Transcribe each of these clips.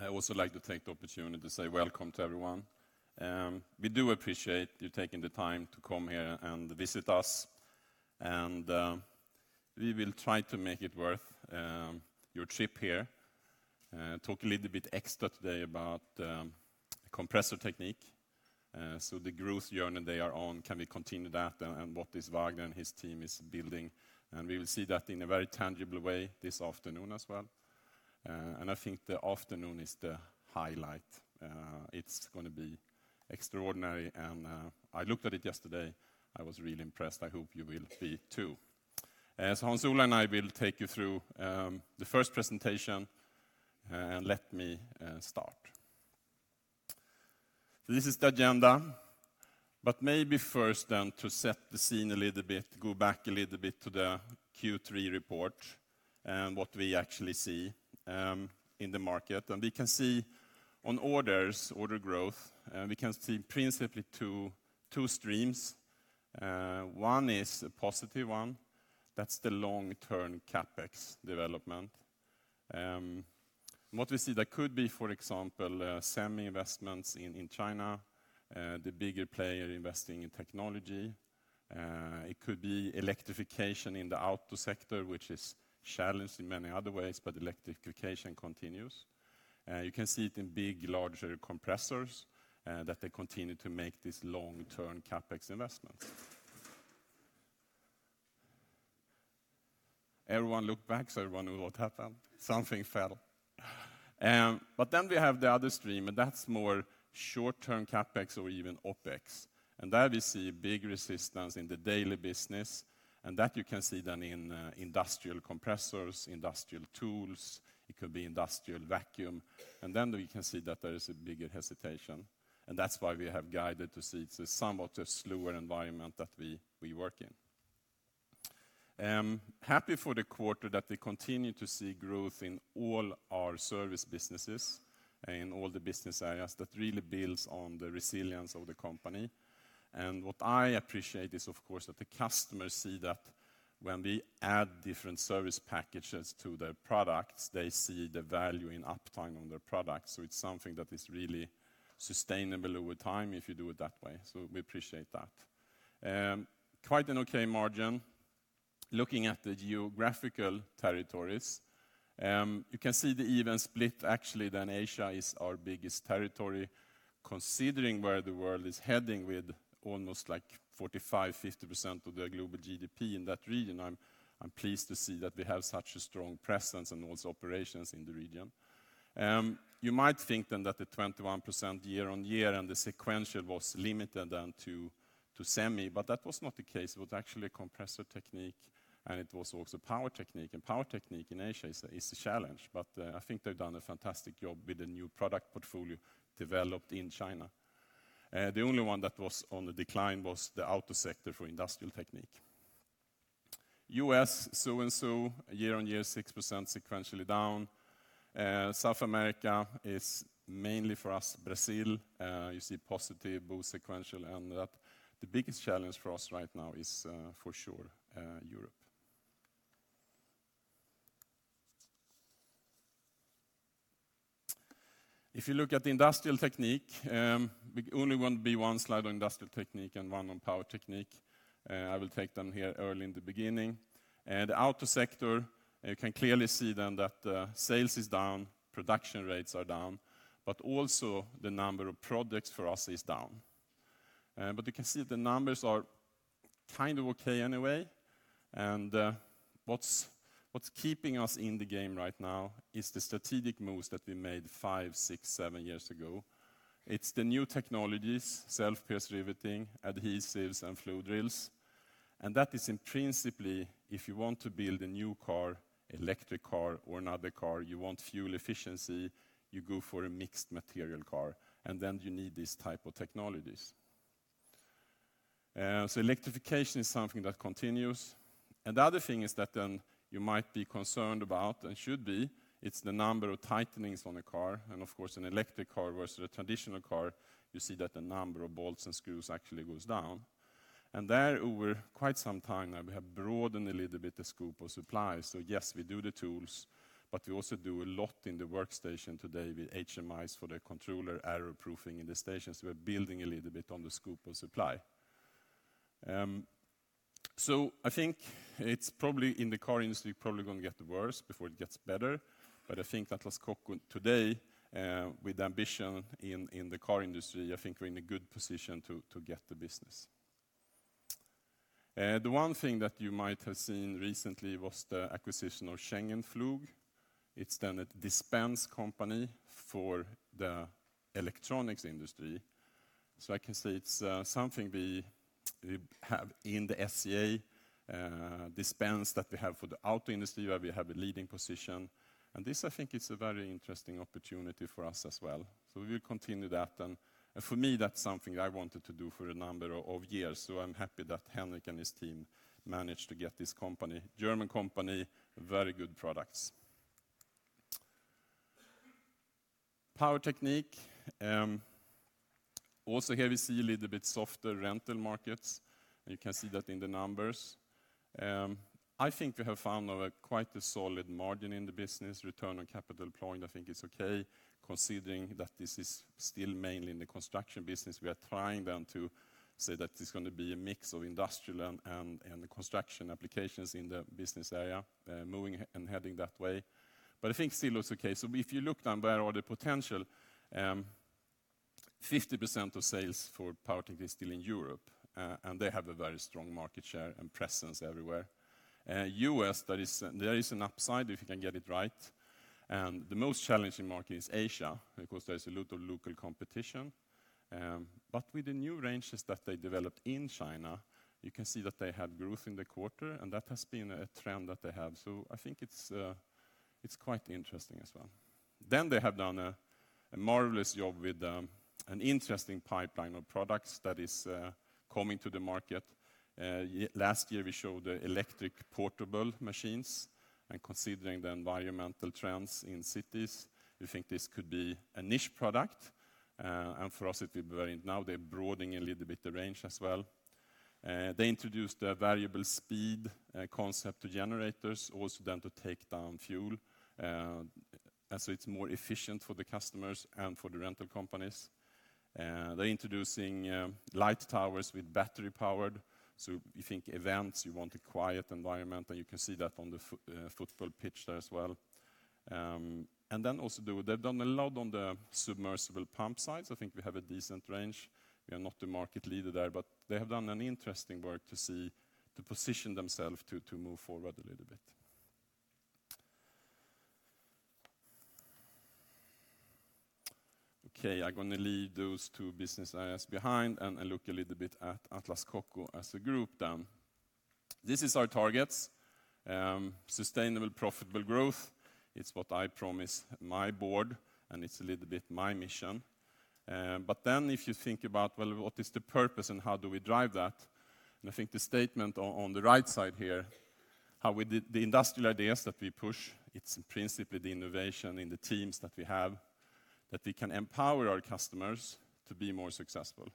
I also like to take the opportunity to say welcome to everyone. We do appreciate you taking the time to come here and visit us, and we will try to make it worth your trip here. Talk a little bit extra today about Compressor Technique, the growth journey they are on, can we continue that and what Vagner and his team is building. We will see that in a very tangible way this afternoon as well. I think the afternoon is the highlight. It's going to be extraordinary and I looked at it yesterday, I was really impressed. I hope you will be too. As Hans Ola and I will take you through the first presentation, let me start. This is the agenda, maybe first to set the scene a little bit, go back a little bit to the Q3 report and what we actually see in the market. We can see on orders, order growth, we can see principally two streams. One is a positive one, that's the long-term CapEx development. What we see there could be, for example, semi investments in China, the bigger player investing in technology. It could be electrification in the auto sector, which is challenged in many other ways, but electrification continues. You can see it in big, larger compressors, that they continue to make this long-term CapEx investment. Everyone looked back, everyone knew what happened. Something fell. We have the other stream, and that's more short-term CapEx or even OpEx. There we see big resistance in the daily business, and that you can see then in industrial compressors, industrial tools, it could be industrial vacuum. Then we can see that there is a bigger hesitation, and that's why we have guided to see it's a somewhat slower environment that we work in. Happy for the quarter that we continue to see growth in all our service businesses, in all the business areas that really builds on the resilience of the company. What I appreciate is, of course, that the customers see that when we add different service packages to their products, they see the value in uptime on their products. It's something that is really sustainable over time if you do it that way. We appreciate that. Quite an okay margin. Looking at the geographical territories, you can see the even split actually than Asia is our biggest territory, considering where the world is heading with almost like 45%, 50% of the global GDP in that region. I'm pleased to see that we have such a strong presence and those operations in the region. You might think then that the 21% year on year and the sequential was limited then to semi, that was not the case. It was actually Compressor Technique, it was also Power Technique, Power Technique in Asia is a challenge. I think they've done a fantastic job with the new product portfolio developed in China. The only one that was on the decline was the auto sector for Industrial Technique. U.S., so and so, year on year, 6% sequentially down. South America is mainly for us, Brazil. You see positive both sequential and that the biggest challenge for us right now is for sure Europe. If you look at the Industrial Technique, we only want to be one slide on Industrial Technique and one on Power Technique. I will take them here early in the beginning. The auto sector, you can clearly see then that sales is down, production rates are down, but also the number of products for us is down. You can see the numbers are kind of okay anyway. What's keeping us in the game right now is the strategic moves that we made five, six, seven years ago. It's the new technologies, self-pierce riveting, adhesives, and flow drills. That is in principle, if you want to build a new car, electric car or another car, you want fuel efficiency, you go for a mixed material car, then you need these type of technologies. Electrification is something that continues. The other thing is that then you might be concerned about and should be, it's the number of tightenings on a car, and of course, an electric car versus a traditional car, you see that the number of bolts and screws actually goes down. There, over quite some time now, we have broadened a little bit the scope of supply. Yes, we do the tools, but we also do a lot in the workstation today with HMIs for the controller error proofing in the stations. We're building a little bit on the scope of supply. I think it's probably in the car industry, probably gonna get worse before it gets better. I think Atlas Copco today, with ambition in the car industry, I think we're in a good position to get the business. The one thing that you might have seen recently was the acquisition of Scheugenpflug. It's then a dispense company for the electronics industry. I can say it's something we have in the SCA dispense that we have for the auto industry, where we have a leading position. This I think is a very interesting opportunity for us as well. We will continue that, and for me, that's something I wanted to do for a number of years, so I'm happy that Henrik and his team managed to get this company. German company, very good products. Power Technique. Also here we see a little bit softer rental markets, and you can see that in the numbers. I think we have found a quite a solid margin in the business. Return on capital point, I think it's okay considering that this is still mainly in the construction business. We are trying then to say that it's going to be a mix of industrial and the construction applications in the business area, moving and heading that way. I think still looks okay. If you look down where are the potential, 50% of sales for Power Technique is still in Europe, and they have a very strong market share and presence everywhere. U.S. there is an upside if you can get it right. The most challenging market is Asia because there's a lot of local competition. With the new ranges that they developed in China, you can see that they had growth in the quarter, and that has been a trend that they have. I think it's quite interesting as well. They have done a marvelous job with an interesting pipeline of products that is coming to the market. Last year we showed the electric portable machines, and considering the environmental trends in cities, we think this could be a niche product. Now they're broadening a little bit the range as well. They introduced a variable speed concept to generators also to take down fuel, so it's more efficient for the customers and for the rental companies. They're introducing light towers with battery-powered. You think events, you want a quiet environment, and you can see that on the football pitch there as well. They've done a lot on the submersible pump sides. I think we have a decent range. We are not the market leader there, but they have done an interesting work to position themselves to move forward a little bit. I'm going to leave those two business areas behind and look a little bit at Atlas Copco as a group. This is our targets. Sustainable, profitable growth. It's what I promise my board, and it's a little bit my mission. If you think about, well, what is the purpose and how do we drive that? I think the statement on the right side here, how we the industrial ideas that we push, it's principally the innovation in the teams that we have, that we can empower our customers to be more successful.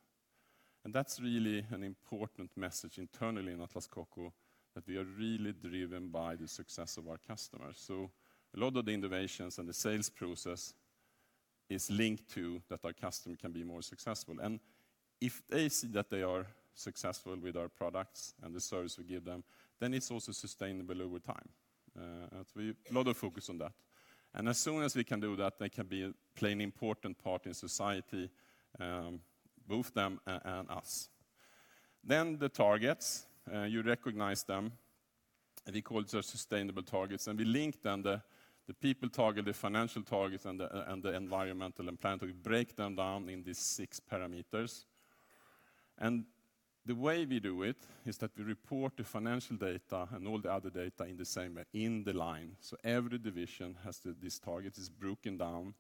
That's really an important message internally in Atlas Copco, that we are really driven by the success of our customers. A lot of the innovations and the sales process is linked to that our customer can be more successful. If they see that they are successful with our products and the service we give them, it's also sustainable over time. That a lot of focus on that. As soon as we can do that, they can play an important part in society, both them and us. The targets, you recognize them, we call it our sustainable targets. We link then the people target, the financial targets, and the environmental and planet. We break them down in these six parameters. The way we do it is that we report the financial data and all the other data in the same way in the line. Every division this target is broken down,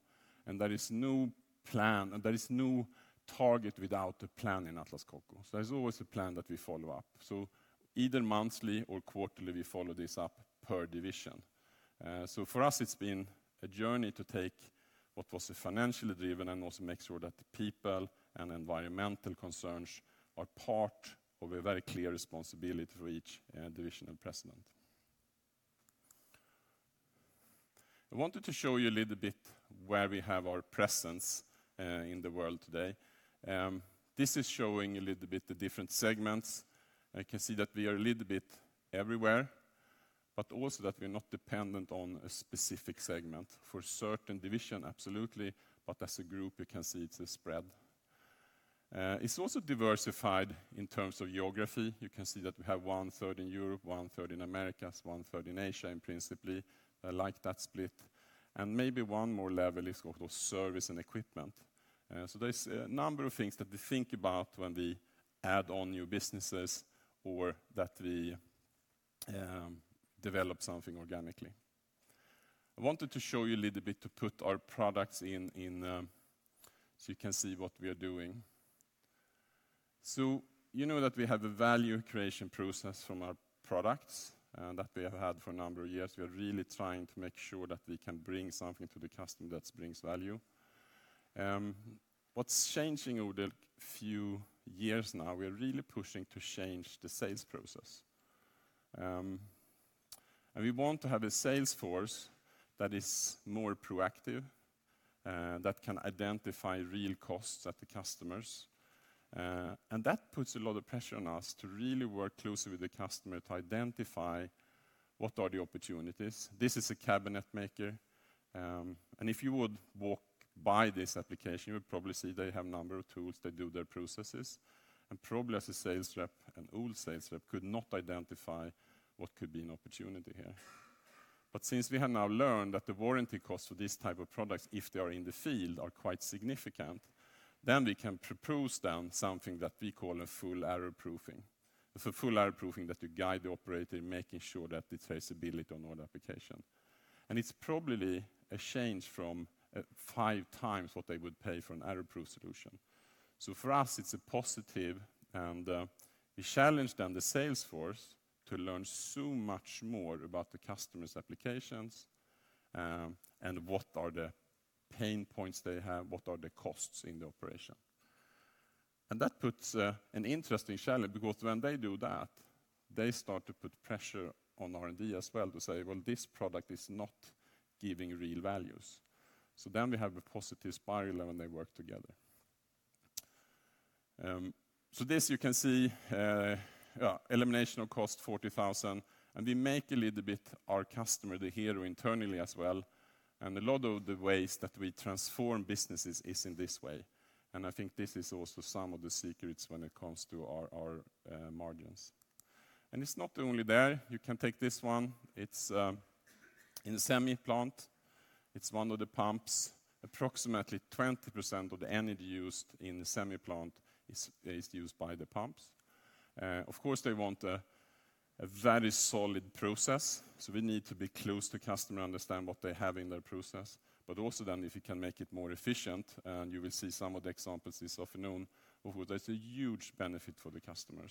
and there is no plan, there is no target without a plan in Atlas Copco. There's always a plan that we follow up. Either monthly or quarterly, we follow this up per division. For us it's been a journey to take what was financially driven and also make sure that the people and environmental concerns are part of a very clear responsibility for each divisional president. I wanted to show you a little bit where we have our presence in the world today. This is showing a little bit the different segments. I can see that we are a little bit everywhere, but also that we're not dependent on a specific segment. For a certain division, absolutely, but as a group, you can see it's a spread. It's also diversified in terms of geography. You can see that we have 1/3 in Europe, 1/3 in Americas, 1/3 in Asia, principally, I like that split. Maybe one more level is also service and equipment. There's a number of things that we think about when we add on new businesses or that we develop something organically. I wanted to show you a little bit to put our products in, so you can see what we are doing. You know that we have a value creation process from our products, that we have had for a number of years. We are really trying to make sure that we can bring something to the customer that brings value. What's changing over the few years now, we are really pushing to change the sales process. We want to have a sales force that is more proactive, that can identify real costs at the customers. That puts a lot of pressure on us to really work closely with the customer to identify what are the opportunities. This is a cabinet maker, if you would walk by this application, you would probably see they have a number of tools that do their processes. Probably as a sales rep, an old sales rep could not identify what could be an opportunity here. Since we have now learned that the warranty costs for these type of products, if they are in the field, are quite significant, we can propose something that we call a full error proofing. It's a full error proofing that you guide the operator in making sure that its feasibility on all application. It's probably a change from 5x what they would pay for an error-proof solution. For us, it's a positive, and we challenge then the sales force to learn so much more about the customer's applications. What are the pain points they have? What are the costs in the operation? That puts an interesting challenge because when they do that, they start to put pressure on R&D as well to say, "Well, this product is not giving real values." We have a positive spiral when they work together. This you can see elimination of cost 40,000, and we make a little bit our customer the hero internally as well. A lot of the ways that we transform businesses is in this way, and I think this is also some of the secrets when it comes to our margins. It's not only there. You can take this one. It's in the semi plant. It's one of the pumps. Approximately 20% of the energy used in the semi plant is used by the pumps. Of course, they want a very solid process, we need to be close to customer, understand what they have in their process. If you can make it more efficient, you will see some of the examples this afternoon, that's a huge benefit for the customer.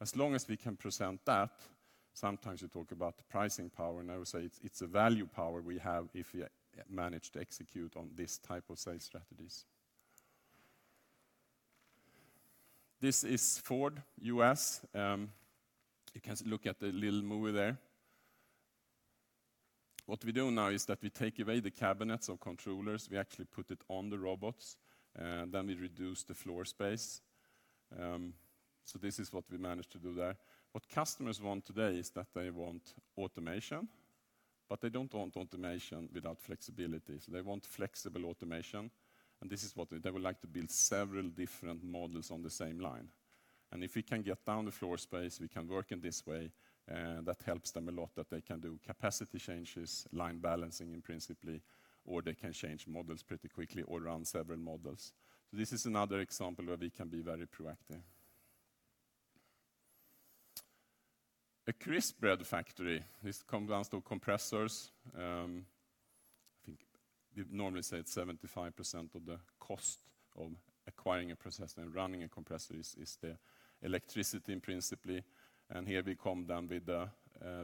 As long as we can present that, sometimes you talk about the pricing power, I would say it's a value power we have if you manage to execute on this type of sales strategies. This is Ford, U.S. You can look at the little movie there. What we do now is that we take away the cabinets or controllers. We actually put it on the robots, we reduce the floor space. This is what we managed to do there. What customers want today is that they want automation, but they don't want automation without flexibility, so they want flexible automation. This is what they would like to build several different models on the same line. If we can get down the floor space, we can work in this way, that helps them a lot that they can do capacity changes, line balancing in principally, or they can change models pretty quickly or run several models. This is another example where we can be very proactive. A crisp bread factory. This comes down to compressors. I think we'd normally say it's 75% of the cost of acquiring a process and running a compressor is the electricity in principally. Here we come down with the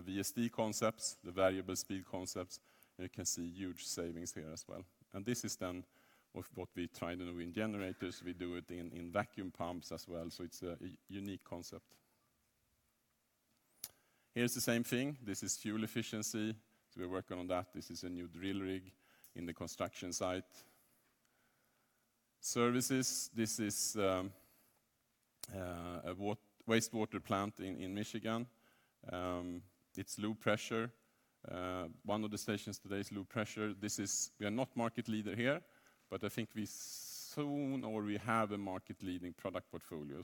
VSD concepts, the variable speed concepts, and you can see huge savings here as well. This is then of what we try to do in generators. We do it in vacuum pumps as well, so it's a unique concept. Here's the same thing. This is fuel efficiency, so we're working on that. This is a new drill rig in the construction site. Services. This is a wastewater plant in Michigan. It's low pressure. One of the sessions today is low pressure. We are not market leader here, but I think we soon or we have a market-leading product portfolio.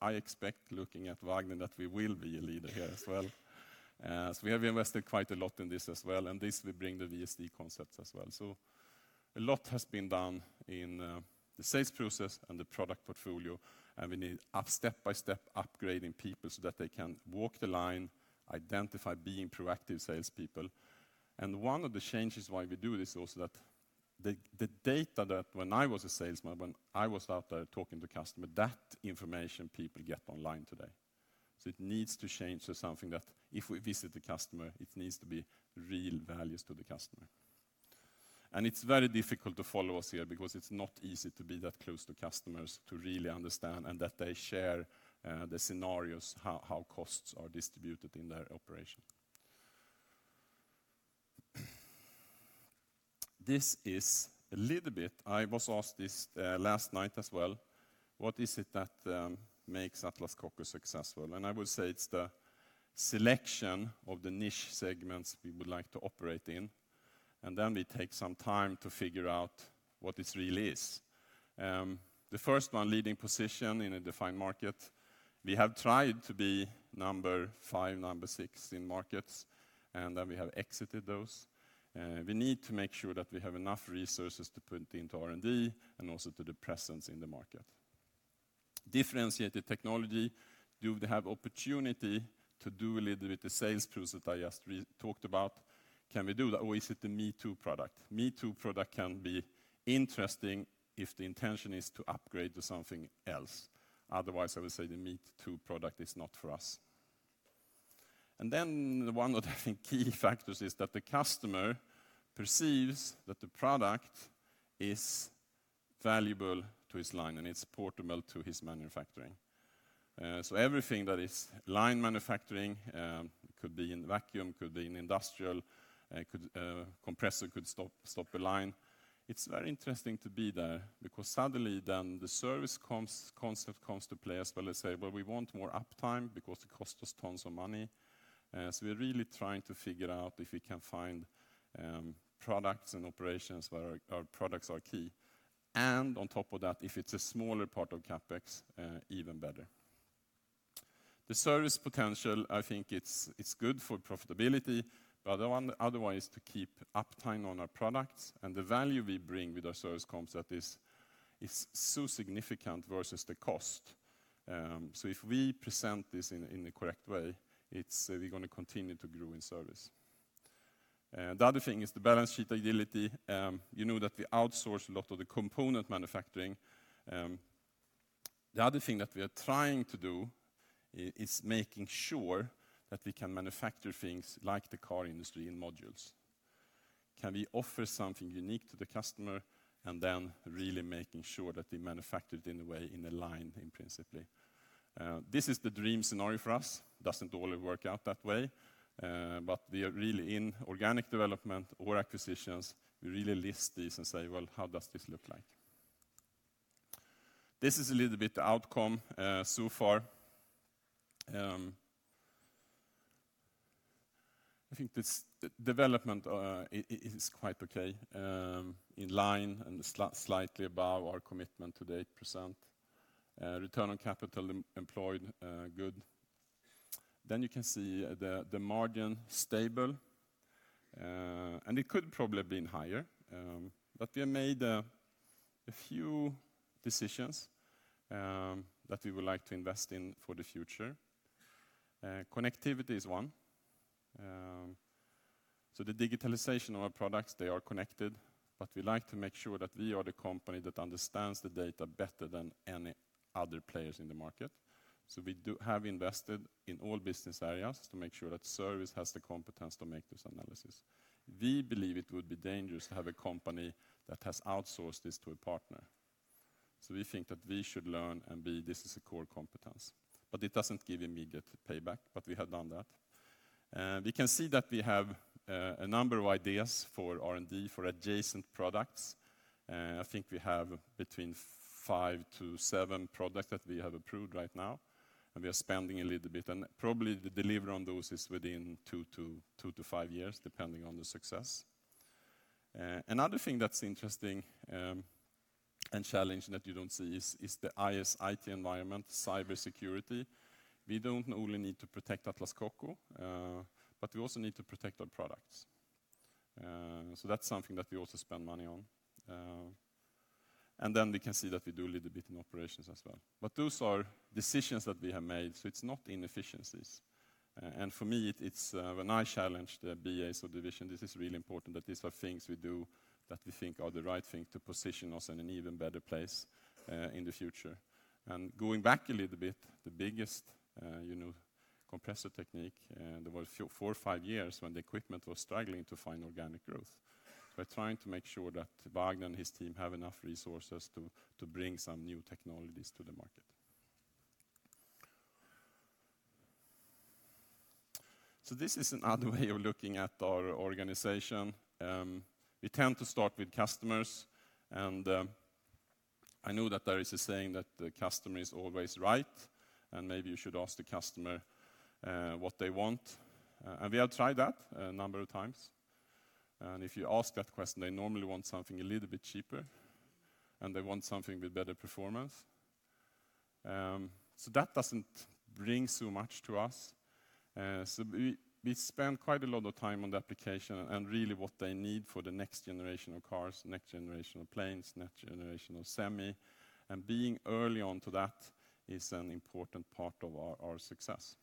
I expect, looking at Vagner, that we will be a leader here as well. We have invested quite a lot in this as well, and this will bring the VSD concepts as well. A lot has been done in the sales process and the product portfolio, we need step-by-step upgrading people so that they can walk the line, identify being proactive salespeople. One of the changes why we do this also that the data that when I was a salesman, when I was out there talking to customer, that information people get online today. It needs to change to something that if we visit the customer, it needs to be real values to the customer. It's very difficult to follow us here because it's not easy to be that close to customers to really understand and that they share the scenarios, how costs are distributed in their operation. This is a little bit, I was asked this last night as well, what is it that makes Atlas Copco successful? I would say it's the selection of the niche segments we would like to operate in, and then we take some time to figure out what this really is. The first one, leading position in a defined market. We have tried to be number five, number six in markets, and then we have exited those. We need to make sure that we have enough resources to put into R&D and also to the presence in the market. Differentiated technology. Do they have opportunity to do a little bit of sales process that I just re-talked about? Can we do that, or is it a me-too product? Me-too product can be interesting if the intention is to upgrade to something else. Otherwise, I would say the me-too product is not for us. The one that I think key factors is that the customer perceives that the product is valuable to his line, and it's portable to his manufacturing. Everything that is line manufacturing, could be in vacuum, could be in industrial, compressor could stop a line. It's very interesting to be there because suddenly then the service concept comes to play as well. They say, "Well, we want more uptime because it costs us tons of money." We're really trying to figure out if we can find products and operations where our products are key. On top of that, if it's a smaller part of CapEx, even better. The service potential, I think it's good for profitability. Otherwise, to keep uptime on our products and the value we bring with our service concept is so significant versus the cost. If we present this in the correct way, we're gonna continue to grow in service. The other thing is the balance sheet agility. You know that we outsource a lot of the component manufacturing. The other thing that we are trying to do is making sure that we can manufacture things like the car industry in modules. Can we offer something unique to the customer and really making sure that we manufacture it in a way in a line in principle? This is the dream scenario for us. Doesn't always work out that way, but we are really in organic development or acquisitions, we really list these and say, "Well, how does this look like?" This is a little bit outcome so far. I think this development is quite okay, in line and slightly above our commitment to the 8%. Return on capital employed, good. You can see the margin stable. It could probably have been higher, but we have made a few decisions that we would like to invest in for the future. Connectivity is one. The digitalization of our products, they are connected, but we like to make sure that we are the company that understands the data better than any other players in the market. We do have invested in all business areas to make sure that service has the competence to make this analysis. We believe it would be dangerous to have a company that has outsourced this to a partner. We think that we should learn and be this as a core competence. It doesn't give immediate payback, but we have done that. We can see that we have a number of ideas for R&D, for adjacent products. I think we have between five to seven products that we have approved right now, and we are spending a little bit. Probably the delivery on those is within two to five years, depending on the success. Another thing that's interesting, challenging that you don't see is the IS/IT environment, cybersecurity. We don't only need to protect Atlas Copco, but we also need to protect our products. That's something that we also spend money on. Then we can see that we do a little bit in operations as well. But those are decisions that we have made, so it's not inefficiencies. For me, it's when I challenge the BAs or division, this is really important that these are things we do that we think are the right thing to position us in an even better place in the future. Going back a little bit, the biggest, you know, Compressor Technique, there were four or five years when the equipment was struggling to find organic growth. We're trying to make sure that Vagner and his team have enough resources to bring some new technologies to the market. This is another way of looking at our organization. We tend to start with customers, and I know that there is a saying that the customer is always right, and maybe you should ask the customer what they want. We have tried that a number of times. If you ask that question, they normally want something a little bit cheaper, and they want something with better performance. That doesn't bring so much to us. We spend quite a lot of time on the application and really what they need for the next generation of cars, next generation of planes, next generation of semi. Being early on to that is an important part of our success.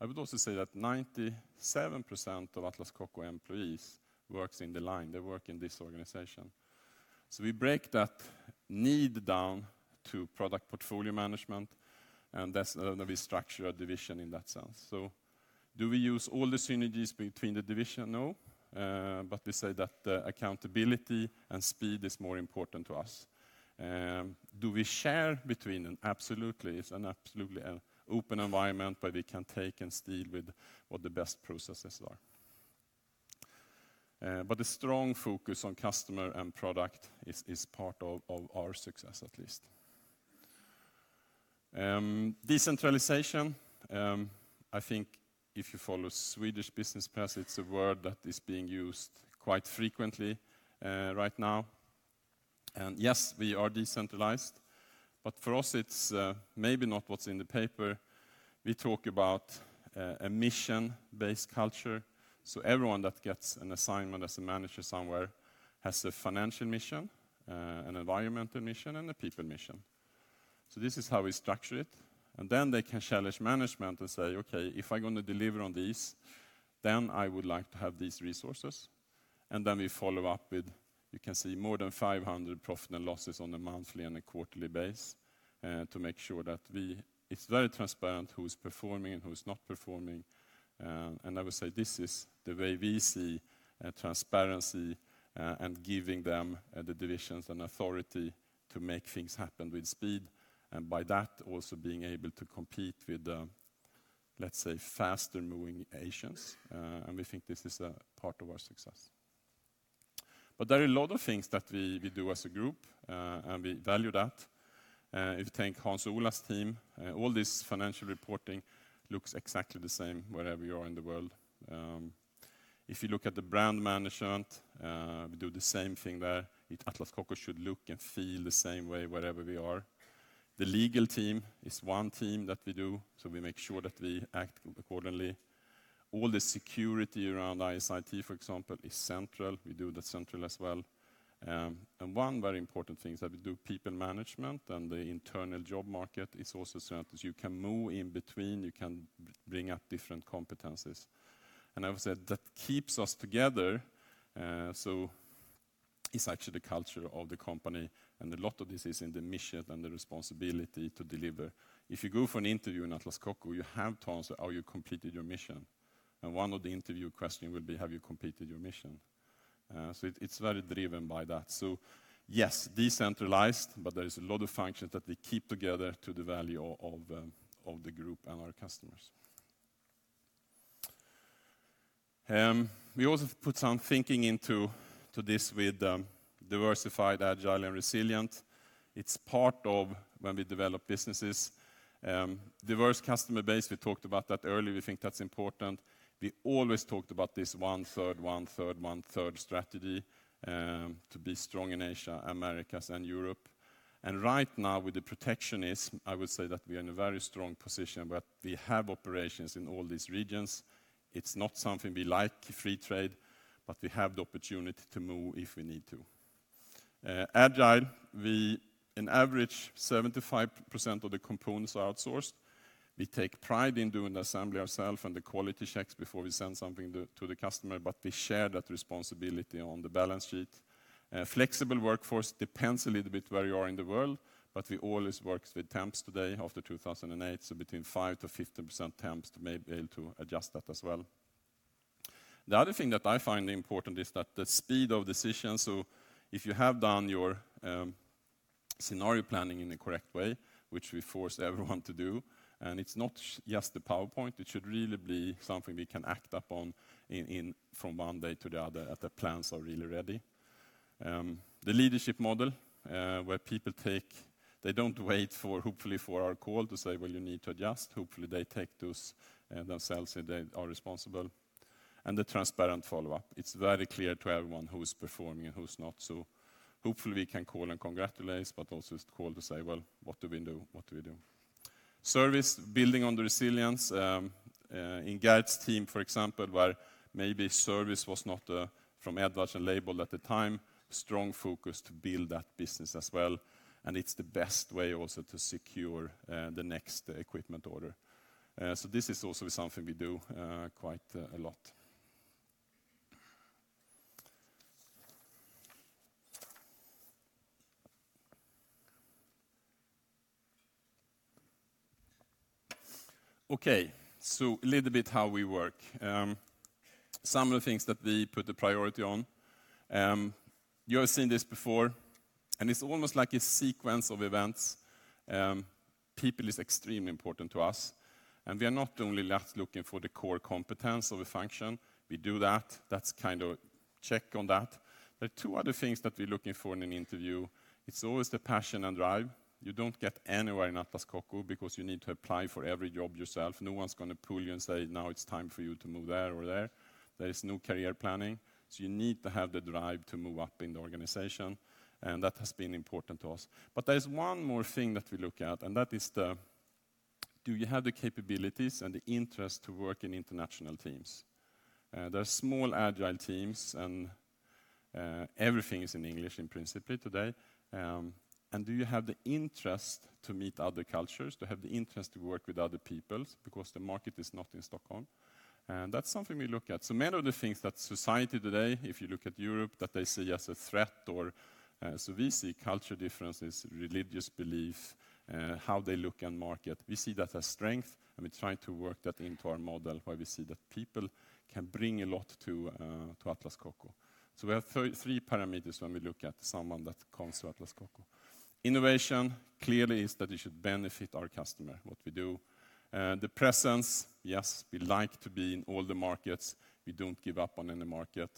I would also say that 97% of Atlas Copco employees works in the line. They work in this organization. We break that need down to product portfolio management, and that's the way we structure a division in that sense. Do we use all the synergies between the division? No. We say that accountability and speed is more important to us. Do we share between them? Absolutely. It's an absolutely an open environment where we can take and steal with what the best processes are. A strong focus on customer and product is part of our success, at least. Decentralization, I think if you follow Swedish business press, it's a word that is being used quite frequently right now. Yes, we are decentralized, but for us, it's maybe not what's in the paper. We talk about a mission-based culture. Everyone that gets an assignment as a manager somewhere has a financial mission, an environmental mission, and a people mission. This is how we structure it. They can challenge management and say, "Okay, if I'm gonna deliver on this, then I would like to have these resources." We follow up with, you can see more than 500 profit and losses on a monthly and a quarterly base, to make sure that it's very transparent who's performing and who's not performing. I would say this is the way we see transparency and giving them the divisions and authority to make things happen with speed. By that, also being able to compete with, let's say, faster moving Asians. We think this is a part of our success. There are a lot of things that we do as a group, and we value that. If you take Hans Ola's team, all this financial reporting looks exactly the same wherever you are in the world. If you look at the brand management, we do the same thing there. Atlas Copco should look and feel the same way wherever we are. The legal team is one team that we do, so we make sure that we act accordingly. All the security around IS/IT, for example, is central. We do that central as well. And one very important thing is that we do people management and the internal job market is also central. You can move in between, you can bring up different competencies. I would say that keeps us together, it's actually the culture of the company, and a lot of this is in the mission and the responsibility to deliver. If you go for an interview in Atlas Copco, you have to answer how you completed your mission, and one of the interview question will be, "Have you completed your mission?" It's very driven by that. Yes, decentralized, but there is a lot of functions that we keep together to the value of the group and our customers. We also put some thinking into this with diversified, agile, and resilient. It's part of when we develop businesses. Diverse customer base, we talked about that earlier. We think that's important. We always talked about this one-third, one-third, one-third strategy to be strong in Asia, Americas, and Europe. Right now with the protectionism, I would say that we are in a very strong position where we have operations in all these regions. It's not something we like, free trade, but we have the opportunity to move if we need to. Agile, we In average, 75% of the components are outsourced. We take pride in doing the assembly ourself and the quality checks before we send something to the customer, but we share that responsibility on the balance sheet. Flexible workforce depends a little bit where you are in the world, but we always works with temps today after 2008, so between 5%-15% temps to maybe able to adjust that as well. The other thing that I find important is that the speed of decisions, so if you have done your scenario planning in the correct way, which we force everyone to do, and it's not just the PowerPoint, it should really be something we can act upon in from one day to the other if the plans are really ready. The leadership model, where people take, they don't wait for our call to say, "Well, you need to adjust." Hopefully they take those themselves if they are responsible. The transparent follow-up. It's very clear to everyone who is performing and who's not. Hopefully we can call and congratulate, but also it's call to say, "Well, what do we do?" Service, building on the resilience. In Geert's team, for example, where maybe service was not from Edwards and Leybold at the time, strong focus to build that business as well, and it's the best way also to secure the next equipment order. This is also something we do quite a lot. Okay. A little bit how we work. Some of the things that we put a priority on, you have seen this before, and it's almost like a sequence of events. People is extremely important to us, and we are not only just looking for the core competence of a function. We do that. That's kind of check on that. There are two other things that we're looking for in an interview. It's always the passion and drive. You don't get anywhere in Atlas Copco because you need to apply for every job yourself. No one's gonna pull you and say, "Now it's time for you to move there or there." There is no career planning, you need to have the drive to move up in the organization, and that has been important to us. There's one more thing that we look at, and that is do you have the capabilities and the interest to work in international teams? They're small, agile teams and everything is in English in principle today. Do you have the interest to meet other cultures, to have the interest to work with other peoples because the market is not in Stockholm? That's something we look at. Many of the things that society today, if you look at Europe, that they see as a threat or, we see culture differences, religious belief, how they look and market, we see that as strength, and we try to work that into our model where we see that people can bring a lot to Atlas Copco. We have three parameters when we look at someone that comes to Atlas Copco. Innovation clearly is that it should benefit our customer, what we do. The presence, yes, we like to be in all the markets. We don't give up on any market.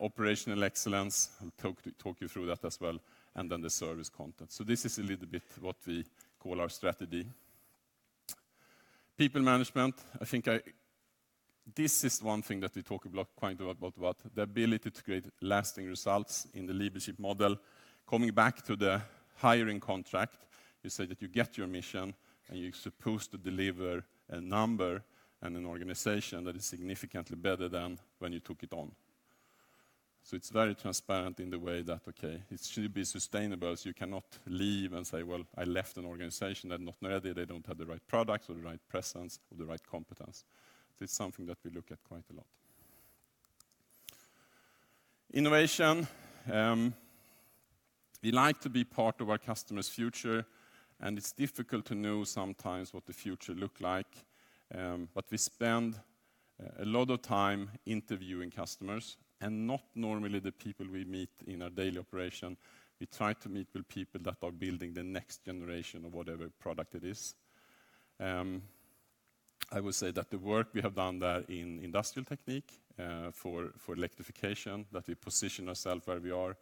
Operational excellence, I'll talk you through that as well, and then the service content. This is a little bit what we call our strategy. People management. This is one thing that we talk a lot, quite a lot about the ability to create lasting results in the leadership model. Coming back to the hiring contract, you say that you get your mission, you're supposed to deliver a number and an organization that is significantly better than when you took it on. It's very transparent in the way that, okay, it should be sustainable, you cannot leave and say, "Well, I left an organization. They're not ready. They don't have the right products or the right presence or the right competence." It's something that we look at quite a lot. Innovation, we like to be part of our customers' future, it's difficult to know sometimes what the future look like. We spend a lot of time interviewing customers, and not normally the people we meet in our daily operation. We try to meet with people that are building the next generation of whatever product it is. I would say that the work we have done there in Industrial Technique for electrification, that we position ourself where we are,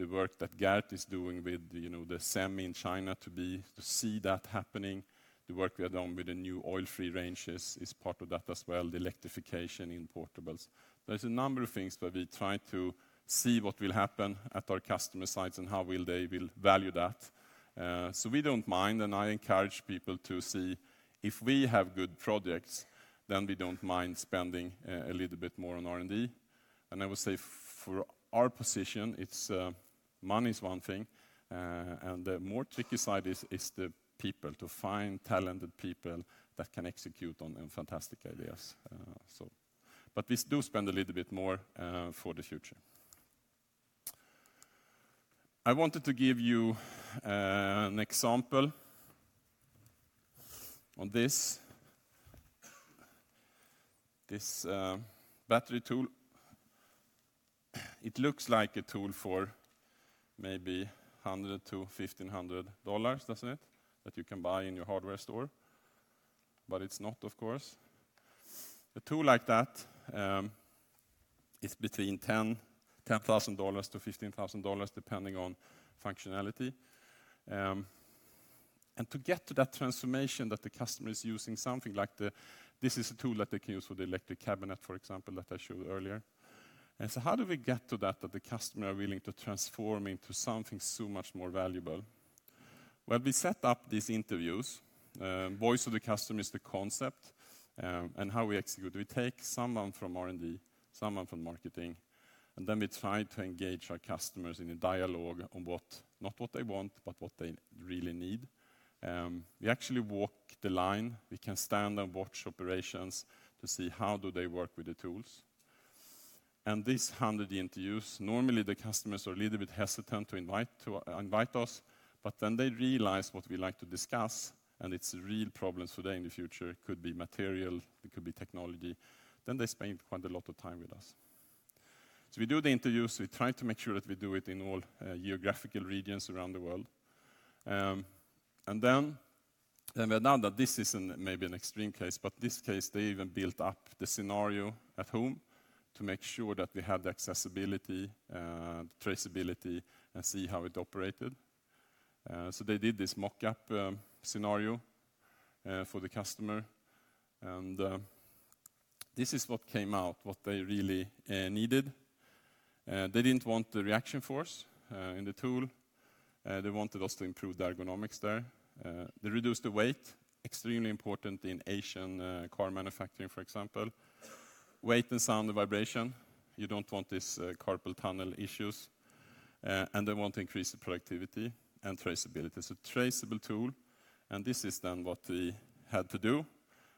the work that Geert is doing with, you know, the SEMI in China to be, to see that happening, the work we have done with the new oil-free ranges is part of that as well, the electrification in portables. There is a number of things where we try to see what will happen at our customer sites and how will they will value that. We don't mind, I encourage people to see if we have good projects, then we don't mind spending a little bit more on R&D. I would say for our position, it's money is one thing, and the more tricky side is the people, to find talented people that can execute on fantastic ideas. But we do spend a little bit more for the future. I wanted to give you an example on this. This battery tool, it looks like a tool for maybe SEK 100-SEK 1,500, doesn't it? That you can buy in your hardware store. It's not, of course. A tool like that is between SEK 10,000-SEK 15,000, depending on functionality. To get to that transformation that the customer is using. This is a tool that they can use for the electric cabinet, for example, that I showed earlier. How do we get to that the customer are willing to transform into something so much more valuable? Well, we set up these interviews, voice of the customer is the concept. How we execute, we take someone from R&D, someone from marketing, and then we try to engage our customers in a dialogue on not what they want, but what they really need. We actually walk the line. We can stand and watch operations to see how do they work with the tools. These 100 interviews, normally, the customers are a little bit hesitant to invite us, but then they realize what we like to discuss, and it's real problems for them in the future. It could be material, it could be technology. They spend quite a lot of time with us. We do the interviews. We try to make sure that we do it in all geographical regions around the world. Now that this is maybe an extreme case, but this case, they even built up the scenario at home to make sure that we have the accessibility, traceability, and see how it operated. They did this mock-up scenario for the customer, and this is what came out, what they really needed. They didn't want the reaction force in the tool. They wanted us to improve the ergonomics there. They reduced the weight, extremely important in Asian car manufacturing, for example. Weight and sound, the vibration. You don't want these carpal tunnel issues. They want to increase the productivity and traceability. Traceable tool, this is then what we had to do.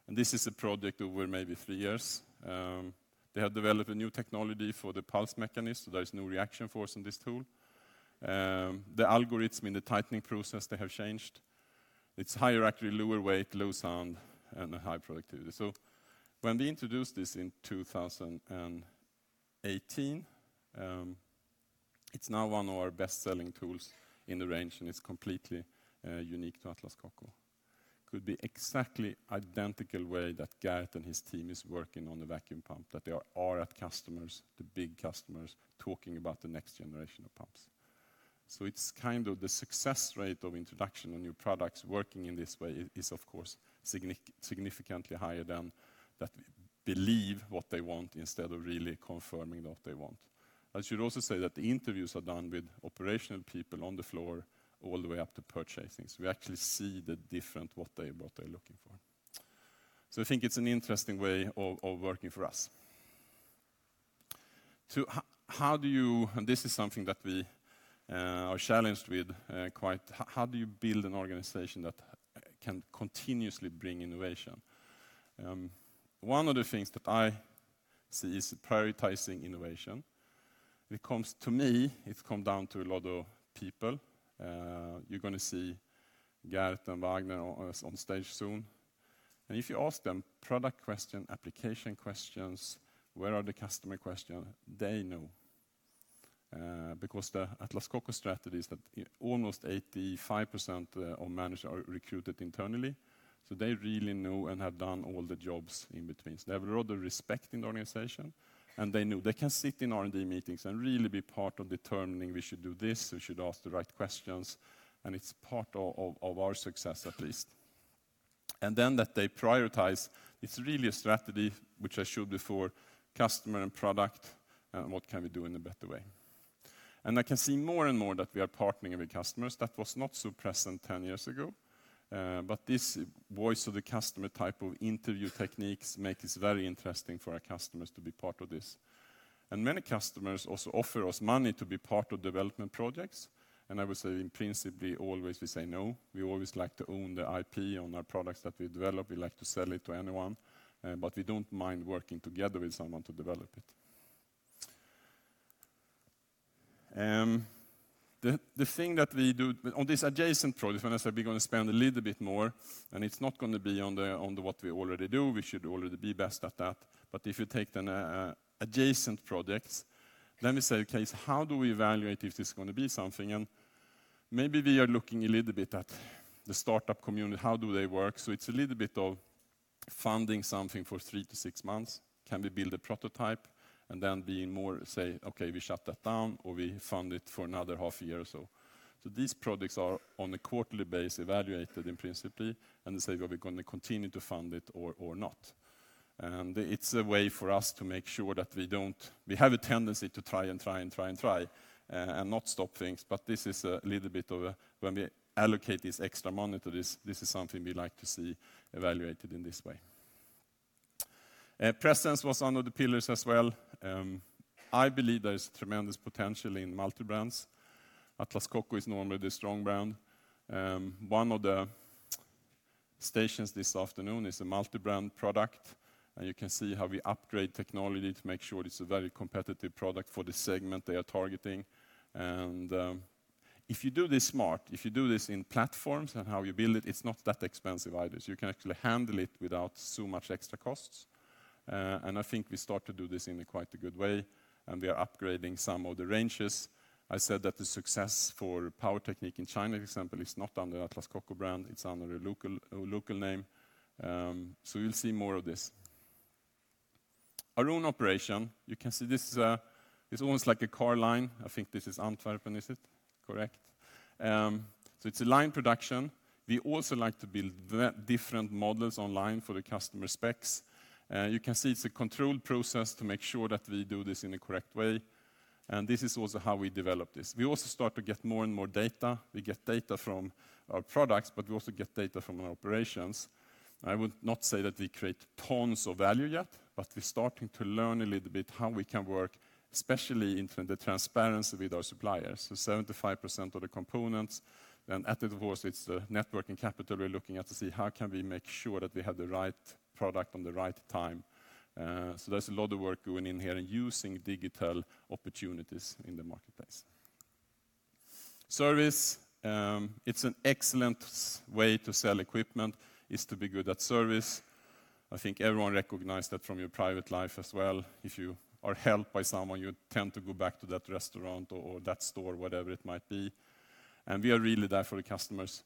This is a project over maybe three years. They have developed a new technology for the pulse mechanism, so there is no reaction force in this tool. The algorithm in the tightening process, they have changed. It's higher accuracy, lower weight, low sound, and a high productivity. When we introduced this in 2018, it's now one of our best-selling tools in the range, and it's completely unique to Atlas Copco. Could be exactly identical way that Geert and his team is working on the vacuum pump, that they are at customers, the big customers, talking about the next generation of pumps. It's kind of the success rate of introduction of new products working in this way is of course, significantly higher than that believe what they want instead of really confirming what they want. I should also say that the interviews are done with operational people on the floor all the way up to purchasing. We actually see the different what they're looking for. I think it's an interesting way of working for us. How do you, and this is something that we are challenged with quite, how do you build an organization that can continuously bring innovation? One of the things that I see is prioritizing innovation. It comes to me, it come down to a lot of people. You're gonna see Geert and Vagner on stage soon. If you ask them product question, application questions, where are the customer question? They know. Because the Atlas Copco strategy is that almost 85% of managers are recruited internally. They really know and have done all the jobs in between. They have a lot of respect in the organization, and they know. They can sit in R&D meetings and really be part of determining we should do this, we should ask the right questions, and it's part of our success at least. That they prioritize, it's really a strategy which I showed before, customer and product, and what can we do in a better way. I can see more and more that we are partnering with customers. That was not so present 10 years ago. This voice of the customer type of interview techniques make this very interesting for our customers to be part of this. Many customers also offer us money to be part of development projects. I would say in principle, always we say no. We always like to own the IP on our products that we develop. We like to sell it to anyone. We don't mind working together with someone to develop it. The thing that we do on these adjacent projects, when I said we're gonna spend a little bit more, it's not gonna be on what we already do, we should already be best at that. If you take then adjacent projects, let me say a case, how do we evaluate if this is gonna be something? Maybe we are looking a little bit at the startup community, how do they work? It's a little bit of funding something for three to six months. Can we build a prototype? Then being more, say, "Okay, we shut that down," or, "We fund it for another half a year or so." These projects are on a quarterly base evaluated in principle, and they say, "Well, we're gonna continue to fund it or not." It's a way for us to make sure that we don't. We have a tendency to try and try and not stop things. This is a little bit of a when we allocate this extra money to this is something we like to see evaluated in this way. Presence was under the pillars as well. I believe there is tremendous potential in multi-brands. Atlas Copco is normally the strong brand. One of the stations this afternoon is a multi-brand product, and you can see how we upgrade technology to make sure it's a very competitive product for the segment they are targeting. If you do this smart, if you do this in platforms and how you build it's not that expensive either. You can actually handle it without so much extra costs. I think we start to do this in a quite a good way, product on the right time. There's a lot of work going in here in using digital opportunities in the marketplace. Service, it's an excellent way to sell equipment is to be good at service. I think everyone recognized that from your private life as well. If you are helped by someone, you tend to go back to that restaurant or that store, whatever it might be. We are really there for the customers.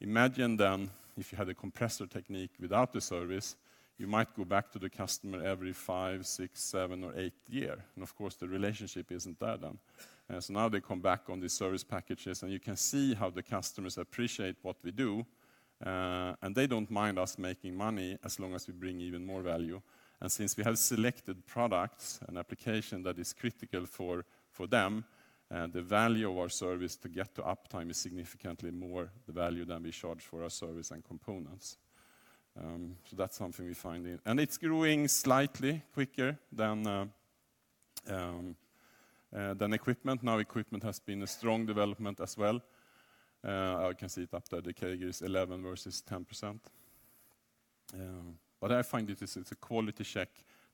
Imagine if you had a Compressor Technique without the service, you might go back to the customer every five, six, seven or eight years. Of course, the relationship isn't there then. Now they come back on the service packages, and you can see how the customers appreciate what we do. They don't mind us making money as long as we bring even more value. Since we have selected products and application that is critical for them, the value of our service to get to uptime is significantly more the value than we charge for our service and components. That's something we find. It's growing slightly quicker than equipment. Equipment has been a strong development as well. I can see it up there, the categories 11 versus 10%. What I find is it's a quality check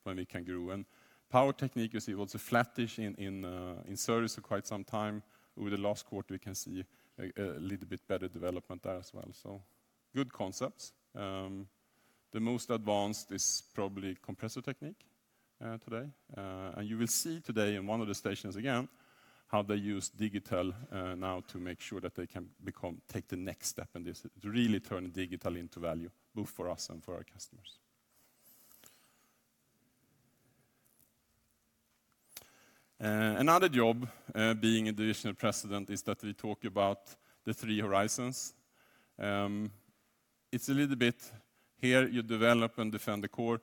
when we can grow. Power Technique, you see it was a flat-ish in service for quite some time. Over the last quarter, we can see a little bit better development there as well. Good concepts. The most advanced is probably Compressor Technique today. You will see today in one of the stations again, how they use digital now to make sure that they can take the next step in this, really turning digital into value, both for us and for our customers. Another job, being a divisional president is that we talk about the three horizons. It's a little bit here you develop and defend the core.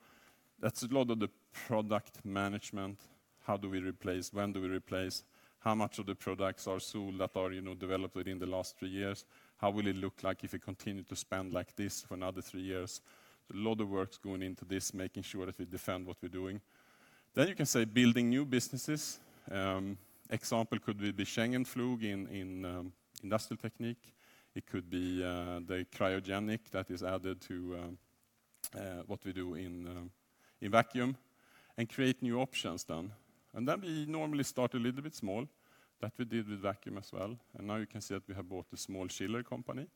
That's a lot of the product management. How do we replace? When do we replace? How much of the products are sold that are, you know, developed within the last three years? How will it look like if we continue to spend like this for another three years? A lot of work's going into this, making sure that we defend what we're doing. You can say building new businesses. Example could be the Scheugenpflug in Industrial Technique. It could be the cryogenics that is added to what we do in Vacuum Technique and create new options then. We normally start a little bit small, that we did with Vacuum Technique as well. You can see that we have bought a small chiller company,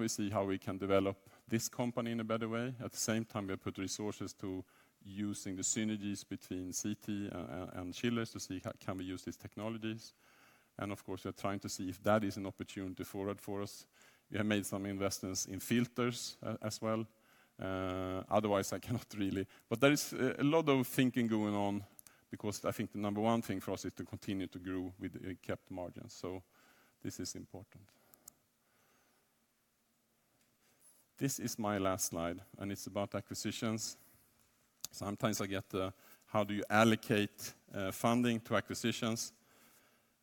we see how we can develop this company in a better way. At the same time, we have put resources to using the synergies between CT and chillers to see how we can use these technologies. We are trying to see if that is an opportunity forward for us. We have made some investments in filters as well. Otherwise, there is a lot of thinking going on because I think the number one thing for us is to continue to grow with a kept margin. This is important. This is my last slide,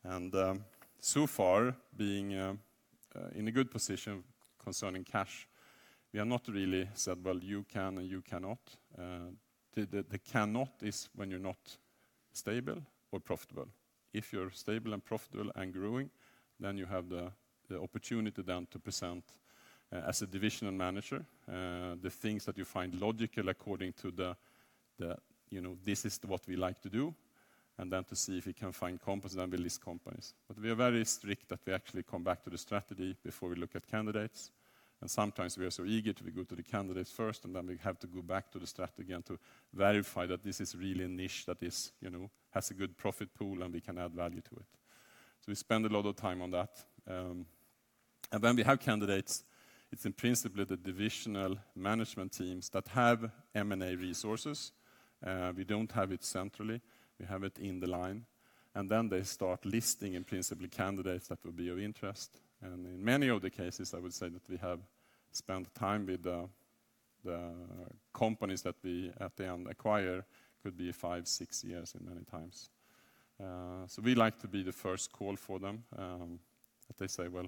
and it's about acquisitions. Sometimes I get, how do you allocate funding to acquisitions? So far, being in a good position concerning cash, we are not really said, "Well, you can or you cannot." The cannot is when you're not stable or profitable. If you're stable and profitable and growing, then you have the opportunity then to present as a divisional manager the things that you find logical according to the, you know, this is what we like to do, and then to see if we can find companies, then we list companies. We are very strict that we actually come back to the strategy before we look at candidates. Sometimes we are so eager to go to the candidates first, and then we have to go back to the strategy again to verify that this is really a niche that is, you know, has a good profit pool and we can add value to it. We spend a lot of time on that. When we have candidates, it's in principle the divisional management teams that have M&A resources. We don't have it centrally, we have it in the line. They start listing in principle candidates that will be of interest. In many of the cases, I would say that we have spent time with the companies that we at the end acquire could be five, six years in many times. We like to be the first call for them, if they say well.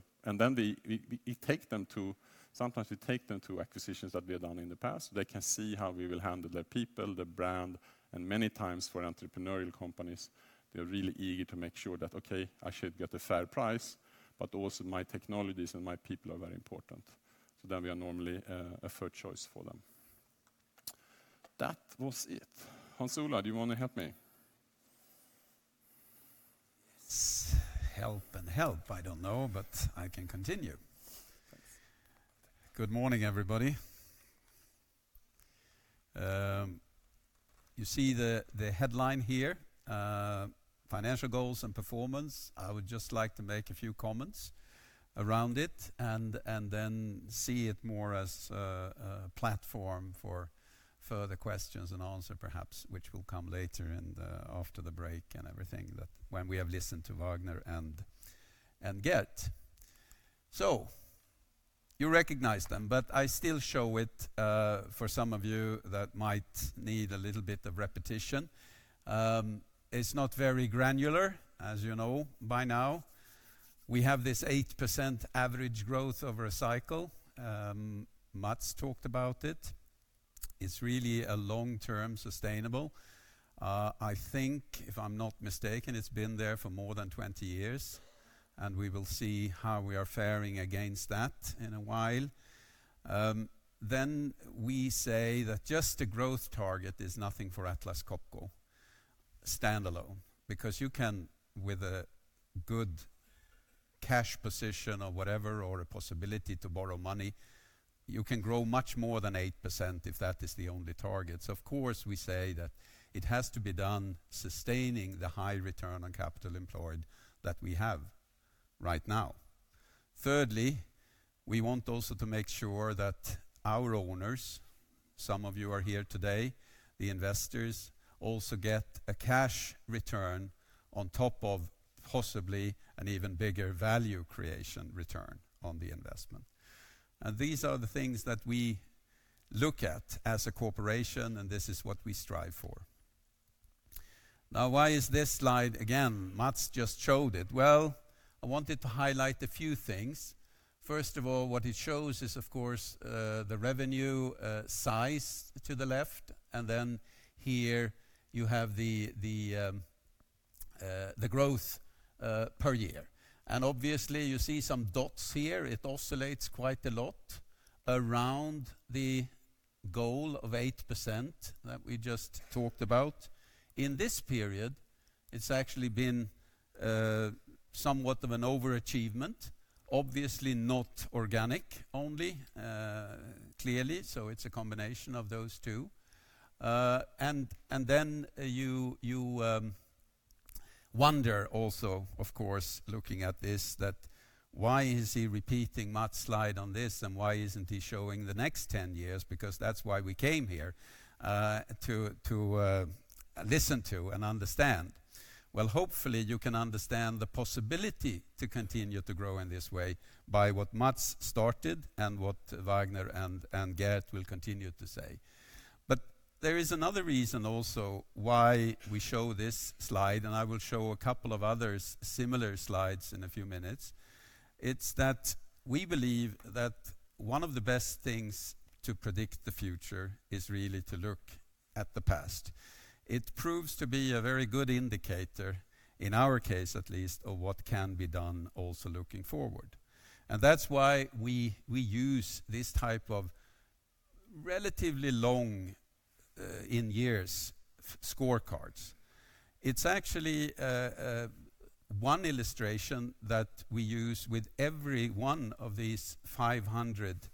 Sometimes we take them to acquisitions that we have done in the past, so they can see how we will handle their people, their brand. Many times for entrepreneurial companies, they're really eager to make sure that, okay, I should get a fair price, but also my technologies and my people are very important. Then we are normally a first choice for them. That was it. Hans Ola, do you wanna help me? Yes. Help and help, I don't know, but I can continue. Thanks. Good morning, everybody. You see the headline here, financial goals and performance. I would just like to make a few comments around it, and then see it more as a platform for further questions and answer, perhaps, which will come later and after the break and everything that when we have listened to Vagner and Geert. You recognize them, but I still show it for some of you that might need a little bit of repetition. It's not very granular, as you know by now. We have this 8% average growth over a cycle. Mats talked about it. It's really a long-term sustainable. I think, if I'm not mistaken, it's been there for more than 20 years, and we will see how we are faring against that in a while. We say that just a growth target is nothing for Atlas Copco standalone because you can, with a good cash position or whatever or a possibility to borrow money, you can grow much more than 8% if that is the only target. Of course, we say that it has to be done sustaining the high return on capital employed that we have right now. Thirdly, we want also to make sure that our owners, some of you are here today, the investors, also get a cash return on top of possibly an even bigger value creation return on the investment. These are the things that we look at as a corporation, and this is what we strive for. Now, why is this slide again? Mats just showed it. I wanted to highlight a few things. First of all, what it shows is, of course, the revenue size to the left, and then here you have the growth per year. Obviously, you see some dots here. It oscillates quite a lot around the goal of 8% that we just talked about. In this period, it's actually been somewhat of an overachievement. Obviously, not organic only, clearly, so it's a combination of those two. Then you wonder also, of course, looking at this that why is he repeating Mats' slide on this, and why isn't he showing the next 10 years, because that's why we came here to listen to and understand. Well, hopefully you can understand the possibility to continue to grow in this way by what Mats started and what Vagner and Geert will continue to say. There is another reason also why we show this slide, and I will show a couple of other similar slides in a few minutes. It's that we believe that one of the best things to predict the future is really to look at the past. It proves to be a very good indicator, in our case at least, of what can be done also looking forward. That's why we use this type of relatively long in years scorecards. It's actually one illustration that we use with every one of these 500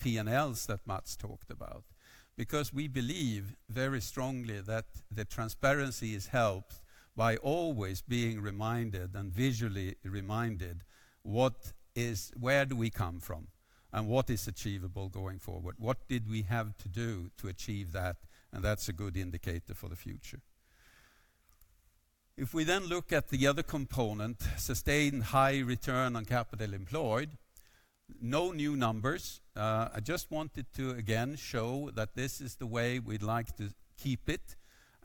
P&Ls that Mats talked about. We believe very strongly that the transparency is helped by always being reminded and visually reminded what is where do we come from and what is achievable going forward. What did we have to do to achieve that? That's a good indicator for the future. We then look at the other component, sustained high return on capital employed, no new numbers. I just wanted to again show that this is the way we'd like to keep it.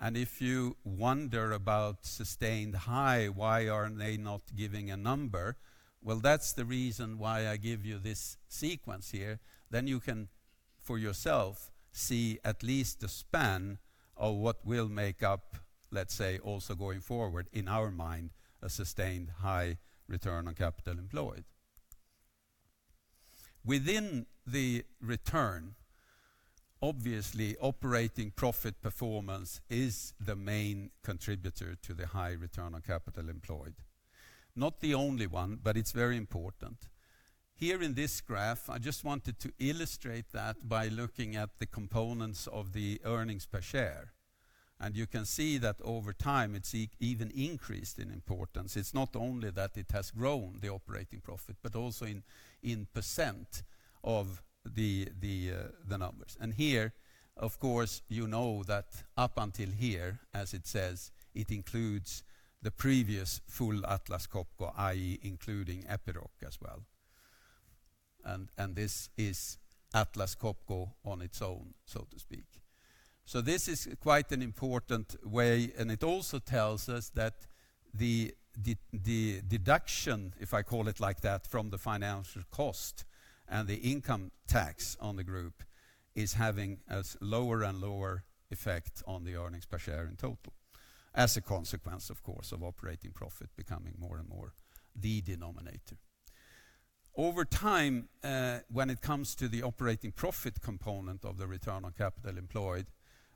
If you wonder about sustained high, why are they not giving a number? Well, that's the reason why I give you this sequence here. You can, for yourself, see at least the span of what will make up, let's say, also going forward in our mind, a sustained high return on capital employed. Within the return, obviously, operating profit performance is the main contributor to the high return on capital employed. Not the only one, but it's very important. Here in this graph, I just wanted to illustrate that by looking at the components of the earnings per share. You can see that over time, it's even increased in importance. It's not only that it has grown the operating profit but also in % of the numbers. Here, of course, you know that up until here, as it says, it includes the previous full Atlas Copco, i.e., including Epiroc as well. This is Atlas Copco on its own, so to speak. This is quite an important way, and it also tells us that the deduction, if I call it like that, from the financial cost and the income tax on the group is having a lower and lower effect on the earnings per share in total as a consequence, of course, of operating profit becoming more and more the denominator. Over time, when it comes to the operating profit component of the return on capital employed,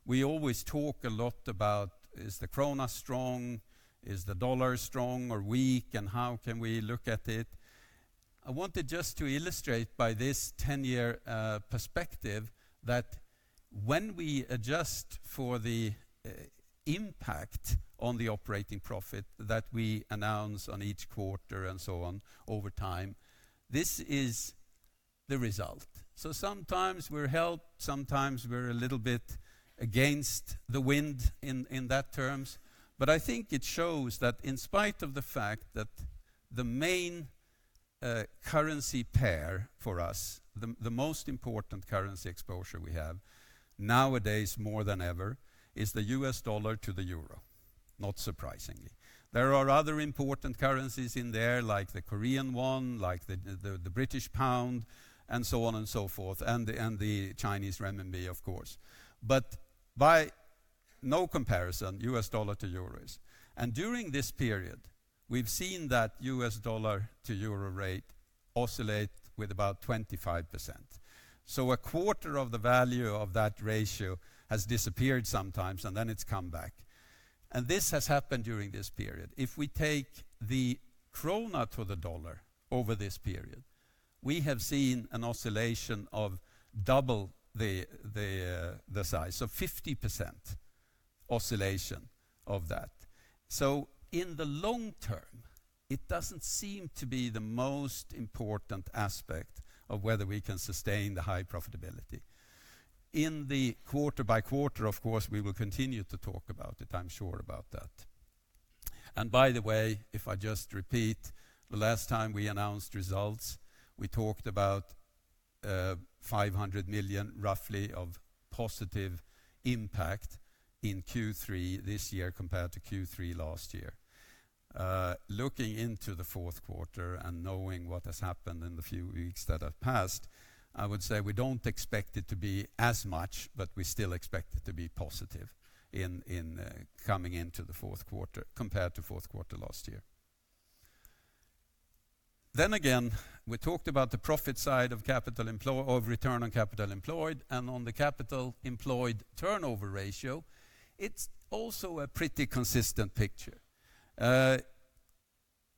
we always talk a lot about is the krona strong, is the dollar strong or weak, and how can we look at it? I wanted just to illustrate by this 10-year perspective that when we adjust for the impact on the operating profit that we announce on each quarter and so on over time, this is the result. Sometimes we're helped, sometimes we're a little bit against the wind in that terms. I think it shows that in spite of the fact that the main currency pair for us, the most important currency exposure we have nowadays more than ever is the US dollar to the euro, not surprisingly. There are other important currencies in there like the Korean won, like the British pound, and so on and so forth, and the Chinese renminbi, of course. By no comparison, US dollar to euros. During this period, we've seen that US dollar to euro rate oscillate with about 25%. A quarter of the value of that ratio has disappeared sometimes, and then it's come back. This has happened during this period. If we take the krona to the dollar over this period, we have seen an oscillation of double the size. 50% oscillation of that. In the long term, it doesn't seem to be the most important aspect of whether we can sustain the high profitability. In the quarter by quarter, of course, we will continue to talk about it. I'm sure about that. By the way, if I just repeat, the last time we announced results, we talked about 500 million roughly of positive impact in Q3 this year compared to Q3 last year. Looking into the fourth quarter and knowing what has happened in the few weeks that have passed, I would say we don't expect it to be as much, but we still expect it to be positive in coming into the fourth quarter compared to fourth quarter last year. We talked about the profit side of return on capital employed, and on the capital employed turnover ratio, it's also a pretty consistent picture.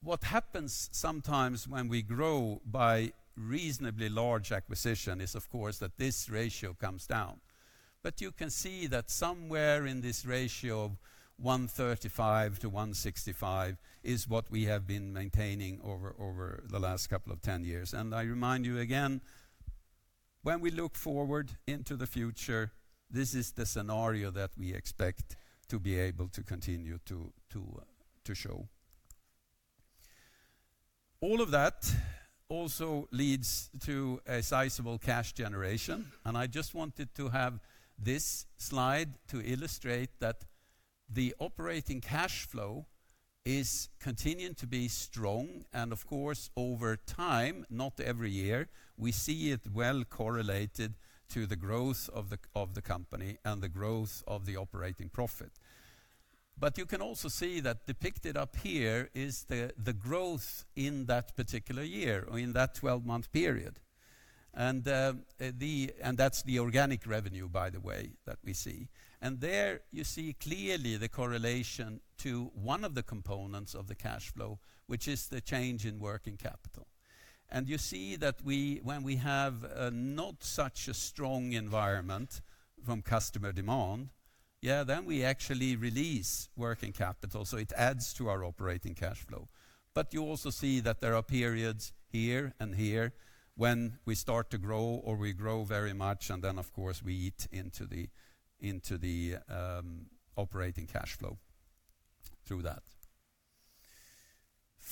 What happens sometimes when we grow by reasonably large acquisition is, of course, that this ratio comes down. You can see that somewhere in this ratio of 135-165 is what we have been maintaining over the last couple of 10 years. I remind you again, when we look forward into the future, this is the scenario that we expect to be able to continue to show. All of that also leads to a sizable cash generation, and I just wanted to have this slide to illustrate that the operating cash flow is continuing to be strong. Of course, over time, not every year, we see it well correlated to the growth of the company and the growth of the operating profit. You can also see that depicted up here is the growth in that particular year or in that 12-month period. That's the organic revenue, by the way, that we see. There you see clearly the correlation to one of the components of the cash flow, which is the change in working capital. You see that when we have not such a strong environment from customer demand, yeah, then we actually release working capital, so it adds to our operating cash flow. You also see that there are periods here and here when we start to grow or we grow very much, then, of course, we eat into the operating cash flow through that.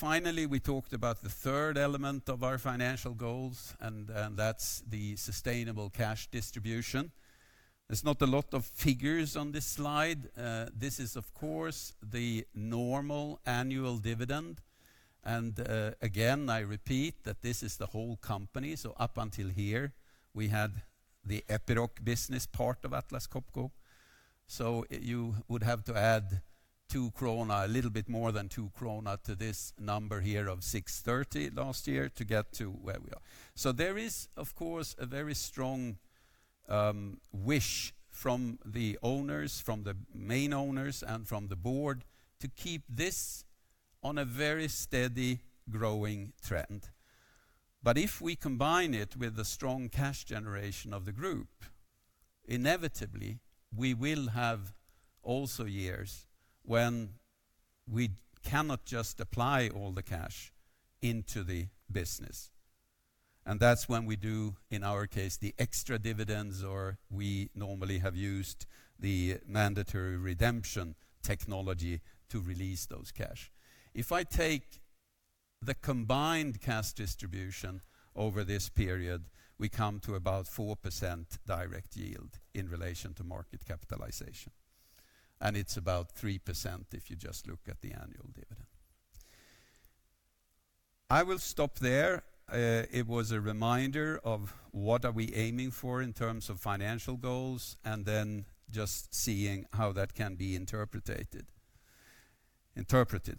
Finally, we talked about the third element of our financial goals, and that's the sustainable cash distribution. There's not a lot of figures on this slide. This is, of course, the normal annual dividend. Again, I repeat that this is the whole company. Up until here, we had the Epiroc Business part of Atlas Copco. You would have to add 2 krona, a little bit more than 2 krona to this number here of 6.30 last year to get to where we are. There is, of course, a very strong wish from the owners, from the main owners, and from the board to keep this on a very steady growing trend. If we combine it with the strong cash generation of the group, inevitably we will have also years when we cannot just apply all the cash into the business. That's when we do, in our case, the extra dividends, or we normally have used the mandatory redemption technology to release those cash. If I take the combined cash distribution over this period, we come to about 4% direct yield in relation to market capitalization, and it's about 3% if you just look at the annual dividend. I will stop there. It was a reminder of what are we aiming for in terms of financial goals, and then just seeing how that can be interpreted,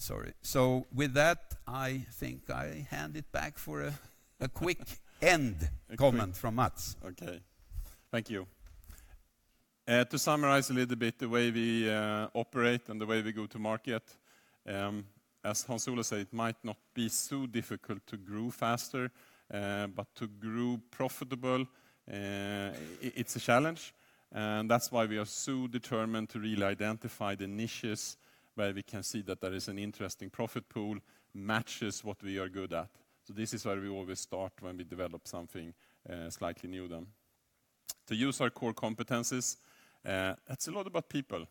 sorry. With that, I think I hand it back for a quick end comment from Mats. Okay. Thank you. To summarize a little bit the way we operate and the way we go to market, as Hans Ola said, it might not be so difficult to grow faster, but to grow profitable, it's a challenge. That's why we are so determined to really identify the niches where we can see that there is an interesting profit pool matches what we are good at. This is where we always start when we develop something slightly new then. To use our core competencies, it's a lot about people,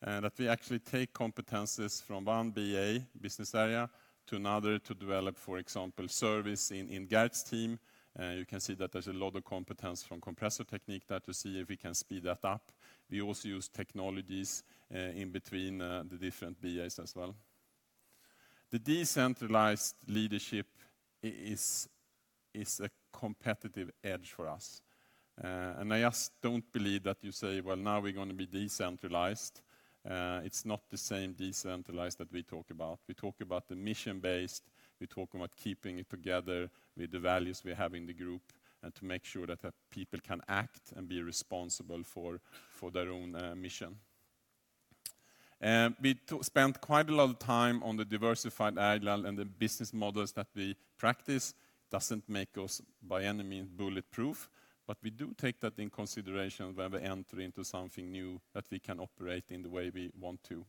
that we actually take competencies from one BA, business area, to another to develop, for example, service in Geert's team. You can see that there's a lot of competence from Compressor Technique that we see if we can speed that up. We also use technologies in between the different BAs as well. The decentralized leadership is a competitive edge for us. I just don't believe that you say, "Well, now we're gonna be decentralized." It's not the same decentralized that we talk about. We talk about the mission-based, we talk about keeping it together with the values we have in the group, and to make sure that the people can act and be responsible for their own mission. We spent quite a lot of time on the diversified agile and the business models that we practice. Doesn't make us by any means bulletproof, we do take that in consideration when we enter into something new that we can operate in the way we want to.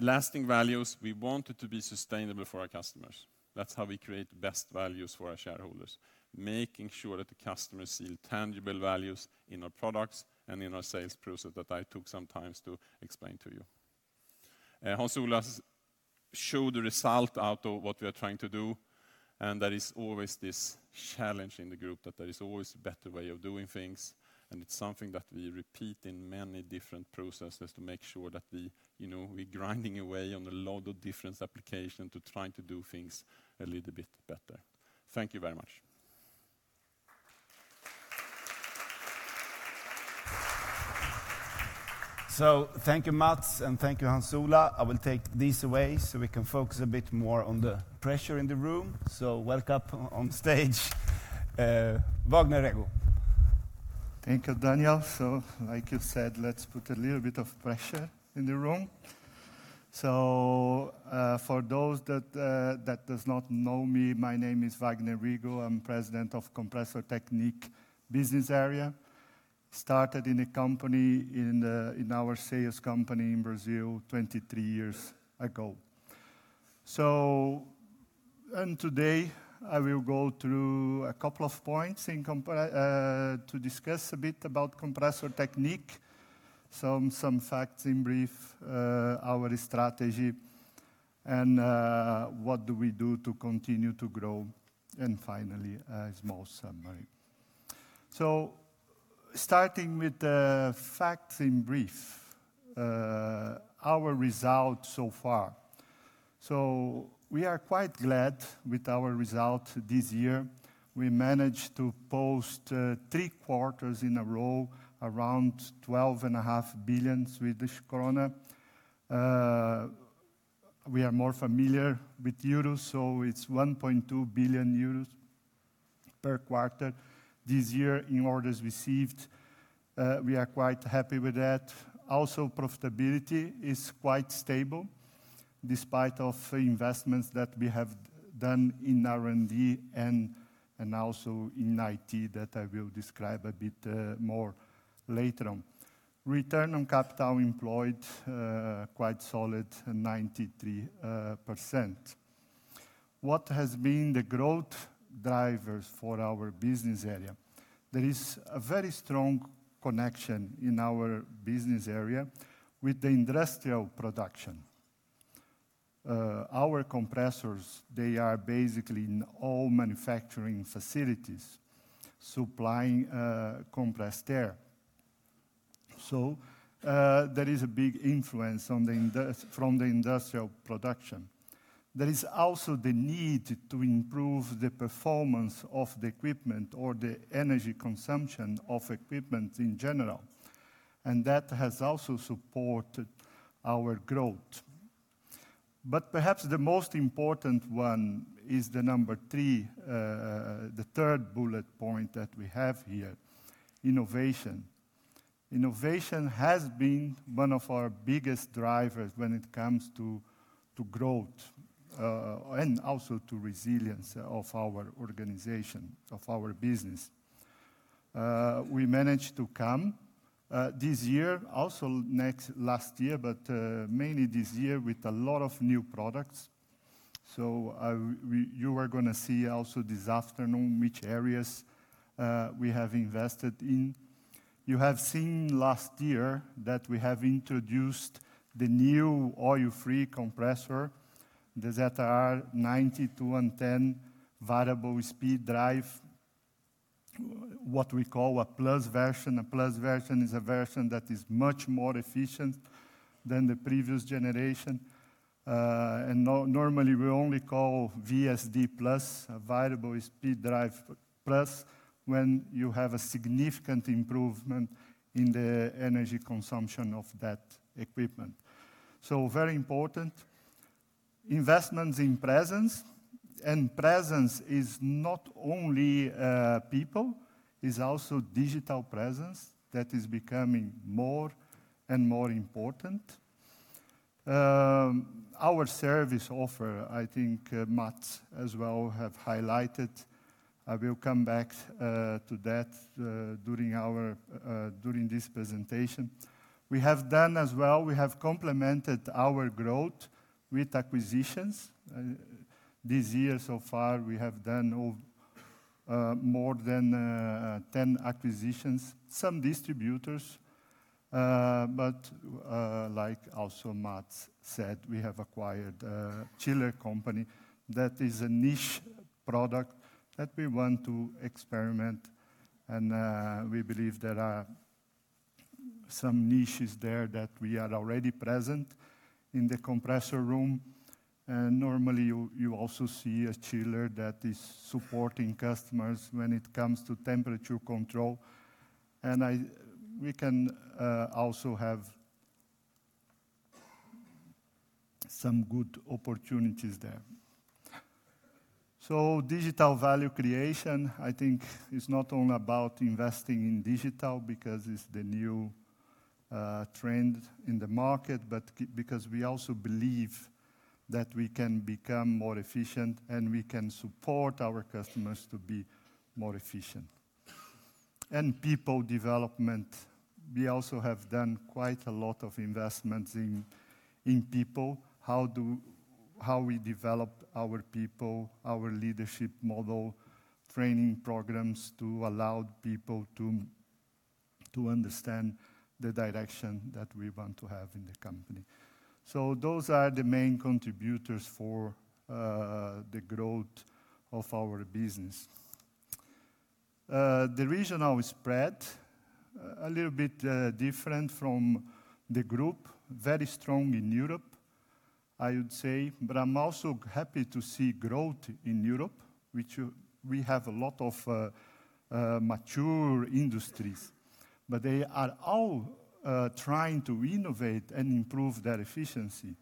Lasting values, we want it to be sustainable for our customers. That's how we create best values for our shareholders, making sure that the customers see tangible values in our products and in our sales process that I took some time to explain to you. Hans Ola has showed the result out of what we are trying to do, and there is always this challenge in the group that there is always a better way of doing things, and it's something that we repeat in many different processes to make sure that we, you know, we're grinding away on a lot of different application to trying to do things a little bit better. Thank you very much. Thank you, Mats, and thank you, Hans Ola. I will take these away so we can focus a bit more on the pressure in the room. Welcome up on stage, Vagner Rego. Thank you, Daniel. Like you said, let's put a little bit of pressure in the room. For those that does not know me, my name is Vagner Rego. I'm President of Compressor Technique business area. Started in a company in our sales company in Brazil 23 years ago. Today, I will go through a couple of points to discuss a bit about Compressor Technique, some facts in brief, our strategy and what do we do to continue to grow, and finally, a small summary. Starting with the facts in brief, our results so far. We are quite glad with our result this year. We managed to post three quarters in a row around 12.5 billion. We are more familiar with euros, it's 1.2 billion euros per quarter this year in orders received. We are quite happy with that. Profitability is quite stable despite of investments that we have done in R&D and also in IT that I will describe a bit more later on. Return on capital employed, quite solid, 93%. What has been the growth drivers for our business area? There is a very strong connection in our business area with the industrial production. Our compressors, they are basically in all manufacturing facilities supplying compressed air. There is a big influence from the industrial production. There is also the need to improve the performance of the equipment or the energy consumption of equipment in general, and that has also supported our growth. Perhaps the most important one is the number three, the third bullet point that we have here, innovation. Innovation has been one of our biggest drivers when it comes to growth and also to resilience of our organization, of our business. We managed to come this year, also last year, but mainly this year with a lot of new products. You are going to see also this afternoon which areas we have invested in. You have seen last year that we have introduced the new oil-free compressor, the ZR 92-110 variable speed drive, what we call a plus version. A plus version is a version that is much more efficient than the previous generation. Normally, we only call VSD+, a Variable Speed Drive plus, when you have a significant improvement in the energy consumption of that equipment. Very important, investments in presence, and presence is not only people, it is also digital presence that is becoming more and more important. Our service offer, I think, Mats as well have highlighted. I will come back to that during our during this presentation. We have done as well, we have complemented our growth with acquisitions. This year so far, we have done more than 10 acquisitions. Some distributors, but like also Mats said, we have acquired a chiller company that is a niche product that we want to experiment and we believe there are some niches there that we are already present in the compressor room. Normally, you also see a chiller that is supporting customers when it comes to temperature control. We can also have some good opportunities there. Digital value creation, I think is not only about investing in digital because it's the new trend in the market, but because we also believe that we can become more efficient, and we can support our customers to be more efficient. People development, we also have done quite a lot of investments in people. How we develop our people, our leadership model, training programs to allow people to understand the direction that we want to have in the company. Those are the main contributors for the growth of our business. The regional spread, a little bit different from the group. Very strong in Europe, I would say. I'm also happy to see growth in Europe, which we have a lot of mature industries. They are all trying to innovate and improve their efficiency.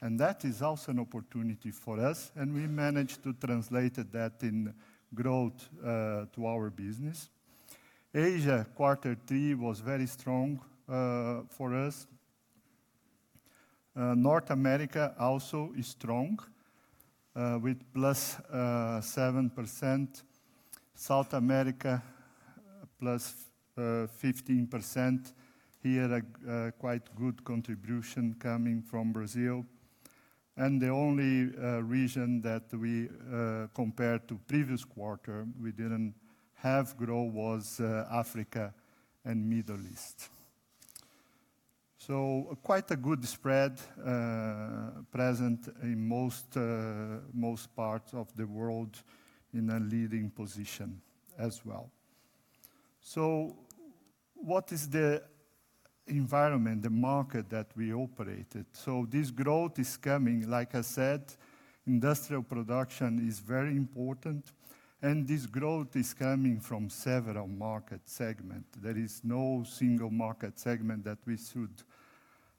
That is also an opportunity for us, and we managed to translate that in growth to our business. Asia Q3 was very strong for us. North America also is strong with +7%. South America, +15%. Here a quite good contribution coming from Brazil. The only region that we compared to previous quarter we didn't have growth was Africa and Middle East. Quite a good spread, present in most parts of the world in a leading position as well. What is the environment, the market that we operated? This growth is coming, like I said, industrial production is very important, and this growth is coming from several market segment. There is no single market segment that we should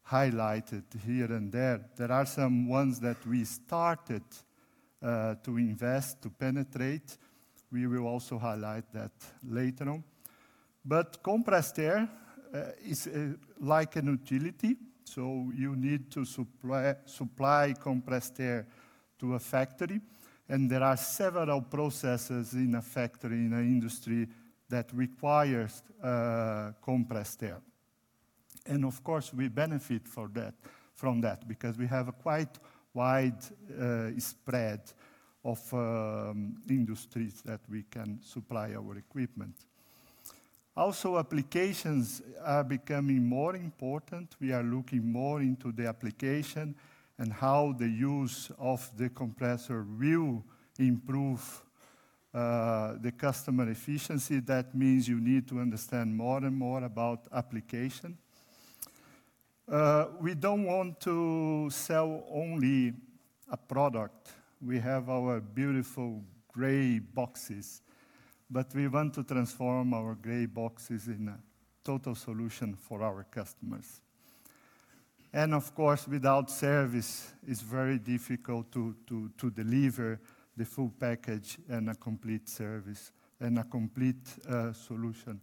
highlight it here and there. There are some ones that we started to invest, to penetrate. We will also highlight that later on. Compressed air is like an utility, so you need to supply compressed air to a factory, and there are several processes in a factory, in a industry that requires compressed air. Of course, we benefit from that because we have a quite wide spread of industries that we can supply our equipment. Also, applications are becoming more important. We are looking more into the application and how the use of the compressor will improve the customer efficiency. That means you need to understand more and more about application. We don't want to sell only a product. We have our beautiful gray boxes, but we want to transform our gray boxes in a total solution for our customers. Of course, without service, it's very difficult to deliver the full package and a complete service and a complete solution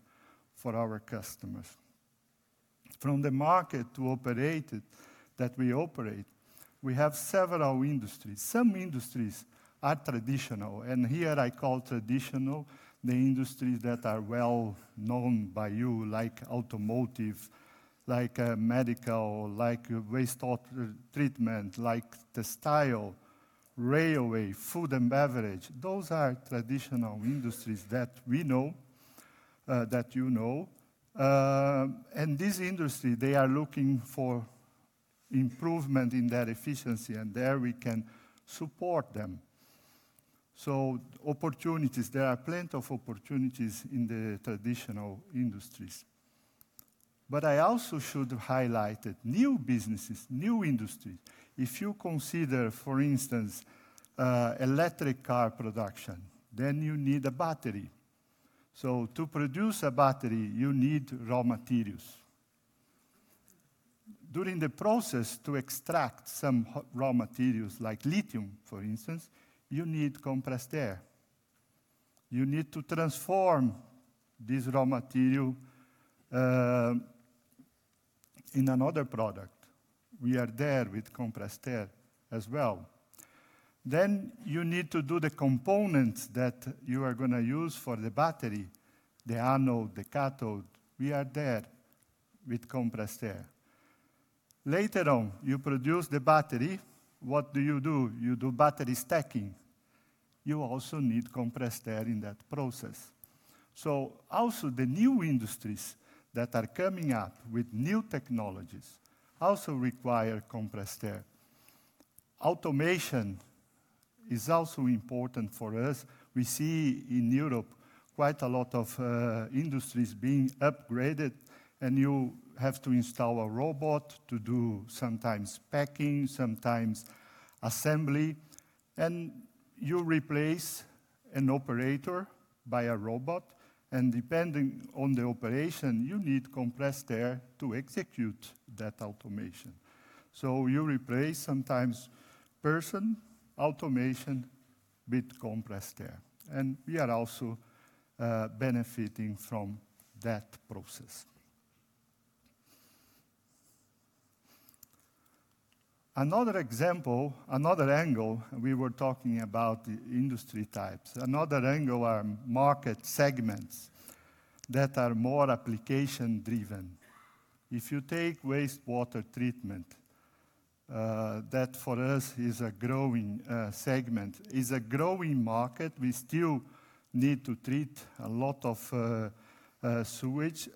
for our customers. From the market to operate it, that we operate, we have several industries. Some industries are traditional, and here I call traditional the industries that are well known by you, like automotive, like medical, like wastewater treatment, like textile, railway, food and beverage. Those are traditional industries that we know, that you know. This industry, they are looking for improvement in their efficiency. There we can support them. Opportunities, there are plenty of opportunities in the traditional industries. I also should highlight that new businesses, new industry, if you consider, for instance, electric car production, then you need a battery. To produce a battery, you need raw materials. During the process to extract some raw materials like lithium, for instance, you need compressed air. You need to transform this raw material in another product. We are there with compressed air as well. You need to do the components that you are gonna use for the battery, the anode, the cathode. We are there with compressed air. Later on, you produce the battery. What do you do? You do battery stacking. You also need compressed air in that process. Also the new industries that are coming up with new technologies also require compressed air. Automation is also important for us. We see in Europe quite a lot of industries being upgraded. You have to install a robot to do sometimes packing, sometimes assembly. You replace an operator by a robot, and depending on the operation, you need compressed air to execute that automation. You replace sometimes person, automation with compressed air, and we are also benefiting from that process. Another example, another angle. We were talking about the industry types. Another angle are market segments that are more application-driven. If you take wastewater treatment, that for us is a growing segment, is a growing market. We still need to treat a lot of sewage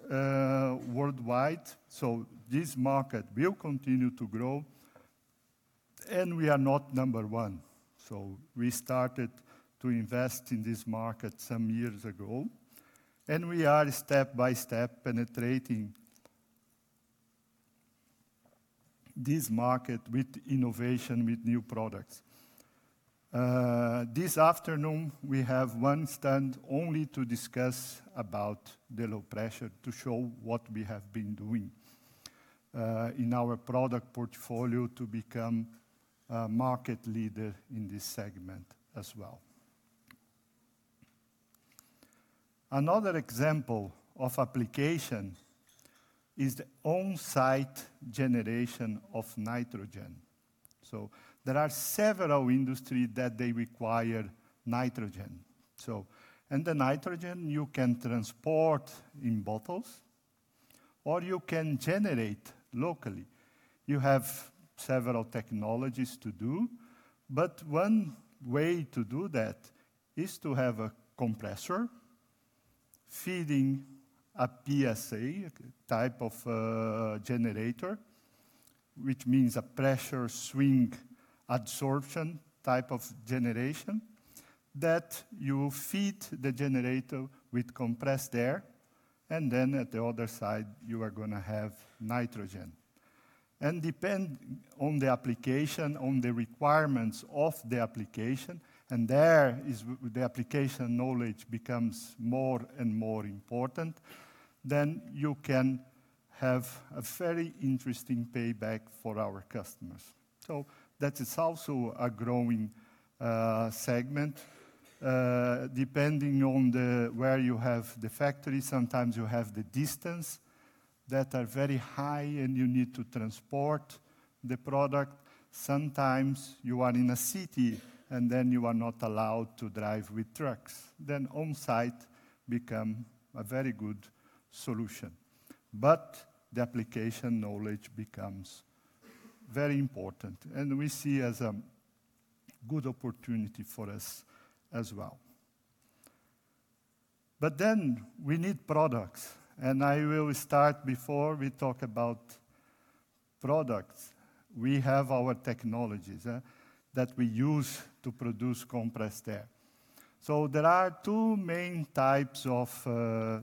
worldwide, so this market will continue to grow. We are not number one, so we started to invest in this market some years ago, and we are step by step penetrating this market with innovation, with new products. This afternoon we have one stand only to discuss about the low pressure to show what we have been doing in our product portfolio to become a market leader in this segment as well. Another example of application is the on-site generation of nitrogen. There are several industries that they require nitrogen. The nitrogen you can transport in bottles, or you can generate locally. You have several technologies to do, but one way to do that is to have a compressor feeding a PSA type of generator, which means a pressure swing adsorption type of generation, that you feed the generator with compressed air, and then at the other side you are gonna have nitrogen. Depend on the application, on the requirements of the application, and there is the application knowledge becomes more and more important, then you can have a very interesting payback for our customers. That is also a growing segment. Depending on the where you have the factory, sometimes you have the distance that are very high and you need to transport the product. Sometimes you are in a city, and then you are not allowed to drive with trucks. On-site become a very good solution. The application knowledge becomes very important, and we see as a good opportunity for us as well. We need products, and I will start before we talk about products. We have our technologies that we use to produce compressed air. There are two main types of,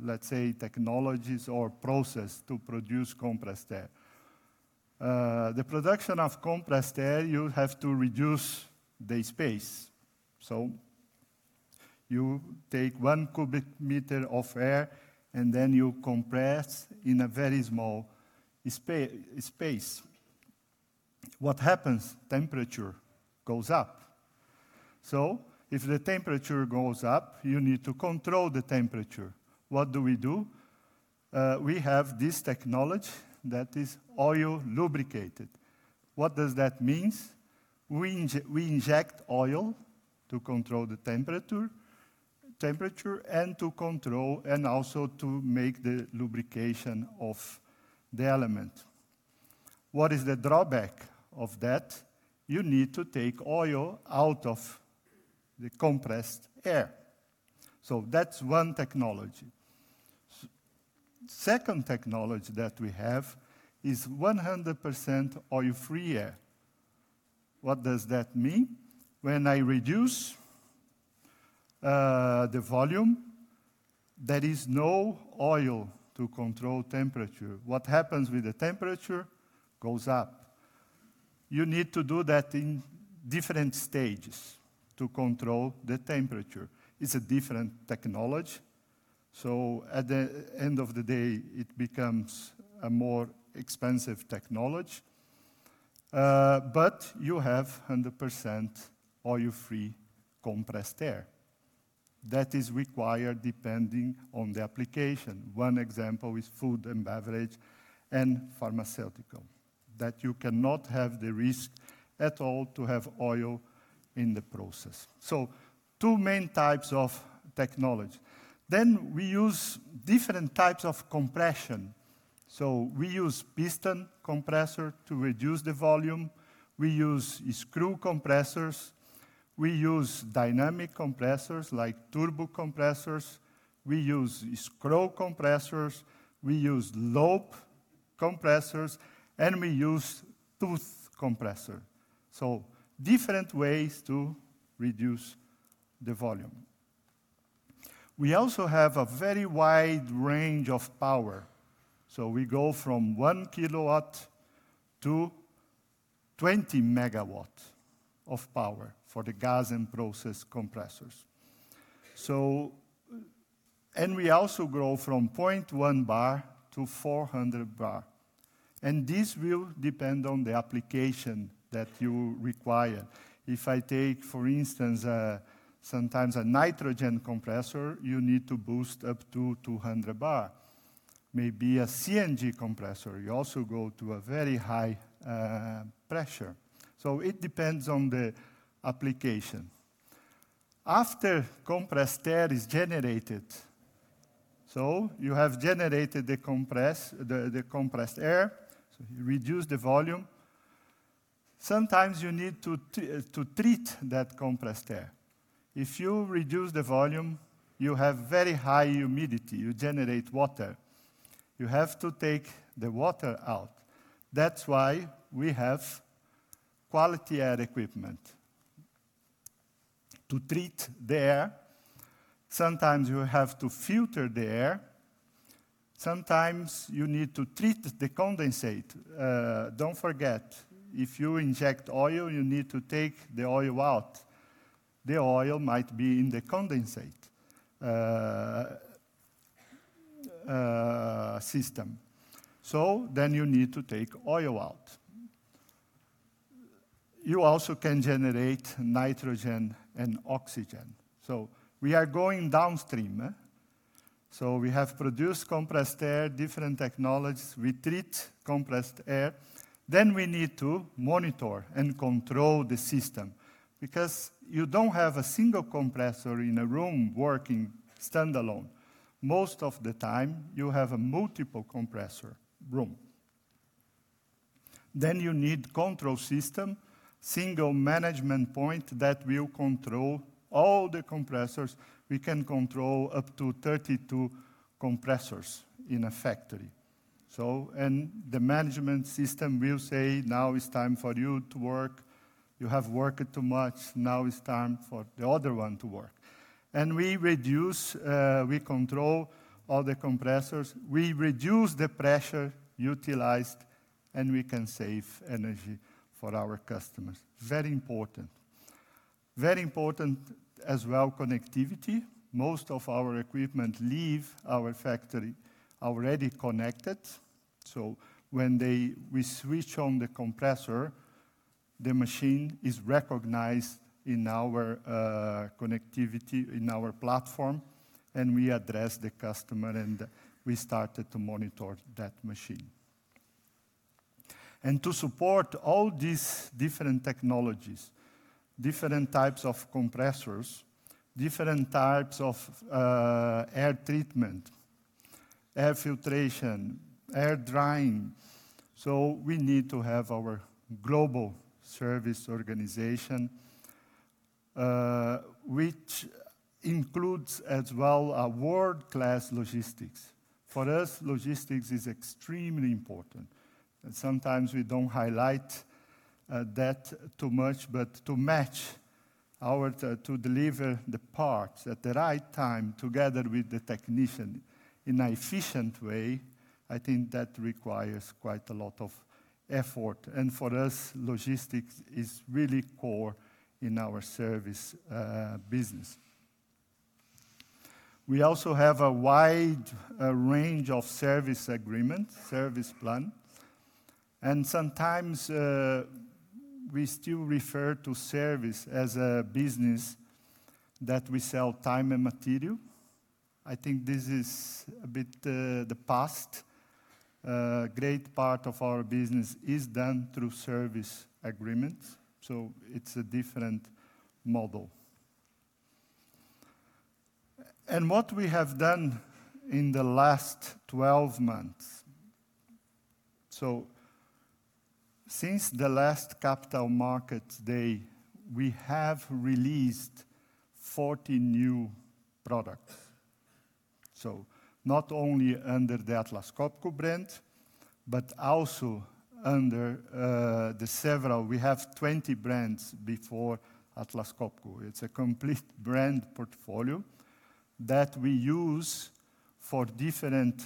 let's say, technologies or process to produce compressed air. The production of compressed air, you have to reduce the space. You take 1 cubic meter of air, and then you compress in a very small space. What happens? Temperature goes up. If the temperature goes up, you need to control the temperature. What do we do? We have this technology that is oil-lubricated. What does that means? We inject oil to control the temperature, and to control and also to make the lubrication of the element. What is the drawback of that? You need to take oil out of the compressed air. That's one technology. Second technology that we have is 100% oil-free air. What does that mean? When I reduce the volume, there is no oil to control temperature. What happens with the temperature? Goes up. You need to do that in different stages to control the temperature. It's a different technology, so at the end of the day, it becomes a more expensive technology. But you have 100% oil-free compressed air. That is required depending on the application. One example is food and beverage and pharmaceutical, that you cannot have the risk at all to have oil in the process. Two main types of technology. We use different types of compression. We use piston compressor to reduce the volume. We use screw compressors. We use dynamic compressors like turbo compressors. We use scroll compressors. We use lobe blowers, and we use tooth compressor. Different ways to reduce the volume. We also have a very wide range of power. We go from 1 kW to 20 MW of power for the gas and process compressors. We also go from 0.1 bar to 400 bar. This will depend on the application that you require. If I take, for instance, sometimes a nitrogen compressor, you need to boost up to 200 bar. Maybe a CNG compressor, you also go to a very high pressure. It depends on the application. After compressed air is generated, so you have generated the compressed air, so you reduce the volume, sometimes you need to treat that compressed air. If you reduce the volume, you have very high humidity. You generate water. You have to take the water out. That's why we have quality air equipment to treat the air. Sometimes you have to filter the air. Sometimes you need to treat the condensate. Don't forget, if you inject oil, you need to take the oil out. The oil might be in the condensate system. Then you need to take oil out. You also can generate nitrogen and oxygen. We are going downstream. We have produced compressed air, different technologies. We treat compressed air. Then we need to monitor and control the system because you don't have a single compressor in a room working standalone. Most of the time you have a multiple compressor room. Then you need control system, single management point that will control all the compressors. We can control up to 32 compressors in a factory. The management system will say, "Now it's time for you to work. You have worked too much. Now it's time for the other one to work." We control all the compressors. We reduce the pressure utilized, we can save energy for our customers. Very important. Very important as well, connectivity. Most of our equipment leave our factory already connected, when we switch on the compressor, the machine is recognized in our connectivity, in our platform, we address the customer, we started to monitor that machine. To support all these different technologies, different types of compressors, different types of air treatment, air filtration, air drying, we need to have our global service organization, which includes as well a world-class logistics. For us, logistics is extremely important. Sometimes we don't highlight that too much, but to deliver the parts at the right time together with the technician in an efficient way, I think that requires quite a lot of effort. For us, logistics is really core in our service business. We also have a wide range of service agreement, service plan. Sometimes we still refer to service as a business that we sell time and material. I think this is a bit the past. A great part of our business is done through service agreements, so it's a different model. What we have done in the last 12 months, so since the last Capital Markets Day, we have released 40 new products. Not only under the Atlas Copco brand, but also under. We have 20 brands before Atlas Copco. It's a complete brand portfolio that we use for different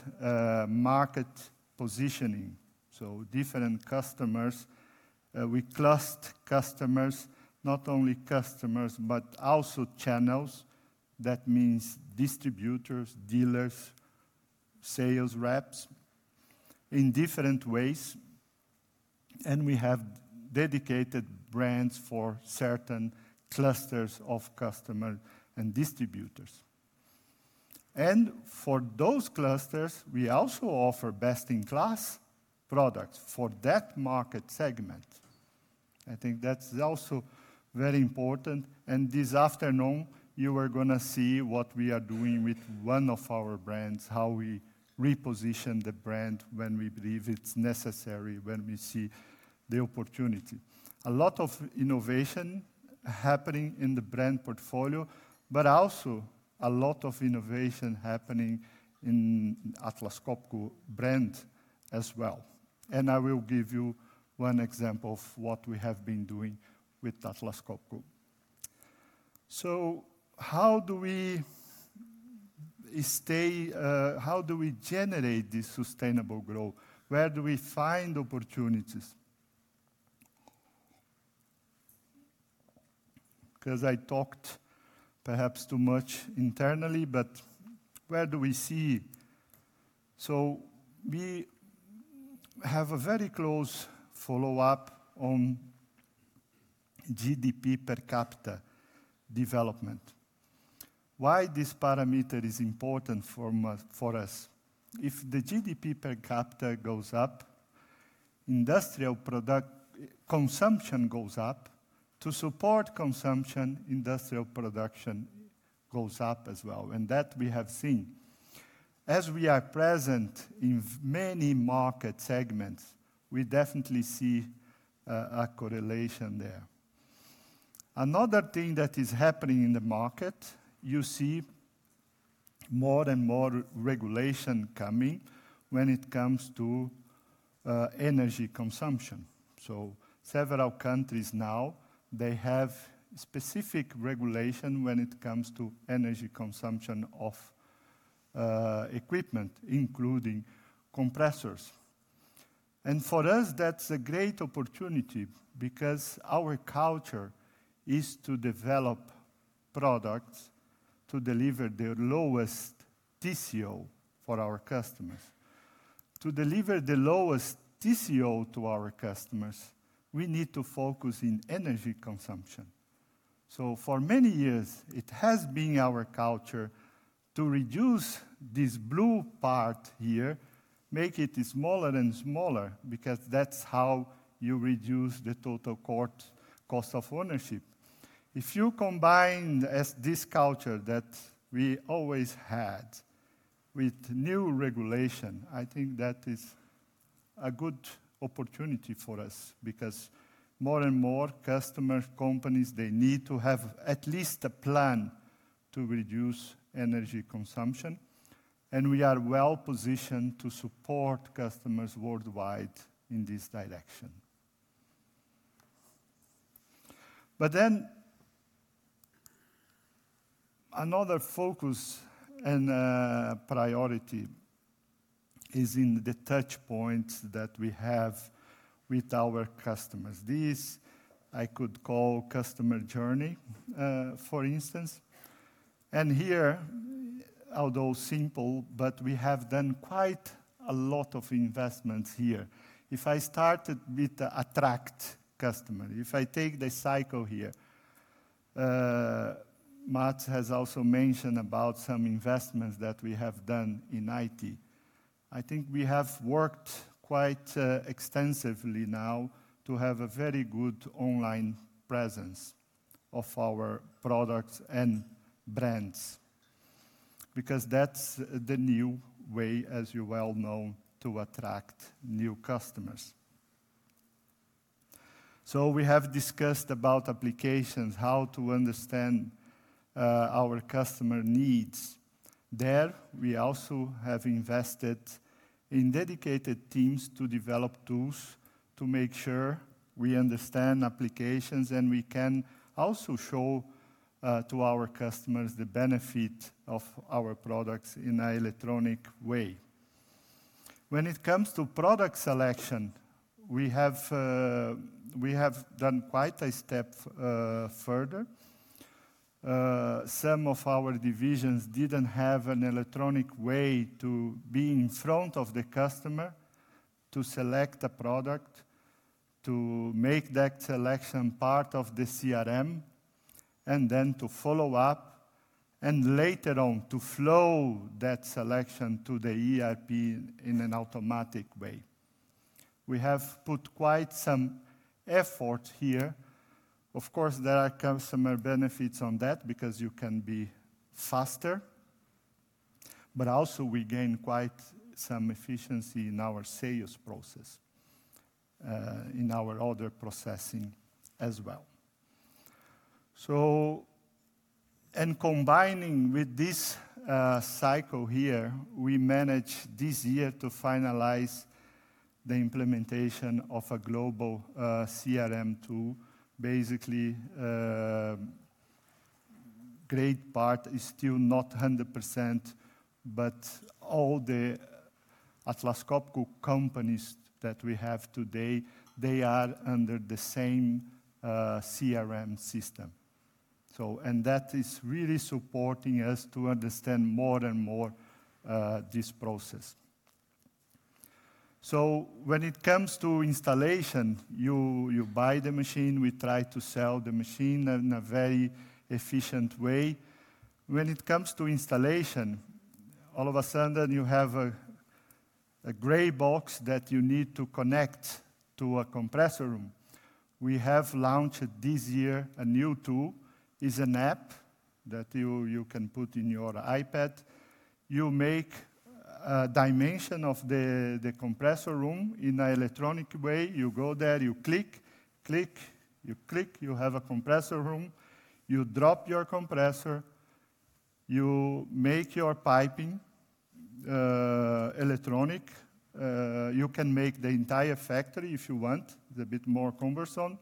market positioning. Different customers, we cluster customers, not only customers, but also channels. That means distributors, dealers, sales reps, in different ways, and we have dedicated brands for certain clusters of customer and distributors. For those clusters, we also offer best-in-class products for that market segment. I think that's also very important. This afternoon, you are gonna see what we are doing with one of our brands, how we reposition the brand when we believe it's necessary, when we see the opportunity. A lot of innovation happening in the brand portfolio, but also a lot of innovation happening in Atlas Copco brand as well. I will give you one example of what we have been doing with Atlas Copco. How do we stay? How do we generate this sustainable growth? Where do we find opportunities? I talked perhaps too much internally, where do we see? We have a very close follow-up on GDP per capita development. Why this parameter is important for us? If the GDP per capita goes up, industrial product consumption goes up. To support consumption, industrial production goes up as well, and that we have seen. We are present in many market segments, we definitely see a correlation there. Another thing that is happening in the market, you see more and more regulation coming when it comes to energy consumption. Several countries now, they have specific regulation when it comes to energy consumption of equipment, including compressors. For us, that's a great opportunity because our culture is to develop products to deliver the lowest TCO for our customers. To deliver the lowest TCO to our customers, we need to focus in energy consumption. For many years, it has been our culture to reduce this blue part here, make it smaller and smaller, because that's how you reduce the total cost of ownership. If you combine, as this culture that we always had, with new regulation, I think that is a good opportunity for us. More and more customer companies, they need to have at least a plan to reduce energy consumption, and we are well-positioned to support customers worldwide in this direction. Another focus and priority is in the touch points that we have with our customers. This I could call customer journey, for instance. Here, although simple, but we have done quite a lot of investments here. If I started with attract customer, if I take the cycle here, Mats has also mentioned about some investments that we have done in IT. I think we have worked quite extensively now to have a very good online presence of our products and brands, because that's the new way, as you well know, to attract new customers. We have discussed about applications, how to understand our customer needs. There, we also have invested in dedicated teams to develop tools to make sure we understand applications, and we can also show to our customers the benefit of our products in a electronic way. When it comes to product selection, we have done quite a step further. Some of our divisions didn't have an electronic way to be in front of the customer to select a product. To make that selection part of the CRM and then to follow up and later on to flow that selection to the ERP in an automatic way. We have put quite some effort here. Of course, there are customer benefits on that because you can be faster, but also we gain quite some efficiency in our sales process, in our order processing as well. Combining with this cycle here, we managed this year to finalize the implementation of a global CRM tool. Basically, great part is still not 100%, but all the Atlas Copco companies that we have today, they are under the same CRM system. That is really supporting us to understand more and more this process. When it comes to installation, you buy the machine, we try to sell the machine in a very efficient way. When it comes to installation, all of a sudden you have a gray box that you need to connect to a compressor room. We have launched this year a new tool. It's an app that you can put in your iPad. You make a dimension of the compressor room in a electronic way. You go there, you click, you click, you have a compressor room. You drop your compressor, you make your piping, electronic. You can make the entire factory if you want. It's a bit more cumbersome.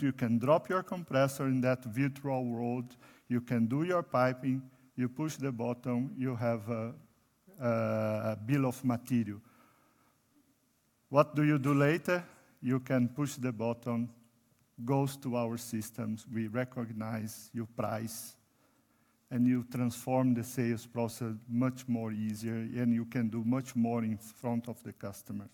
You can drop your compressor in that virtual world. You can do your piping. You push the button, you have a bill of material. What do you do later? You can push the button, goes to our systems, we recognize your price, you transform the sales process much more easier, you can do much more in front of the customer.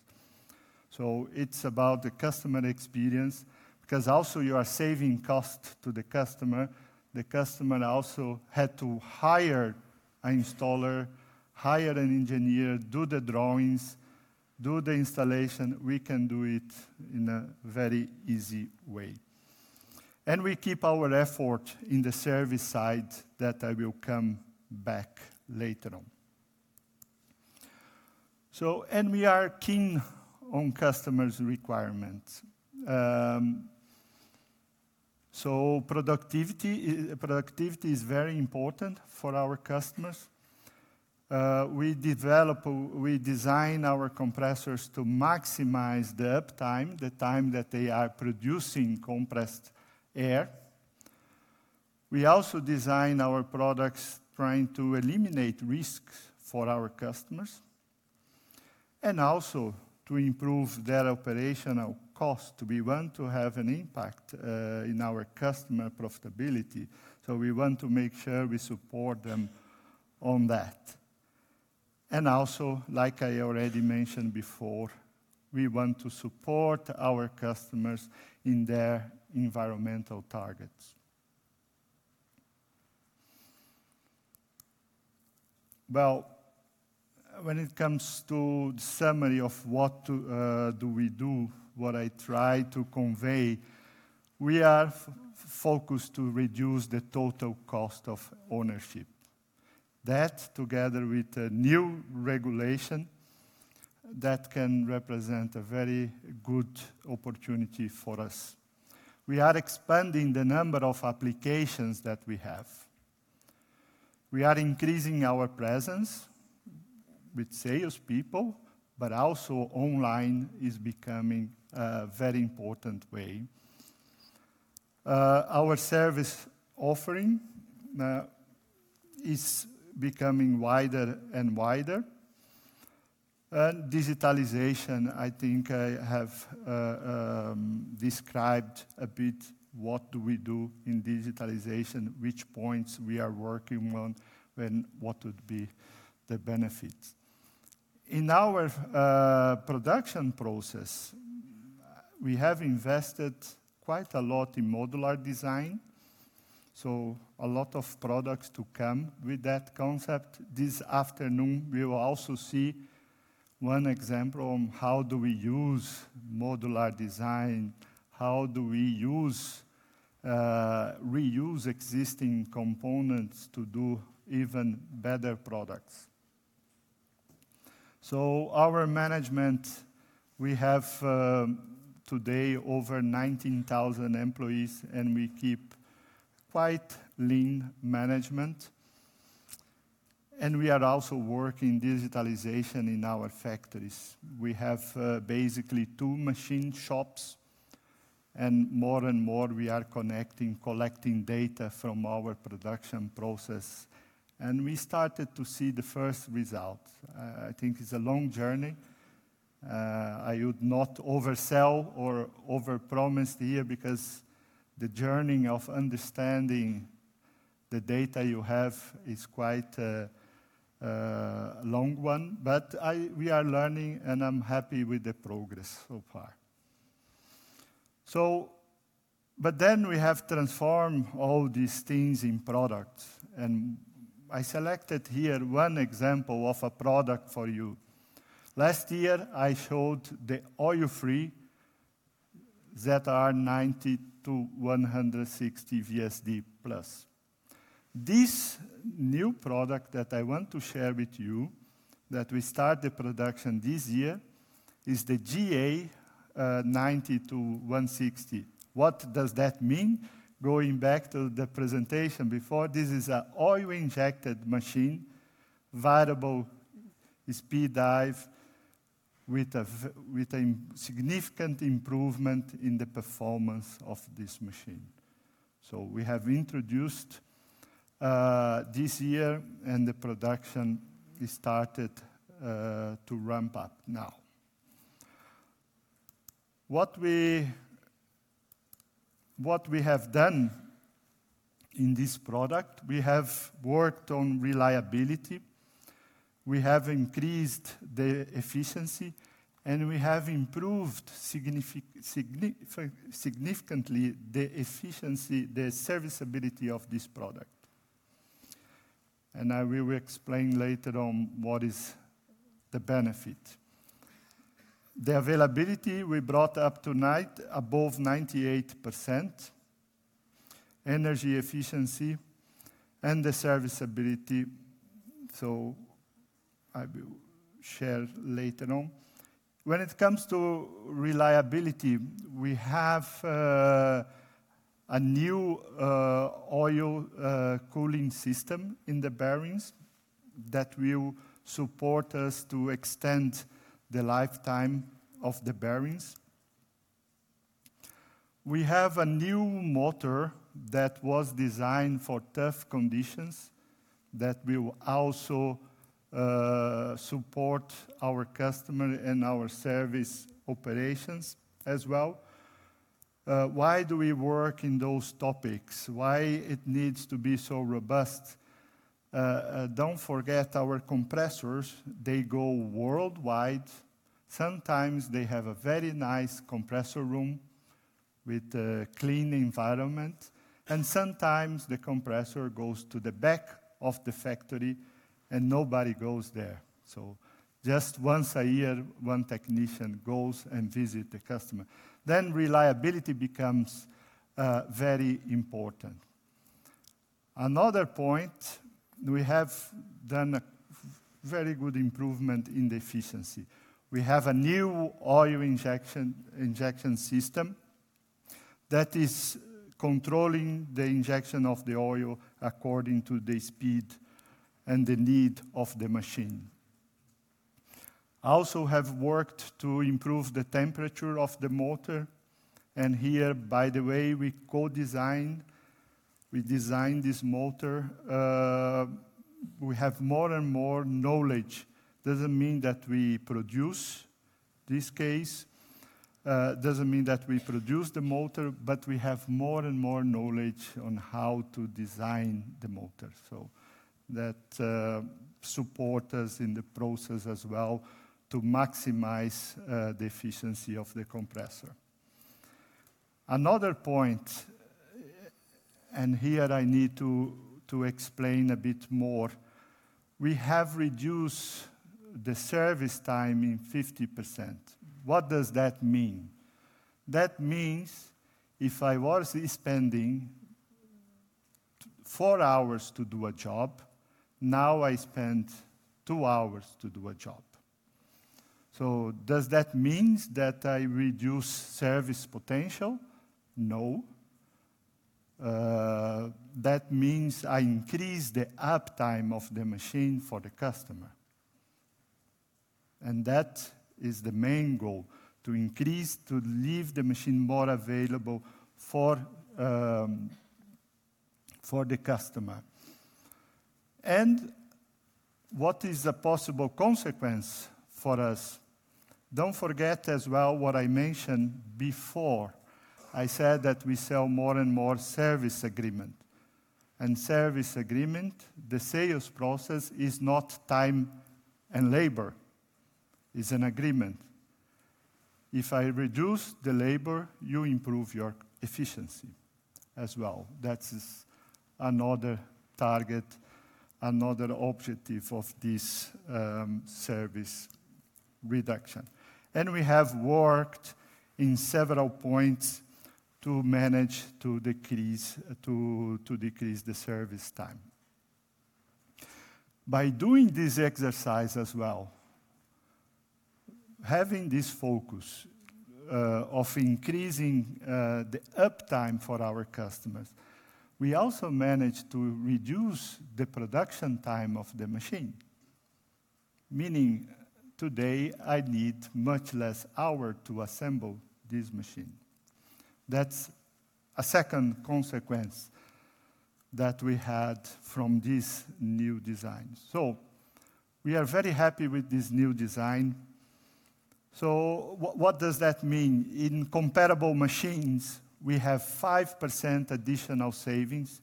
It's about the customer experience because also you are saving cost to the customer. The customer also had to hire an installer, hire an engineer, do the drawings, do the installation. We can do it in a very easy way. We keep our effort in the service side that I will come back later on. We are keen on customers' requirements. Productivity is very important for our customers. We develop, we design our compressors to maximize the uptime, the time that they are producing compressed air. We also design our products trying to eliminate risks for our customers and also to improve their operational cost. We want to have an impact in our customer profitability. We want to make sure we support them on that. Also, like I already mentioned before, we want to support our customers in their environmental targets. When it comes to the summary of what to do we do, what I try to convey, we are focused to reduce the total cost of ownership. That together with a new regulation that can represent a very good opportunity for us. We are expanding the number of applications that we have. We are increasing our presence with salespeople, but also online is becoming a very important way. Our service offering is becoming wider and wider. Digitalization, I think I have described a bit what do we do in digitalization, which points we are working on and what would be the benefits. In our production process, we have invested quite a lot in modular design, so a lot of products to come with that concept. This afternoon we will also see one example on how do we use modular design, how do we use reuse existing components to do even better products. Our management, we have today over 19,000 employees, and we keep quite lean management. We are also working digitalization in our factories. We have basically two machine shops, and more and more we are collecting data from our production process. We started to see the first result. I think it's a long journey. I would not oversell or overpromise here because the journey of understanding the data you have is quite a long one, but we are learning, and I'm happy with the progress so far. We have transformed all these things in products, and I selected here one example of a product for you. Last year, I showed the oil-free ZR 90 to 160 VSD+. This new product that I want to share with you that we start the production this year is the GA 90 to 160. What does that mean? Going back to the presentation before, this is a oil-injected machine, variable speed drive with a significant improvement in the performance of this machine. We have introduced this year, and the production is started to ramp up now. What we have done in this product, we have worked on reliability, we have increased the efficiency, and we have improved significantly the efficiency, the serviceability of this product. I will explain later on what is the benefit. The availability we brought up tonight above 98%, energy efficiency, and the serviceability. I will share later on. When it comes to reliability, we have a new oil cooling system in the bearings that will support us to extend the lifetime of the bearings. We have a new motor that was designed for tough conditions that will also support our customer and our service operations as well. Why do we work in those topics? Why it needs to be so robust? Don't forget our compressors, they go worldwide. Sometimes they have a very nice compressor room with a clean environment, and sometimes the compressor goes to the back of the factory, and nobody goes there. Just once a year, one technician goes and visit the customer. Reliability becomes very important. Another point, we have done a very good improvement in the efficiency. We have a new oil injection system that is controlling the injection of the oil according to the speed and the need of the machine. Have worked to improve the temperature of the motor. Here, by the way, we designed this motor. We have more and more knowledge. Doesn't mean that we produce this case, doesn't mean that we produce the motor, but we have more and more knowledge on how to design the motor. That support us in the process as well to maximize the efficiency of the compressor. Another point, here I need to explain a bit more. We have reduced the service time in 50%. What does that mean? That means if I was spending four hours to do a job, now I spend two hours to do a job. Does that means that I reduce service potential? No. That means I increase the uptime of the machine for the customer. That is the main goal, to increase, to leave the machine more available for the customer. What is the possible consequence for us? Don't forget as well what I mentioned before. I said that we sell more and more service agreement. Service agreement, the sales process is not time and labor. It's an agreement. If I reduce the labor, you improve your efficiency as well. That is another target, another objective of this service reduction. We have worked in several points to manage to decrease the service time. By doing this exercise as well, having this focus of increasing the uptime for our customers, we also managed to reduce the production time of the machine. Meaning today, I need much less hour to assemble this machine. That's a second consequence that we had from this new design. We are very happy with this new design. What does that mean? In comparable machines, we have 5% additional savings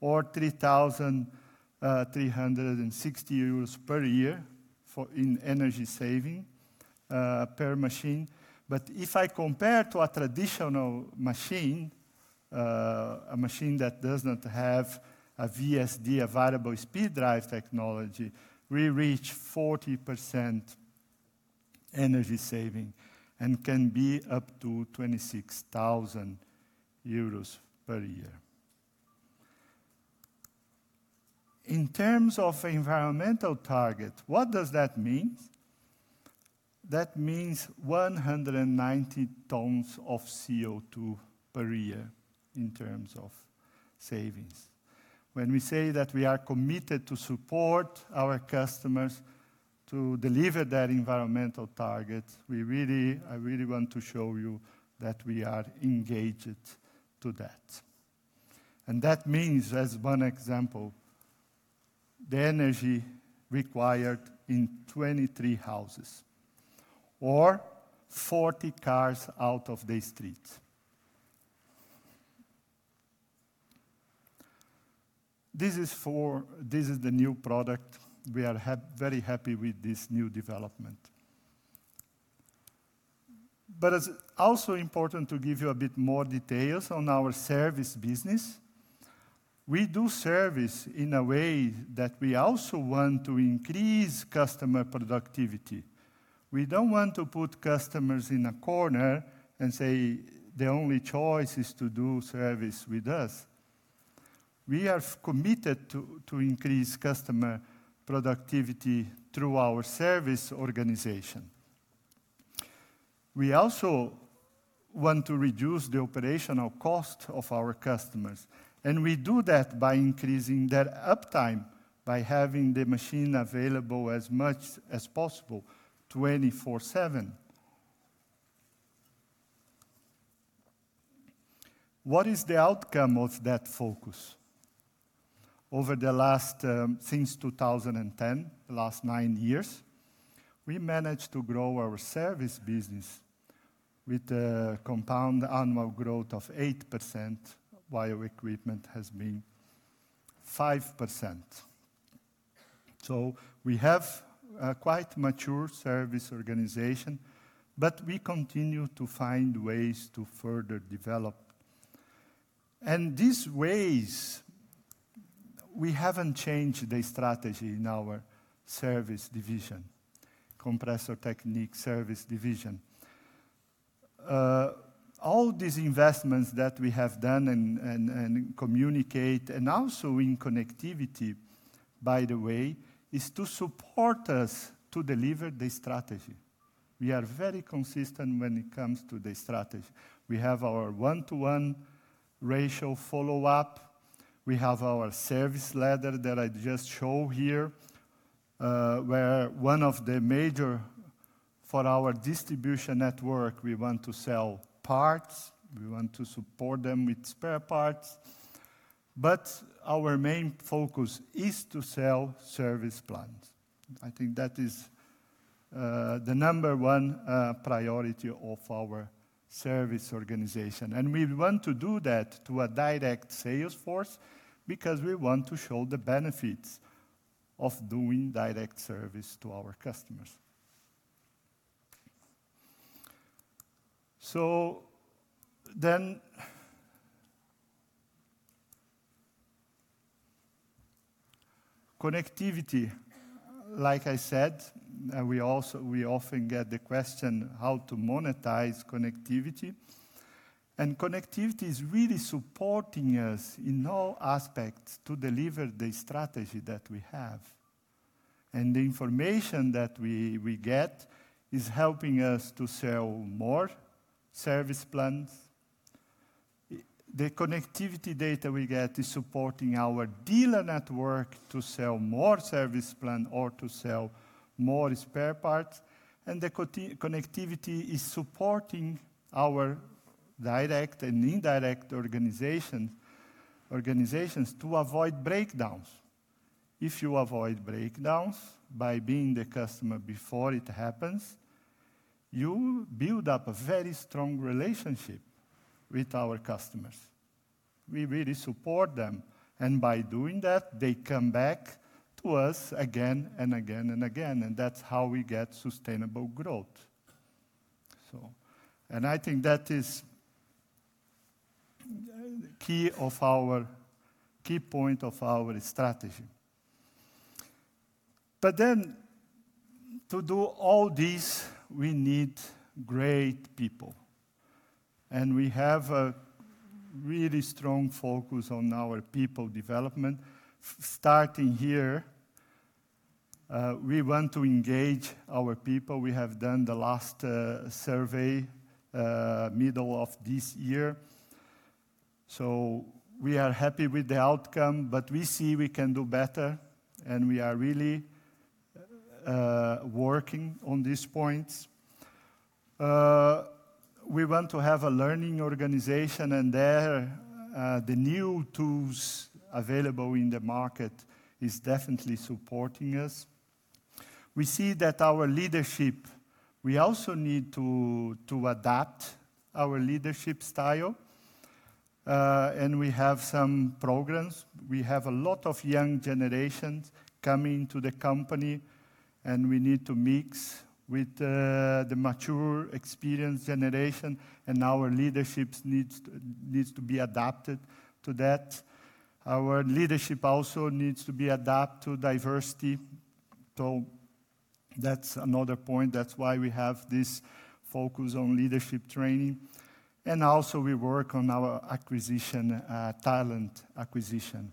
or 3,360 euros per year for, in energy saving, per machine. If I compare to a traditional machine, a machine that does not have a VSD, a variable speed drive technology, we reach 40% energy saving and can be up to 26,000 euros per year. In terms of environmental target, what does that mean? That means 190 tons of CO2 per year in terms of savings. When we say that we are committed to support our customers to deliver their environmental targets, I really want to show you that we are engaged to that. That means, as one example, the energy required in 23 houses or 40 cars out of the streets. This is the new product. We are very happy with this new development. It's also important to give you a bit more details on our service business. We do service in a way that we also want to increase customer productivity. We don't want to put customers in a corner and say, "The only choice is to do service with us." We are committed to increase customer productivity through our service organization. We also want to reduce the operational cost of our customers. We do that by increasing their uptime, by having the machine available as much as possible, 24/7. What is the outcome of that focus? Over the last, since 2010, last nine years, we managed to grow our service business with a compound annual growth of 8% while equipment has been 5%. We have a quite mature service organization. We continue to find ways to further develop. These ways, we haven't changed the strategy in our service division, Compressor Technique Service division. All these investments that we have done and communicate and also in connectivity, by the way, is to support us to deliver the strategy. We are very consistent when it comes to the strategy. We have our 1-to-1 ratio follow-up. We have our service ladder that I just show here, where one of the major for our distribution network, we want to sell parts, we want to support them with spare parts. Our main focus is to sell service plans. I think that is the number one priority of our service organization. We want to do that to a direct sales force because we want to show the benefits of doing direct service to our customers. Connectivity, like I said, we often get the question how to monetize connectivity. Connectivity is really supporting us in all aspects to deliver the strategy that we have. The information that we get is helping us to sell more service plans. The connectivity data we get is supporting our dealer network to sell more service plan or to sell more spare parts. The connectivity is supporting our direct and indirect organizations to avoid breakdowns. If you avoid breakdowns by being the customer before it happens, you build up a very strong relationship with our customers. We really support them, and by doing that, they come back to us again and again and again, and that's how we get sustainable growth. I think that is key point of our strategy. To do all this, we need great people, and we have a really strong focus on our people development. Starting here, we want to engage our people. We have done the last survey middle of this year. We are happy with the outcome, but we see we can do better, and we are really working on these points. We want to have a learning organization, and there the new tools available in the market is definitely supporting us. We see that our leadership, we also need to adapt our leadership style. We have some programs. We have a lot of young generations coming to the company, and we need to mix with the mature, experienced generation, and our leadership needs to be adapted to that. Our leadership also needs to be adapt to diversity. That's another point. That's why we have this focus on leadership training. Also we work on our acquisition, talent acquisition.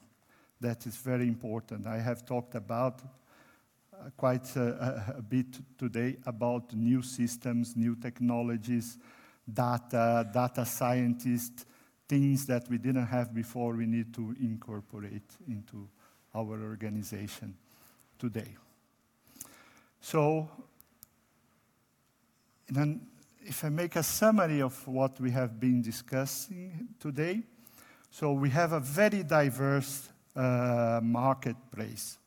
That is very important. I have talked about quite a bit today about new systems, new technologies, data scientists, things that we didn't have before we need to incorporate into our organization today. If I make a summary of what we have been discussing today. We have a very diverse marketplace.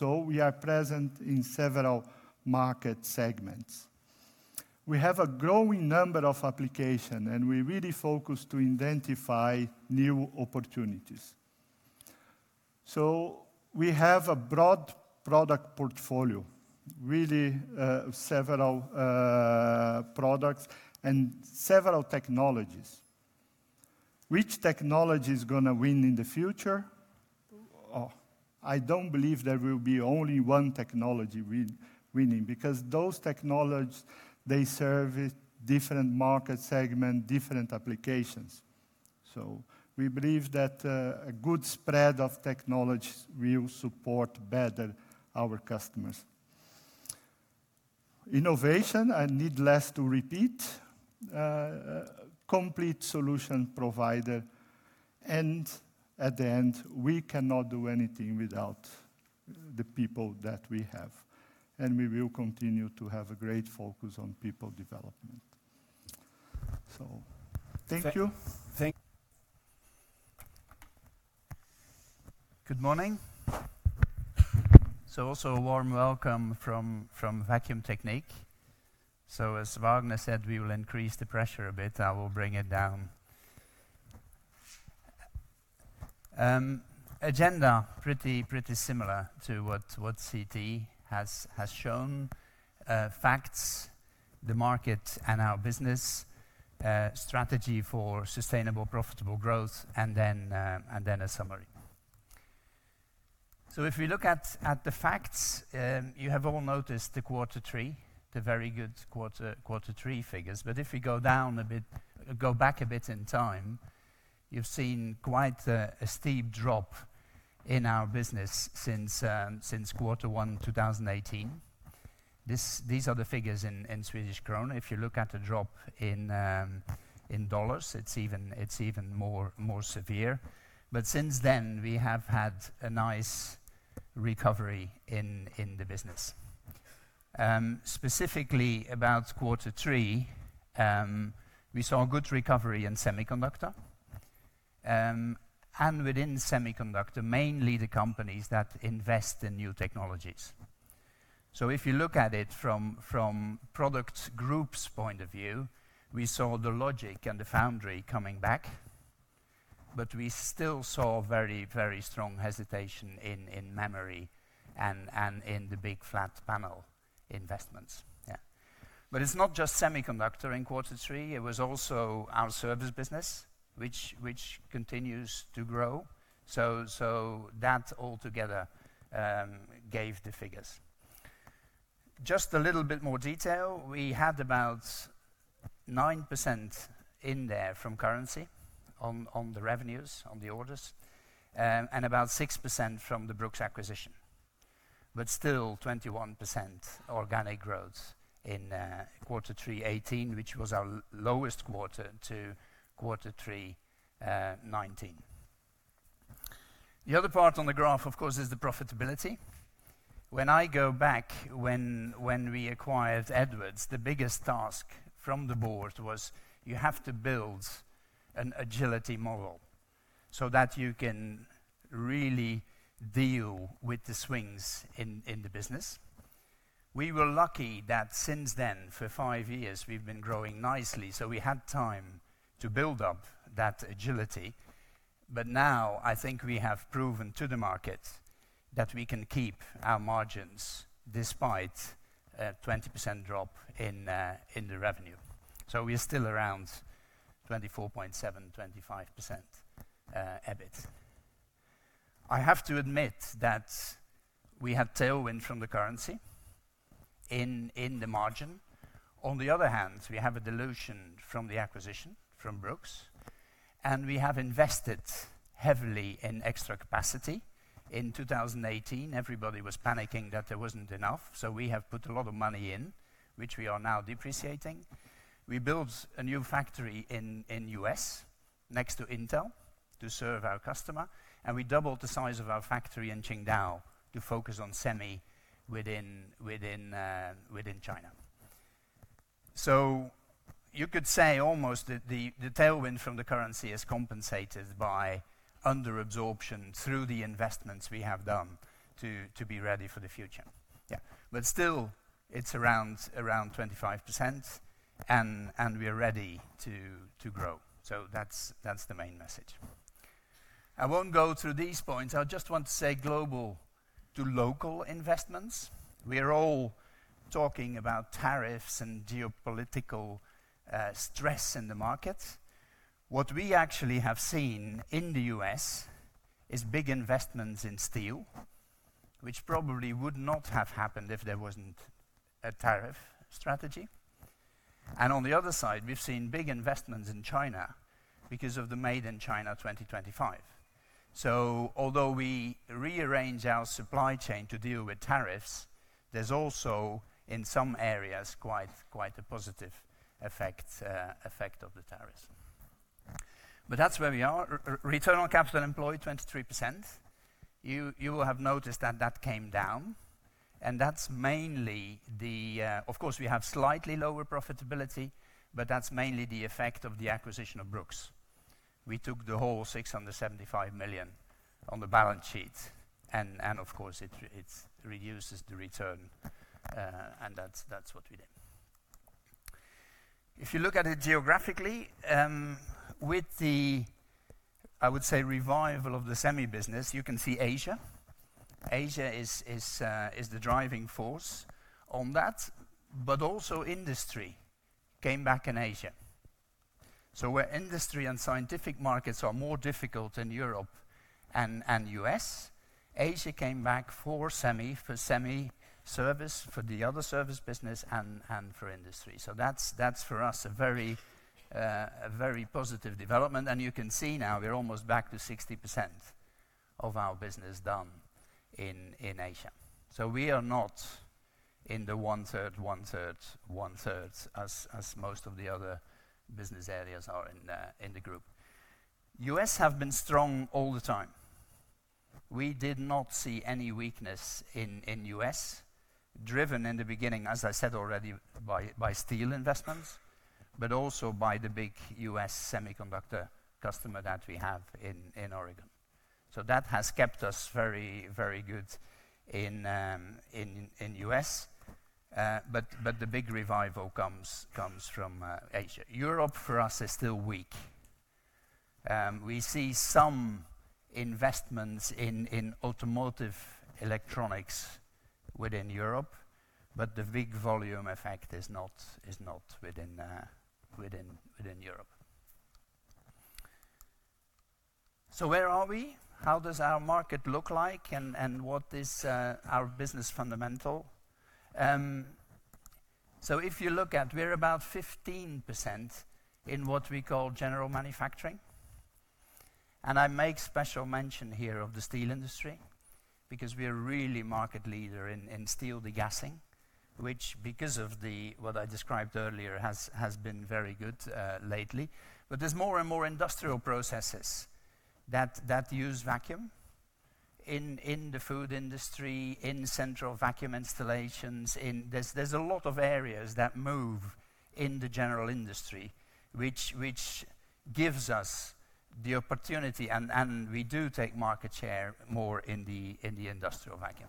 We are present in several market segments. We have a growing number of application, and we really focus to identify new opportunities. We have a broad product portfolio, really, several products and several technologies. Which technology is gonna win in the future? Oh, I don't believe there will be only one technology winning because those technologies, they serve a different market segment, different applications. We believe that a good spread of technologies will support better our customers. Innovation, I need less to repeat. Complete solution provider. At the end, we cannot do anything without the people that we have, and we will continue to have a great focus on people development. Thank you. Good morning. Also a warm welcome from Vacuum Technique. As Vagner said, we will increase the pressure a bit. I will bring it down. Agenda, pretty similar to what CT has shown. Facts, the market and our business, strategy for sustainable, profitable growth and a summary. If we look at the facts, you have all noticed the quarter three, the very good quarter three figures. If we go back a bit in time, you've seen quite a steep drop in our business since quarter one 2018. These are the figures in Swedish krona. If you look at the drop in dollars, it's even more severe. Since then, we have had a nice recovery in the business. Specifically about quarter three, we saw a good recovery in semiconductor. Within semiconductor, mainly the companies that invest in new technologies. If you look at it from product groups point of view, we saw the logic and the foundry coming back, but we still saw very strong hesitation in memory and in the big flat panel investments. It's not just semiconductor in quarter three, it was also our service business, which continues to grow. That altogether gave the figures. Just a little bit more detail. We had about 9% in there from currency on the revenues, on the orders, and about 6% from the Brooks acquisition. Still 21% organic growth in quarter three 2018, which was our lowest quarter to quarter three 2019. The other part on the graph, of course, is the profitability. When I go back when we acquired Edwards, the biggest task from the board was you have to build an agility model so that you can really deal with the swings in the business. We were lucky that since then, for five years, we've been growing nicely, so we had time to build up that agility. Now I think we have proven to the market that we can keep our margins despite a 20% drop in the revenue. We are still around 24.7%, 25% EBIT. I have to admit that we have tailwind from the currency in the margin. On the other hand, we have a dilution from the acquisition from Brooks, and we have invested heavily in extra capacity. In 2018, everybody was panicking that there wasn't enough, so we have put a lot of money in which we are now depreciating. We built a new factory in U.S. next to Intel to serve our customer, and we doubled the size of our factory in Qingdao to focus on semi within China. You could say almost that the tailwind from the currency is compensated by under-absorption through the investments we have done to be ready for the future. Yeah. Still, it's around 25%, and we are ready to grow. That's the main message. I won't go through these points. I just want to say global to local investments. We are all talking about tariffs and geopolitical stress in the market. What we actually have seen in the U.S. is big investments in steel, which probably would not have happened if there wasn't a tariff strategy. On the other side, we've seen big investments in China because of the Made in China 2025. Although we rearrange our supply chain to deal with tariffs, there's also, in some areas, quite a positive effect of the tariffs. But that's where we are. Return on capital employed, 23%. You will have noticed that that came down, and that's mainly the, of course, we have slightly lower profitability, but that's mainly the effect of the acquisition of Brooks. We took the whole 675 million on the balance sheet and of course, it reduces the return, and that's what we did. If you look at it geographically, with the, I would say, revival of the semi business, you can see Asia. Asia is the driving force on that. Also industry came back in Asia. Where industry and scientific markets are more difficult in Europe and U.S., Asia came back for semi, for semi service, for the other service business, and for industry. That's for us a very positive development. You can see now we're almost back to 60% of our business done in Asia. We are not in the one-third, one-third, one-third as most of the other business areas are in the group. The U.S. have been strong all the time. We did not see any weakness in the U.S., driven in the beginning, as I said already, by steel investments, but also by the big U.S. semiconductor customer that we have in Oregon. That has kept us very good in the U.S. But the big revival comes from Asia. Europe for us is still weak. We see some investments in automotive electronics within Europe, but the big volume effect is not within Europe. Where are we? How does our market look like and what is our business fundamental? If you look at, we're about 15% in what we call general manufacturing, and I make special mention here of the steel industry because we are really market leader in steel degassing, which because of the, what I described earlier, has been very good lately. There's more and more industrial processes that use vacuum in the food industry, in central vacuum installations, There's a lot of areas that move in the general industry which gives us the opportunity, and we do take market share more in the industrial vacuum.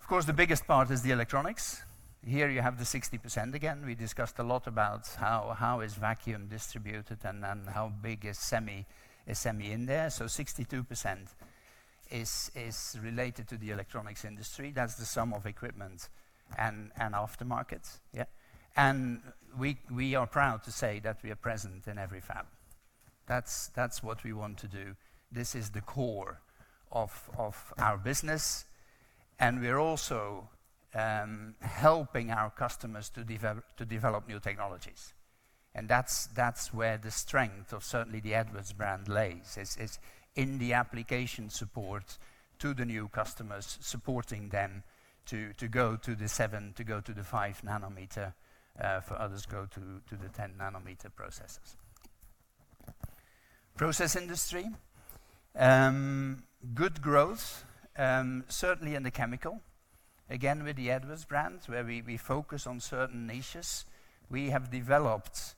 Of course, the biggest part is the electronics. Here you have the 60% again. We discussed a lot about how is vacuum distributed and how big is semi in there. 62% is related to the electronics industry. That's the sum of equipment and aftermarkets. Yeah. We are proud to say that we are present in every fab. That's what we want to do. This is the core of our business, and we're also helping our customers to develop new technologies. That's where the strength of certainly the Edwards brand lies in the application support to the new customers, supporting them to go to the 7 nm, to go to the 5 nm, for others go to the 10 nm processes. Process industry, good growth, certainly in the chemical. Again, with the Edwards brand, where we focus on certain niches. We have developed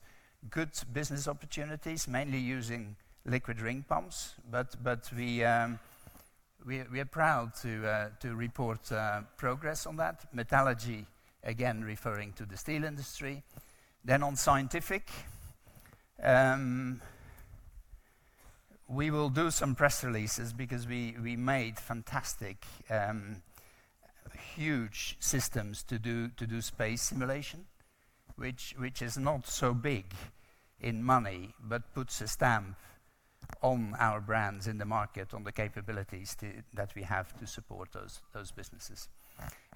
good business opportunities, mainly using liquid ring pumps, but we are proud to report progress on that. Metallurgy, again, referring to the steel industry. On scientific, we made fantastic huge systems to do space simulation, which is not so big in money but puts a stamp on our brands in the market, on the capabilities that we have to support those businesses.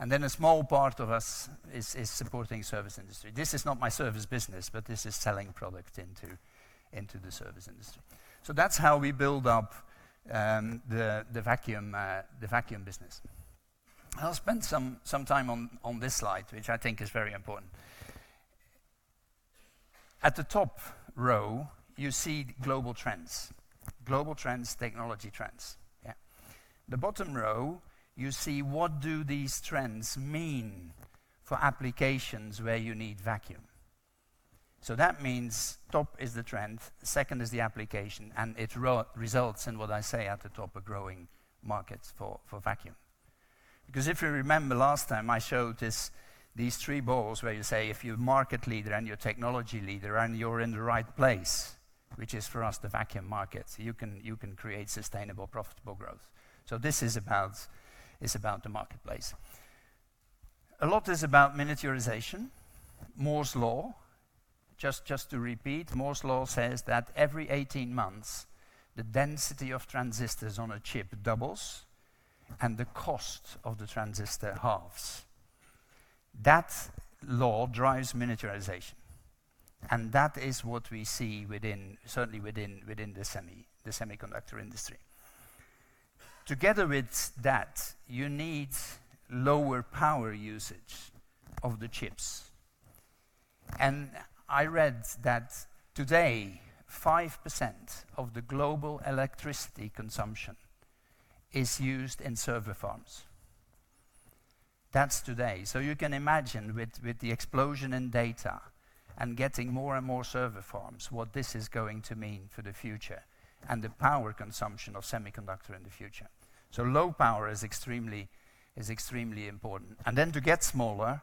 A small part of us is supporting service industry. This is not my service business, but this is selling product into the service industry. That's how we build up the Vacuum Technique business. I'll spend some time on this slide, which I think is very important. At the top row, you see global trends. Global trends, technology trends. Yeah. The bottom row, you see what do these trends mean for applications where you need vacuum. That means top is the trend, second is the application, and it results in what I say at the top, a growing markets for vacuum. If you remember last time, I showed these three balls where you say, if you're market leader and you're technology leader, and you're in the right place, which is for us, the vacuum market, you can create sustainable, profitable growth. This is about the marketplace. A lot is about miniaturization. Moore's Law, just to repeat, Moore's Law says that every 18 months, the density of transistors on a chip doubles, and the cost of the transistor halves. That law drives miniaturization, and that is what we see within, certainly within the semiconductor industry. Together with that, you need lower power usage of the chips. I read that today, 5% of the global electricity consumption is used in server farms. That's today. You can imagine with the explosion in data and getting more and more server farms, what this is going to mean for the future and the power consumption of semiconductor in the future. Low power is extremely important. Then to get smaller,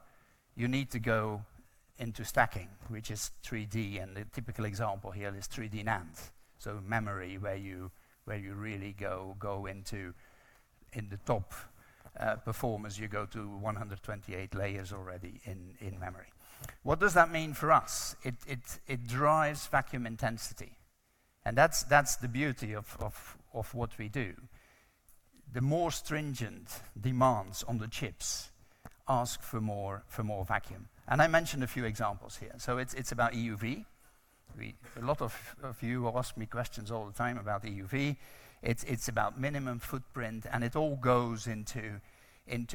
you need to go into stacking, which is 3D, and the typical example here is 3D NAND. Memory where you really go into in the top performance, you go to 128 layers already in memory. What does that mean for us? It drives vacuum intensity, and that's the beauty of what we do. The more stringent demands on the chips ask for more vacuum. I mentioned a few examples here. It's about EUV. A lot of you ask me questions all the time about EUV. It's about minimum footprint, and it all goes into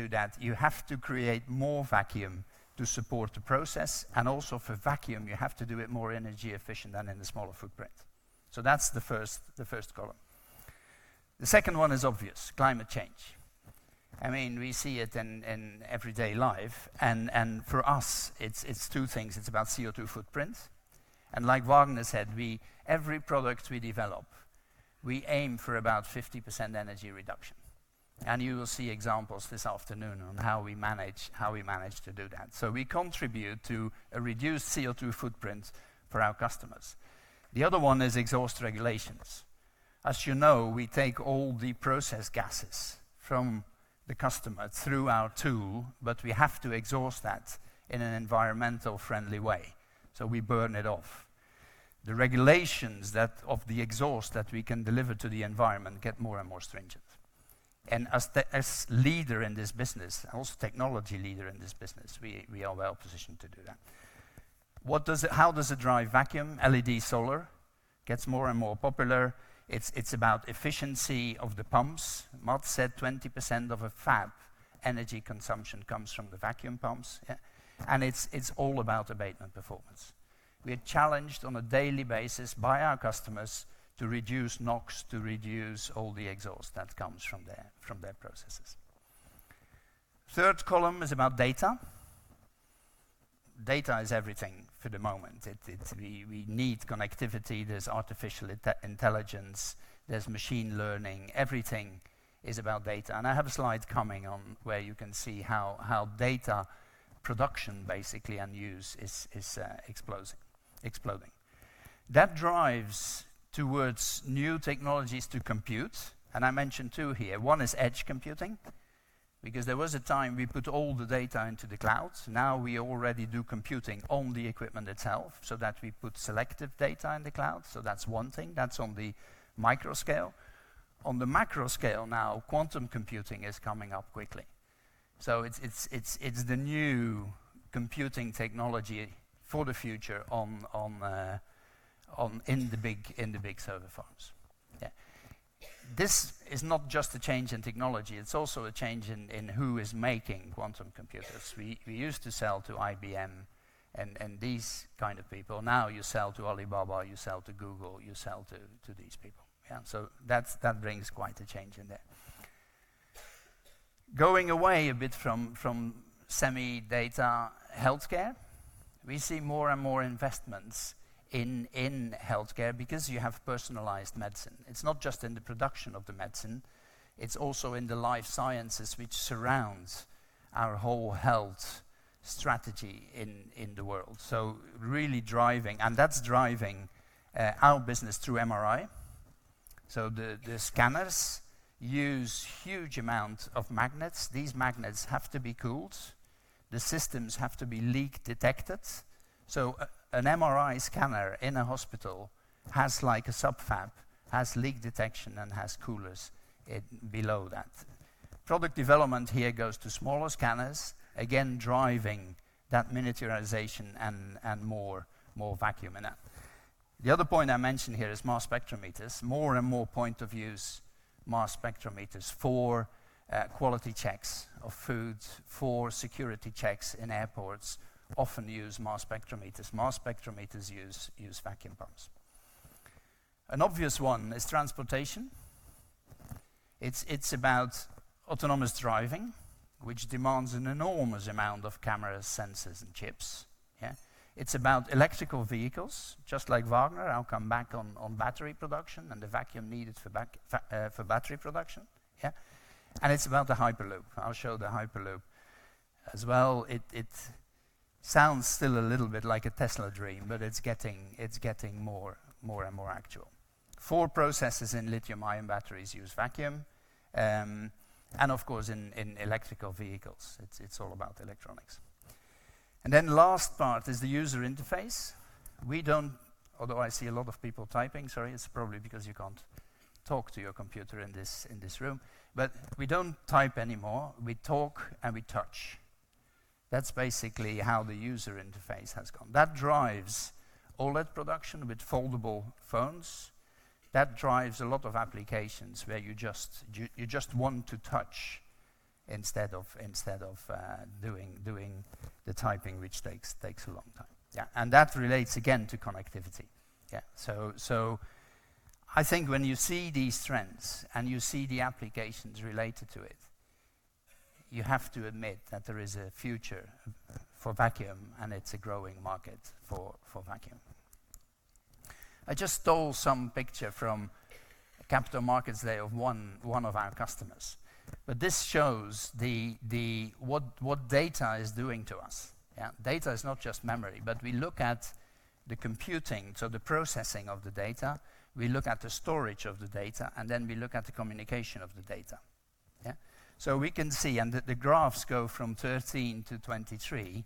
that. You have to create more vacuum to support the process, and also for vacuum, you have to do it more energy efficient than in the smaller footprint. That's the first column. The second one is obvious, climate change. I mean, we see it in everyday life and for us, it's two things. It's about CO2 footprint, and like Vagner said, every product we develop, we aim for about 50% energy reduction. You will see examples this afternoon on how we manage to do that. We contribute to a reduced CO2 footprint for our customers. The other one is exhaust regulations. As you know, we take all the process gases from the customer through our tool, but we have to exhaust that in an environmental friendly way, so we burn it off. The regulations of the exhaust that we can deliver to the environment get more and more stringent. As leader in this business, also technology leader in this business, we are well-positioned to do that. What does it drive vacuum? LED solar gets more and more popular. It's about efficiency of the pumps. Mats said 20% of a fab energy consumption comes from the vacuum pumps. Yeah. It's all about abatement performance. We're challenged on a daily basis by our customers to reduce NOx, to reduce all the exhaust that comes from their processes. Third column is about data. Data is everything for the moment. We need connectivity. There's artificial intelligence, there's machine learning. Everything is about data. I have a slide coming on where you can see how data production basically and use is exploding. That drives towards new technologies to compute. I mentioned two here. One is edge computing, because there was a time we put all the data into the cloud. Now, we already do computing on the equipment itself, so that we put selective data in the cloud. That's one thing. That's on the micro scale. On the macro scale now, quantum computing is coming up quickly. It's the new computing technology for the future in the big server farms. Yeah. This is not just a change in technology, it's also a change in who is making quantum computers. We used to sell to IBM and these kind of people. Now, you sell to Alibaba, you sell to Google, you sell to these people. Yeah. That brings quite a change in there. Going away a bit from semi, data, healthcare, we see more and more investments in healthcare because you have personalized medicine. It's not just in the production of the medicine, it's also in the life sciences which surrounds our whole health strategy in the world. That's driving our business through MRI. The scanners use huge amount of magnets. These magnets have to be cooled. The systems have to be leak-detected. An MRI scanner in a hospital has, like a sub-fab, has leak detection and has coolers below that. Product development here goes to smaller scanners, again, driving that miniaturization and more vacuum in that. The other point I mention here is mass spectrometers. More and more point of use mass spectrometers for quality checks of foods, for security checks in airports often use mass spectrometers. Mass spectrometers use vacuum pumps. An obvious one is transportation. It's about autonomous driving, which demands an enormous amount of cameras, sensors, and chips. It's about electrical vehicles, just like Vagner. I'll come back on battery production and the vacuum needed for battery production. It's about the Hyperloop. I'll show the Hyperloop as well. It sounds still a little bit like a Tesla dream, it's getting more and more actual. Four processes in lithium-ion batteries use vacuum, of course, in electrical vehicles, it's all about electronics. Then last part is the user interface. Although I see a lot of people typing. Sorry, it's probably because you can't talk to your computer in this room. We don't type anymore. We talk, we touch. That's basically how the user interface has gone. That drives all that production with foldable phones. That drives a lot of applications where you just want to touch instead of doing the typing, which takes a long time. Yeah. That relates again to connectivity. Yeah. I think when you see these trends and you see the applications related to it, you have to admit that there is a future for vacuum, and it's a growing market for vacuum. I just stole some picture from Capital Markets Day of one of our customers, but this shows what data is doing to us. Yeah. Data is not just memory, but we look at the computing, so the processing of the data, we look at the storage of the data, and then we look at the communication of the data. Yeah. We can see, and the graphs go from 13 to 23,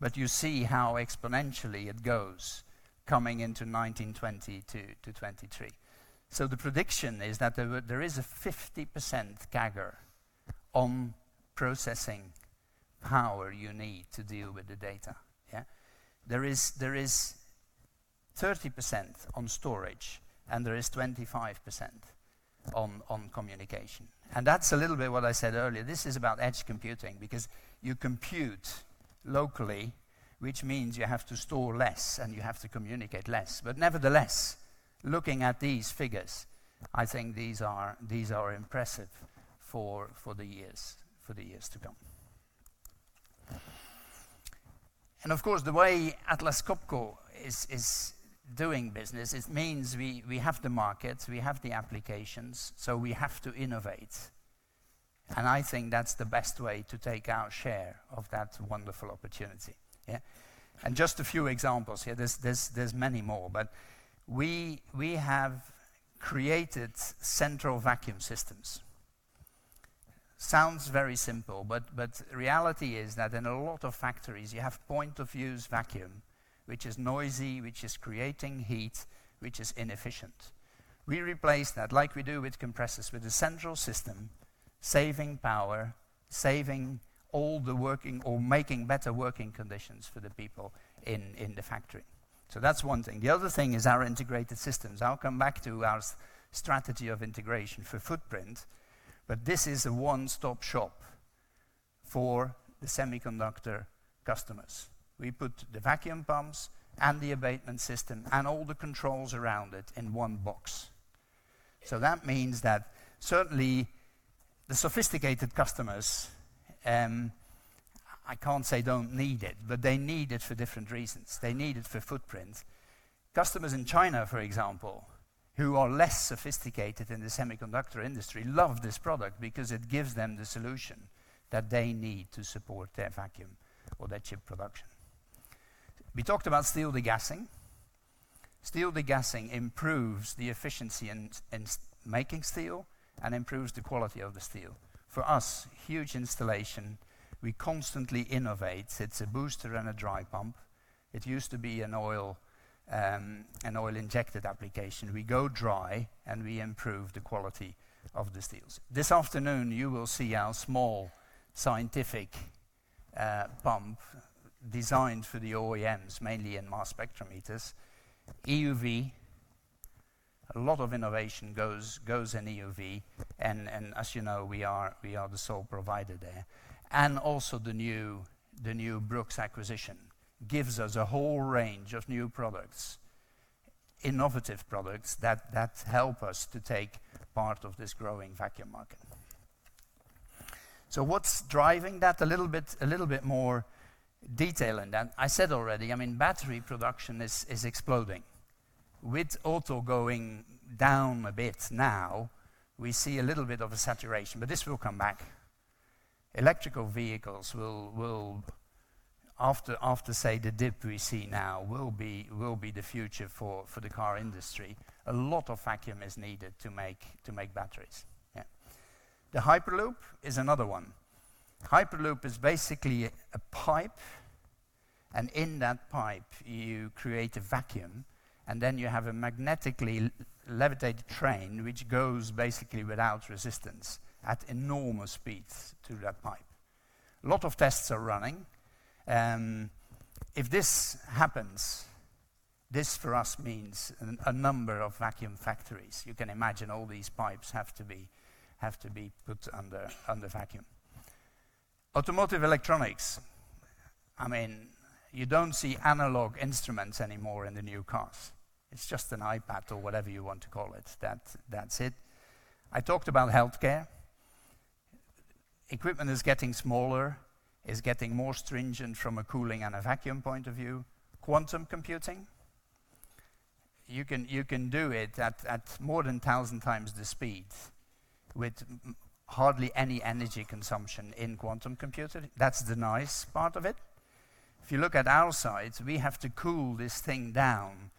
but you see how exponentially it goes coming into 19, 22 to 2023. The prediction is that there is a 50% CAGR on processing power you need to deal with the data. Yeah. There is 30% on storage, 25% on communication. That's a little bit what I said earlier. This is about edge computing because you compute locally, which means you have to store less, and you have to communicate less. Nevertheless, looking at these figures, I think these are impressive for the years to come. Of course, the way Atlas Copco is doing business, it means we have the markets, we have the applications, we have to innovate, and I think that's the best way to take our share of that wonderful opportunity. Yeah. Just a few examples here. There's many more, but we have created central vacuum systems. Sounds very simple, reality is that in a lot of factories, you have point of use vacuum, which is noisy, which is creating heat, which is inefficient. We replace that, like we do with compressors, with a central system, saving power, saving all the working or making better working conditions for the people in the factory. That's one thing. The other thing is our integrated systems. I'll come back to our strategy of integration for footprint, this is a one-stop shop for the semiconductor customers. We put the vacuum pumps and the abatement system and all the controls around it in one box. That means that certainly the sophisticated customers, I can't say don't need it, they need it for different reasons. They need it for footprint. Customers in China, for example, who are less sophisticated in the semiconductor industry, love this product because it gives them the solution that they need to support their vacuum or their chip production. We talked about steel degassing. Steel degassing improves the efficiency in making steel and improves the quality of the steel. For us, huge installation, we constantly innovate. It's a booster and a dry pump. It used to be an oil, an oil-injected application. We go dry, we improve the quality of the steels. This afternoon, you will see our small scientific pump designed for the OEMs, mainly in mass spectrometers. EUV, a lot of innovation goes in EUV and as you know, we are the sole provider there. And also the new Brooks acquisition gives us a whole range of new products, innovative products that help us to take part of this growing vacuum market. What's driving that? A little bit more detail in that. I said already, I mean, battery production is exploding. With auto going down a bit now, we see a little bit of a saturation, but this will come back. Electrical vehicles will after, say, the dip we see now, will be the future for the car industry. A lot of vacuum is needed to make batteries. Yeah. The Hyperloop is another one. Hyperloop is basically a pipe. In that pipe you create a vacuum, then you have a magnetically levitated train, which goes basically without resistance at enormous speeds through that pipe. A lot of tests are running. If this happens, this for us means a number of vacuum factories. You can imagine all these pipes have to be put under vacuum. Automotive electronics. I mean, you don't see analog instruments anymore in the new cars. It's just an iPad or whatever you want to call it. That's it. I talked about healthcare. Equipment is getting smaller, is getting more stringent from a cooling and a vacuum point of view. Quantum computing, you can do it at more than 1,000x the speed with hardly any energy consumption in quantum computing. That's the nice part of it. If you look at our sides, we have to cool this thing down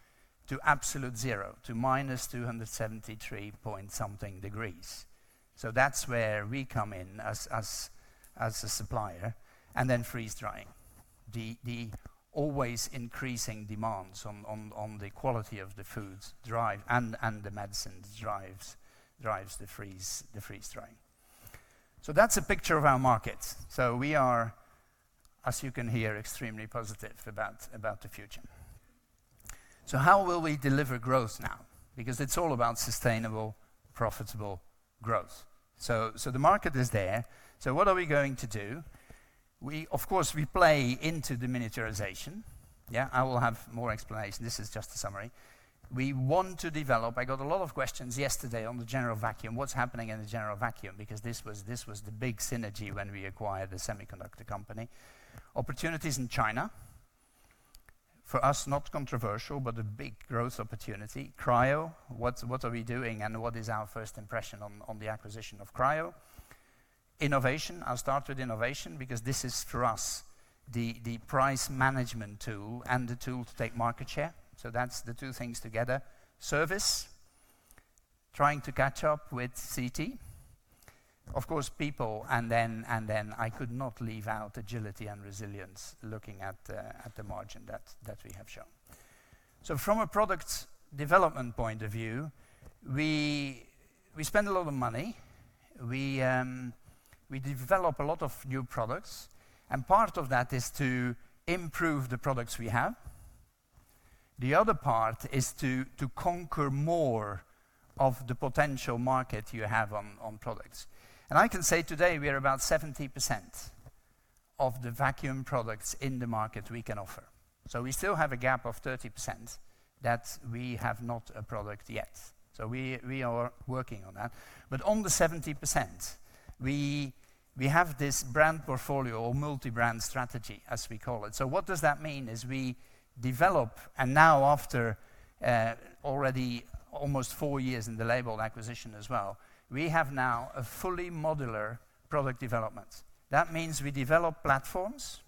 to absolute zero, to minus 273 point something degrees. That's where we come in as a supplier. Then freeze-drying. The always increasing demands on the quality of the foods drive and the medicines drives the freeze-drying. That's a picture of our markets. We are, as you can hear, extremely positive about the future. How will we deliver growth now? Because it's all about sustainable, profitable growth. The market is there. What are we going to do? We, of course, play into the miniaturization. Yeah, I will have more explanation. This is just a summary. We want to develop I got a lot of questions yesterday on the general vacuum, what's happening in the general vacuum, because this was the big synergy when we acquired the semiconductor company. Opportunities in China. For us, not controversial, but a big growth opportunity. Cryo, what's, what are we doing and what is our first impression on the acquisition of Cryo? Innovation. I'll start with innovation because this is for us, the price management tool and the tool to take market share. That's the two things together. Service, trying to catch up with CT. Of course, people and then, and then I could not leave out agility and resilience looking at the margin that we have shown. From a product development point of view, we spend a lot of money. We develop a lot of new products, and part of that is to improve the products we have. The other part is to conquer more of the potential market you have on products. I can say today we are about 70% of the vacuum products in the market we can offer. We still have a gap of 30% that we have not a product yet. We are working on that. On the 70%, we have this brand portfolio or multi-brand strategy, as we call it. What does that mean is we develop, and now after already almost four years in the Leybold acquisition as well, we have now a fully modular product development. That means we develop platforms.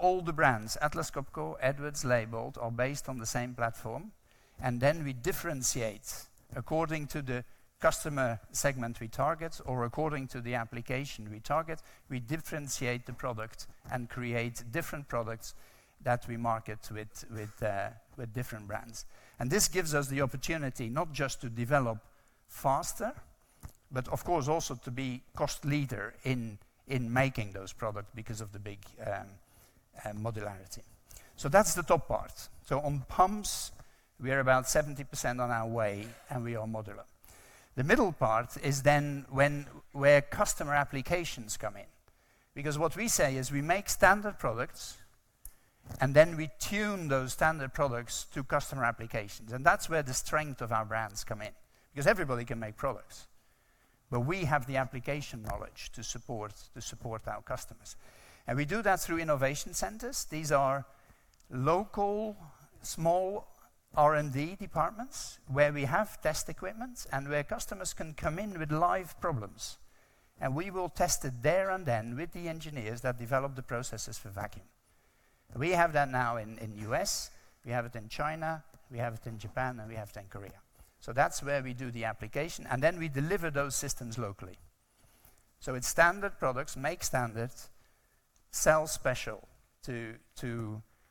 All the brands, Atlas Copco, Edwards, Leybold, are based on the same platform. We differentiate according to the customer segment we target or according to the application we target, we differentiate the product and create different products that we market with different brands. This gives us the opportunity not just to develop faster, but of course also to be cost leader in making those products because of the big modularity. That's the top part. On pumps, we are about 70% on our way, and we are modular. The middle part is then where customer applications come in, because what we say is we make standard products, and then we tune those standard products to customer applications. That's where the strength of our brands come in, because everybody can make products, but we have the application knowledge to support our customers. We do that through innovation centers. These are local, small R&D departments where we have test equipment and where customers can come in with live problems. We will test it there and then with the engineers that develop the processes for vacuum. We have that now in U.S., we have it in China, we have it in Japan. We have it in Korea. That's where we do the application, and then we deliver those systems locally. It's standard products, make standard, sell special to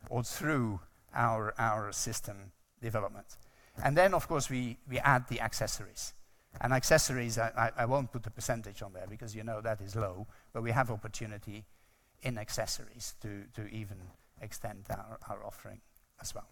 or through our system development. Of course, we add the accessories. Accessories, I won't put a percentage on there because you know that is low, but we have opportunity in accessories to even extend our offering as well.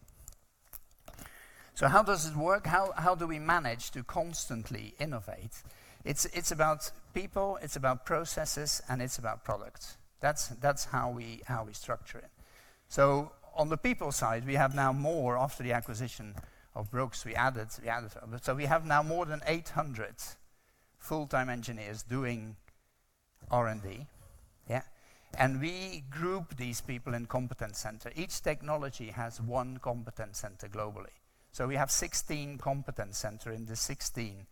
How does it work? How do we manage to constantly innovate? It's about people, it's about processes, and it's about product. That's how we structure it. On the people side, we have now more. After the acquisition of Brooks, we added. We have now more than 800 full-time engineers doing R&D. We group these people in competence center. Each technology has one competence center globally. We have 16 competence center in the 16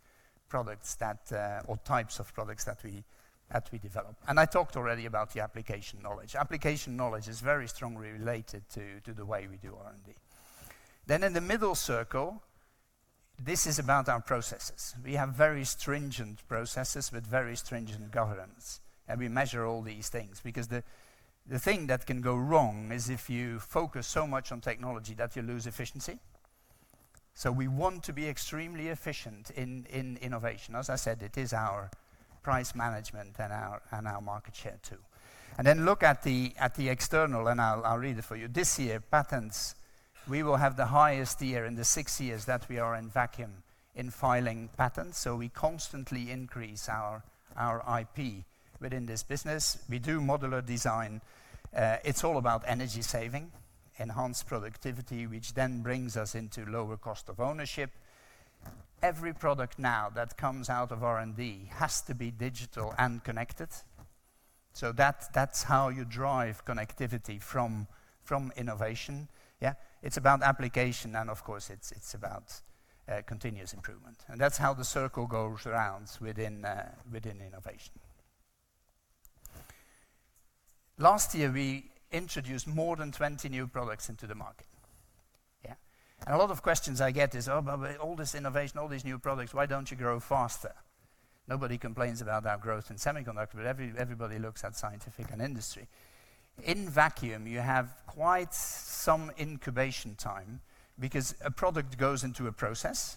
products that, or types of products that we develop. I talked already about the application knowledge. Application knowledge is very strongly related to the way we do R&D. In the middle circle, this is about our processes. We have very stringent processes with very stringent governance. We measure all these things because the thing that can go wrong is if you focus so much on technology that you lose efficiency. We want to be extremely efficient in innovation. As I said, it is our price management and our market share too. Then look at the external, and I'll read it for you. This year, patents, we will have the highest year in the six years that we are in vacuum in filing patents, so we constantly increase our IP within this business. We do modular design. It's all about energy saving, enhanced productivity, which then brings us into lower cost of ownership. Every product now that comes out of R&D has to be digital and connected, so that's how you drive connectivity from innovation. It's about application and, of course, it's about continuous improvement. That's how the circle goes around within innovation. Last year, we introduced more than 20 new products into the market. Yeah. A lot of questions I get is, Oh, but with all this innovation, all these new products, why don't you grow faster? Nobody complains about our growth in semiconductor, but everybody looks at scientific and industry. In Vacuum Technique, you have quite some incubation time because a product goes into a process,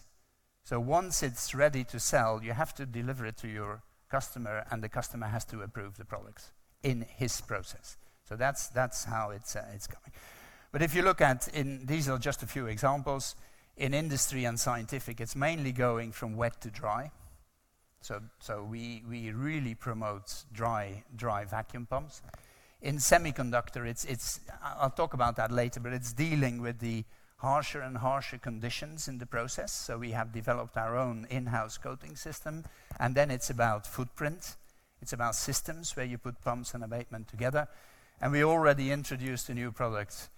so once it's ready to sell, you have to deliver it to your customer, and the customer has to approve the products in his process. That's how it's going. If you look at, these are just a few examples. In industry and scientific, it's mainly going from wet to dry. We, we really promote dry vacuum pumps. In semiconductor, it's I'll talk about that later, but it's dealing with the harsher and harsher conditions in the process, so we have developed our own in-house coating system, and then it's about footprint. It's about systems, where you put pumps and abatement together. We already introduced a new product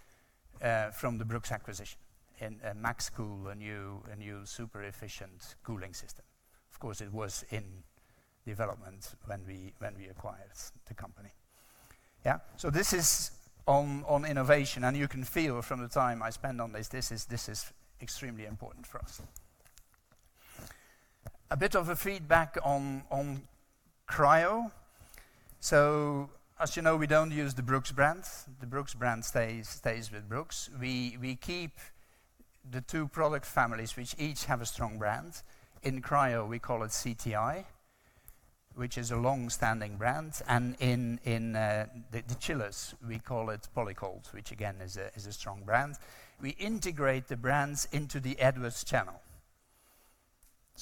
from the Brooks acquisition, MaxCool, a new super efficient cooling system. Of course, it was in development when we acquired the company. Yeah. This is on innovation, and you can feel from the time I spend on this is extremely important for us. A bit of a feedback on cryo. As you know, we don't use the Brooks brand. The Brooks brand stays with Brooks. We keep the two product families, which each have a strong brand. In cryo, we call it CTI, which is a long-standing brand. In the chillers, we call it Polycold, which again, is a strong brand. We integrate the brands into the Edwards channel.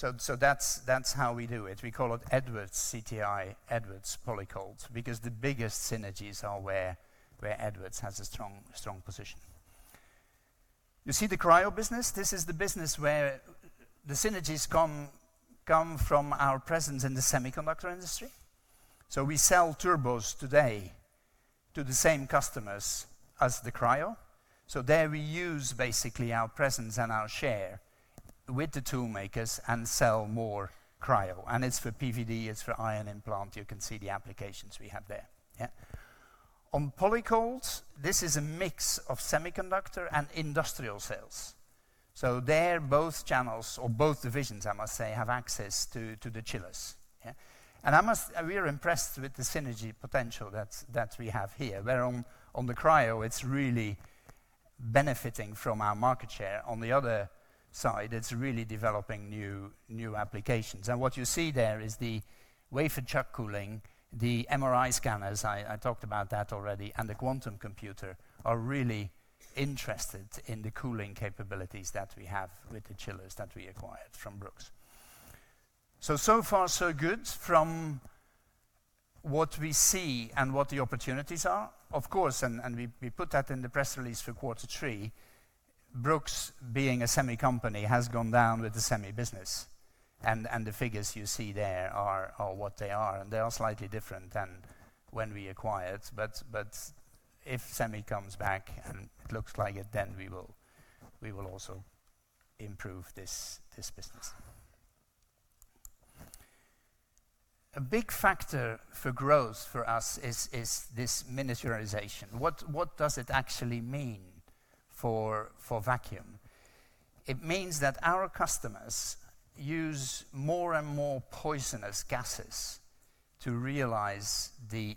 That's how we do it. We call it Edwards CTI, Edwards Polycold, because the biggest synergies are where Edwards has a strong position. You see the cryo business? This is the business where the synergies come from our presence in the semiconductor industry. We sell turbos today to the same customers as the cryo. There we use basically our presence and our share with the toolmakers and sell more cryo, and it's for PVD, it's for ion implant. You can see the applications we have there. On Polycold, this is a mix of semiconductor and industrial sales. There, both channels or both divisions, I must say, have access to the chillers. Yeah. We are impressed with the synergy potential that we have here, where on the cryo, it's really benefiting from our market share. On the other side, it's really developing new applications. What you see there is the wafer chuck cooling, the MRI scanners, I talked about that already, and the quantum computer are really interested in the cooling capabilities that we have with the chillers that we acquired from Brooks. So far so good from what we see and what the opportunities are. Of course, we put that in the press release for quarter three, Brooks being a semi company has gone down with the semi business and the figures you see there are what they are, and they are slightly different than when we acquired. If semi comes back, and it looks like it, then we will also improve this business. A big factor for growth for us is this miniaturization. What does it actually mean for vacuum? It means that our customers use more and more poisonous gases to realize the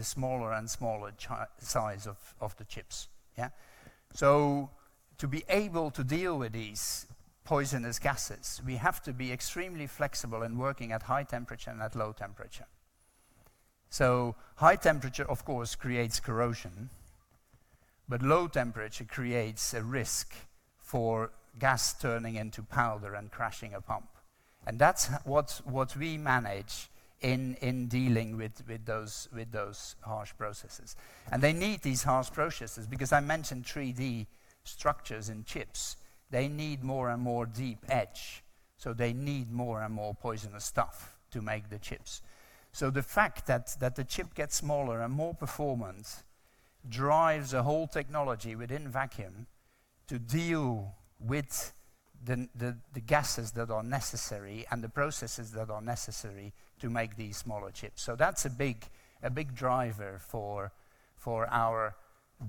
smaller and smaller size of the chips. Yeah. To be able to deal with these poisonous gases, we have to be extremely flexible in working at high temperature and at low temperature. High temperature, of course, creates corrosion, but low temperature creates a risk for gas turning into powder and crashing a pump, and that's what we manage in dealing with those harsh processes. They need these harsh processes because I mentioned 3D structures in chips. They need more and more deep etch, so they need more and more poisonous stuff to make the chips. The fact that the chip gets smaller and more performance drives a whole technology within vacuum to deal with the gases that are necessary and the processes that are necessary to make these smaller chips. That's a big driver for our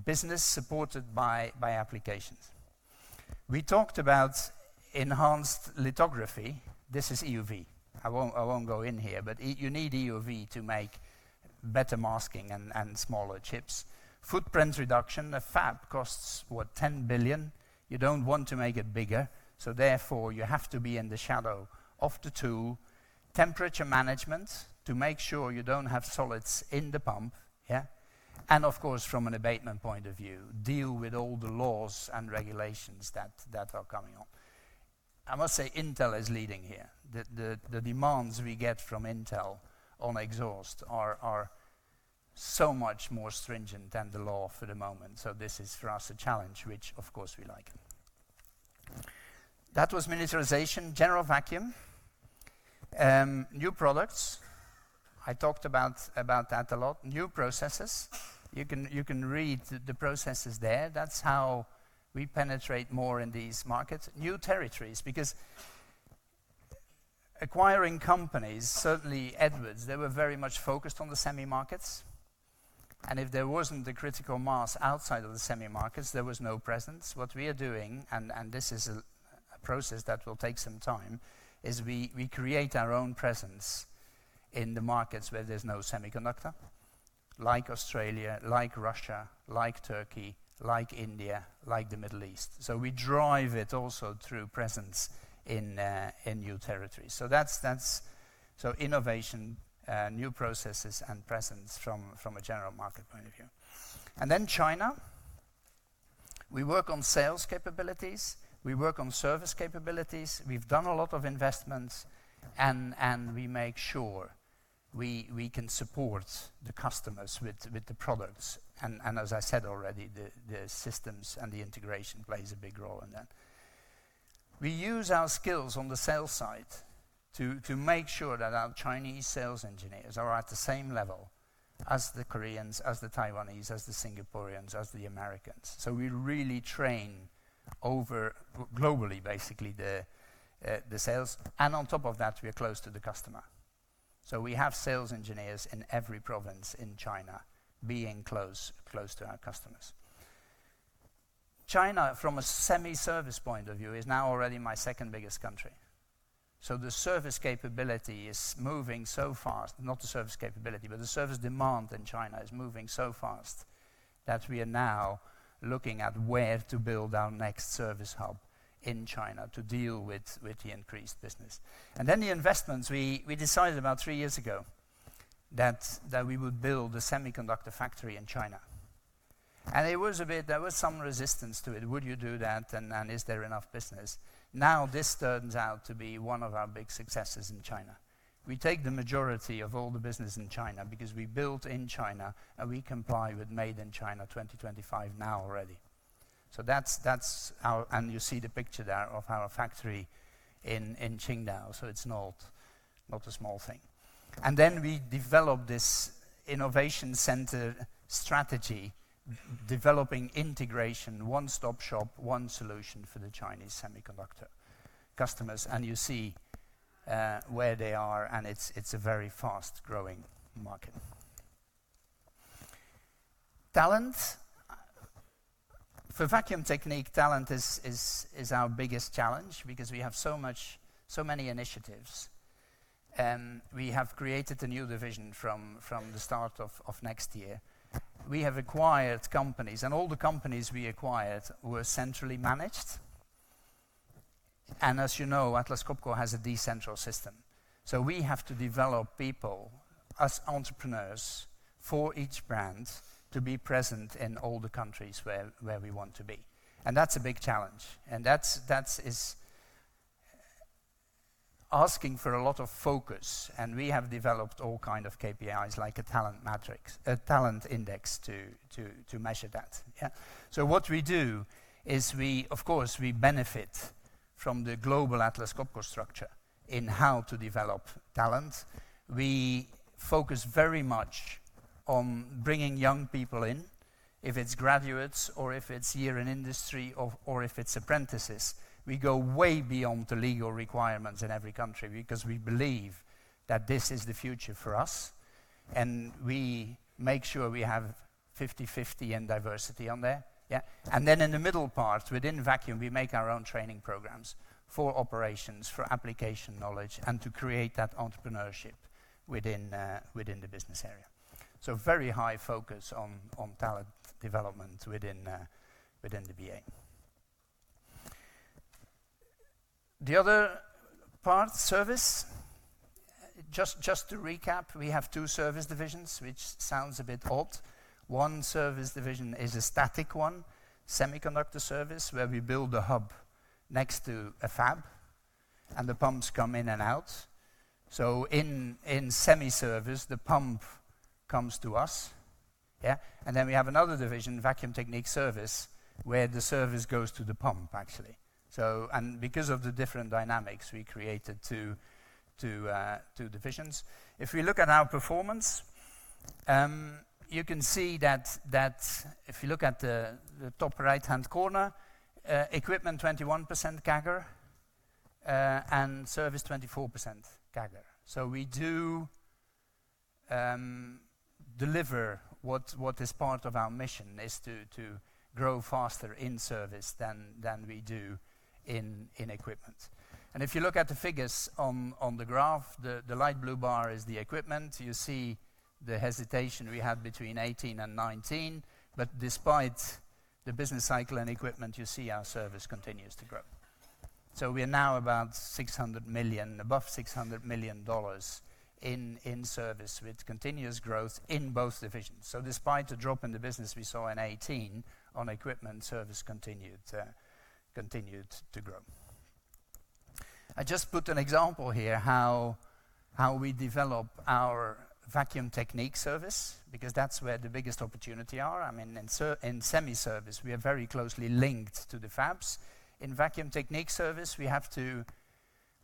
business supported by applications. We talked about enhanced lithography. This is EUV. I won't go in here, you need EUV to make better masking and smaller chips. Footprint reduction. A fab costs, what, 10 billion? You don't want to make it bigger, therefore, you have to be in the shadow of the tool. Temperature management to make sure you don't have solids in the pump. Yeah. Of course, from an abatement point of view, deal with all the laws and regulations that are coming on. I must say, Intel is leading here. The demands we get from Intel on exhaust are so much more stringent than the law for the moment. This is, for us, a challenge, which, of course, we like. That was miniaturization. Vacuum Technique. New products, I talked about that a lot. New processes. You can read the processes there. That's how we penetrate more in these markets. New territories, because acquiring companies, certainly Edwards, they were very much focused on the semi markets, and if there wasn't the critical mass outside of the semi markets, there was no presence. What we are doing, and this is a process that will take some time, is we create our own presence in the markets where there's no semiconductor, like Australia, like Russia, like Turkey, like India, like the Middle East. We drive it also through presence in new territories. That's innovation, new processes, and presence from a general market point of view. Then China. We work on sales capabilities. We work on service capabilities. We've done a lot of investments, and we make sure we can support the customers with the products. As I said already, the systems and the integration plays a big role in that. We use our skills on the sales side to make sure that our Chinese sales engineers are at the same level as the Koreans, as the Taiwanese, as the Singaporeans, as the Americans. We really train over, globally, basically, the sales. On top of that, we are close to the customer. We have sales engineers in every province in China being close to our customers. China, from a semi service point of view, is now already my second-biggest country. The service capability is moving so fast. Not the service capability, but the service demand in China is moving so fast that we are now looking at where to build our next service hub in China to deal with the increased business. The investments, we decided about three years ago that we would build a semiconductor factory in China. There was some resistance to it. "Would you do that?" "Is there enough business?" This turns out to be one of our big successes in China. We take the majority of all the business in China because we built in China, we comply with Made in China 2025 now already. That's our. You see the picture there of our factory in Qingdao, it's not a small thing. We developed this innovation center strategy, developing integration, one-stop shop, one solution for the Chinese semiconductor customers. You see where they are, it's a very fast-growing market. Talent. For Vacuum Technique, talent is our biggest challenge because we have so many initiatives. We have created a new division from the start of next year. We have acquired companies, and all the companies we acquired were centrally managed. As you know, Atlas Copco has a decentral system. We have to develop people as entrepreneurs for each brand to be present in all the countries where we want to be. That's a big challenge. That's asking for a lot of focus, and we have developed all kind of KPIs like a talent matrix, a talent index to measure that. What we do is we, of course, we benefit from the global Atlas Copco structure in how to develop talent. We focus very much on bringing young people in, if it's graduates or if it's year in industry or if it's apprentices. We go way beyond the legal requirements in every country because we believe that this is the future for us, and we make sure we have 50/50 in diversity on there. Yeah. Then in the middle part, within Vacuum, we make our own training programs for operations, for application knowledge, and to create that entrepreneurship within the business area. Very high focus on talent development within the BA. The other part, service. Just to recap, we have two service divisions, which sounds a bit odd. One service division is a static one, semiconductor service, where we build a hub next to a fab, and the pumps come in and out. In semi service, the pump comes to us. Yeah. We have another division, Vacuum Technique Service, where the service goes to the pump, actually. Because of the different dynamics, we created two divisions. If we look at our performance, you can see that if you look at the top right-hand corner, equipment 21% CAGR, and service 24% CAGR. We do deliver what is part of our mission, is to grow faster in service than we do in equipment. If you look at the figures on the graph, the light blue bar is the equipment. You see the hesitation we have between 18 and 19. Despite the business cycle and equipment, you see our service continues to grow. We are now about 600 million, above $600 million in service with continuous growth in both divisions. Despite the drop in the business we saw in 2018 on equipment, service continued to grow. I just put an example here how we develop our Vacuum Technique Service because that's where the biggest opportunity are. I mean, in semi service, we are very closely linked to the fabs. In Vacuum Technique Service, we have to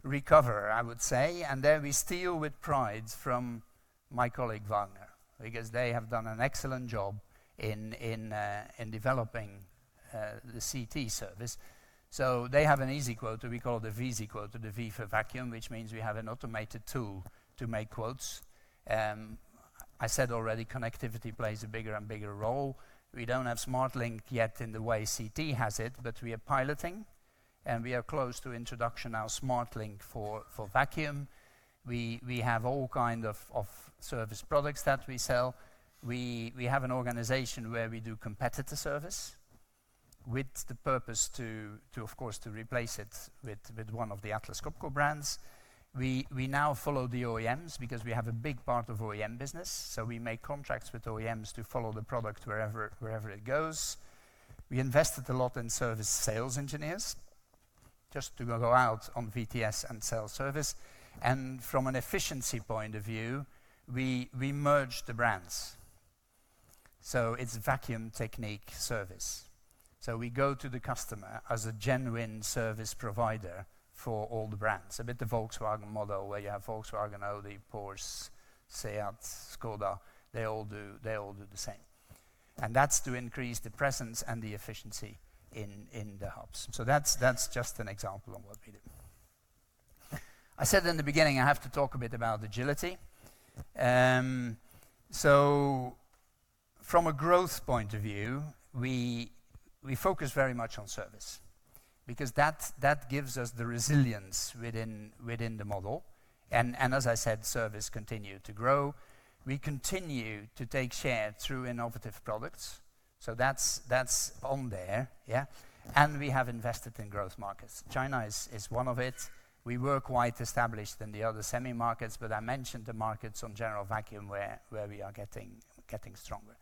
recover, I would say. There we steal with pride from my colleague, Vagner, because they have done an excellent job in developing the CT service. They have an easy quote we call the V-Easy Quote or the V for Vacuum, which means we have an automated tool to make quotes. I said already connectivity plays a bigger and bigger role. We don't have SMARTLINK yet in the way CT has it, but we are piloting, and we are close to introduction our SMARTLINK for vacuum. We have all kind of service products that we sell. We have an organization where we do competitor service with the purpose to, of course, to replace it with one of the Atlas Copco brands. We now follow the OEMs because we have a big part of OEM business, so we make contracts with OEMs to follow the product wherever it goes. We invested a lot in service sales engineers just to go out on VTS and sell service. From an efficiency point of view, we merged the brands. It's Vacuum Technique Service. We go to the customer as a genuine service provider for all the brands. A bit the Volkswagen model, where you have Volkswagen, Audi, Porsche, SEAT, Škoda, they all do the same. That's to increase the presence and the efficiency in the hubs. That's just an example of what we do. I said in the beginning, I have to talk a bit about agility. From a growth point of view, we focus very much on service because that gives us the resilience within the model. As I said, service continue to grow. We continue to take share through innovative products. That's on there, yeah. We have invested in growth markets. China is one of it. We were quite established in the other semi markets. I mentioned the markets on general vacuum where we are getting stronger.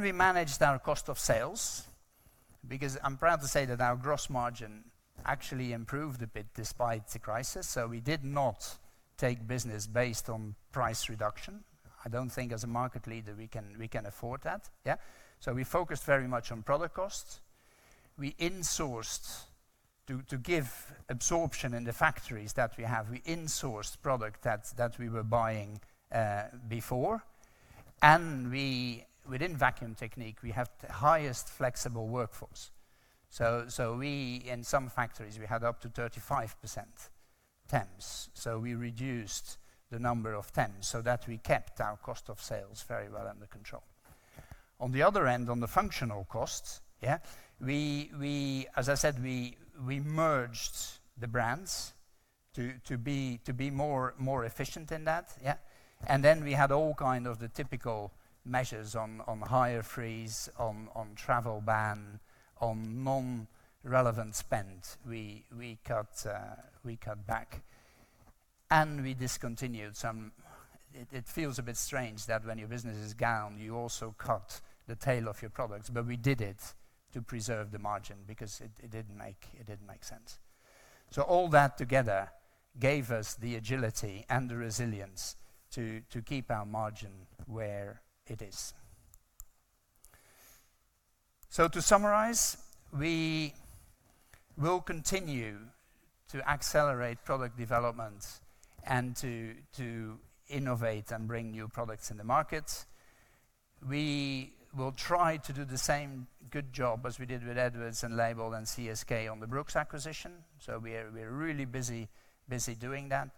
We managed our cost of sales because I'm proud to say that our gross margin actually improved a bit despite the crisis. We did not take business based on price reduction. I don't think as a market leader we can afford that, yeah. We focused very much on product costs. We insourced to give absorption in the factories that we have. We insourced product that we were buying before. We, within Vacuum Technique, we have the highest flexible workforce. We, in some factories, we had up to 35% temps. We reduced the number of temps so that we kept our cost of sales very well under control. On the other end, on the functional costs, as I said, we merged the brands to be more efficient in that. We had all kind of the typical measures on hire freeze, on travel ban, on non-relevant spend. We cut back, and we discontinued some. It feels a bit strange that when your business is down, you also cut the tail of your products. We did it to preserve the margin because it didn't make sense. All that together gave us the agility and the resilience to keep our margin where it is. To summarize, we will continue to accelerate product development and to innovate and bring new products in the market. We will try to do the same good job as we did with Edwards and Leybold and CSK on the Brooks acquisition. We are really busy doing that.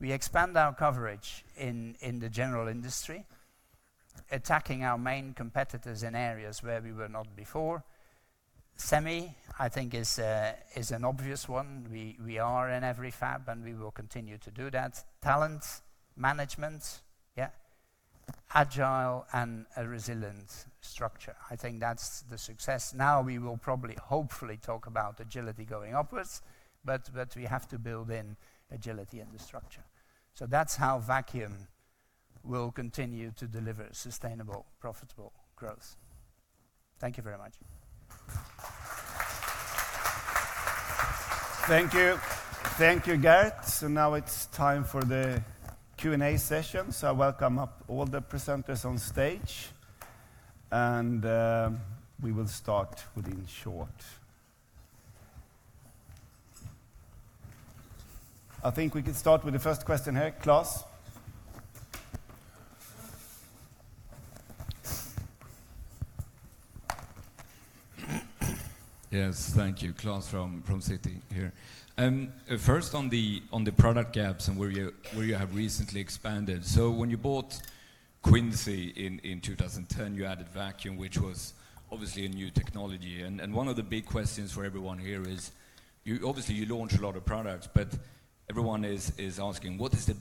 We expand our coverage in the general industry, attacking our main competitors in areas where we were not before. Semi, I think, is an obvious one. We are in every fab, and we will continue to do that. Talent management, yeah. Agile and a resilient structure. I think that's the success. We will probably, hopefully talk about agility going upwards, but we have to build in agility in the structure. That's how Vacuum will continue to deliver sustainable, profitable growth. Thank you very much. Thank you. Thank you, Geert. Now it's time for the Q&A session. I welcome up all the presenters on stage, and we will start within short. I think we can start with the first question here. Klas? Yes. Thank you. Klas from Citi here. First on the product gaps and where you have recently expanded. When you bought Quincy in 2010, you added vacuum, which was obviously a new technology. One of the big questions for everyone here is obviously you launch a lot of products, but everyone is asking, what is the-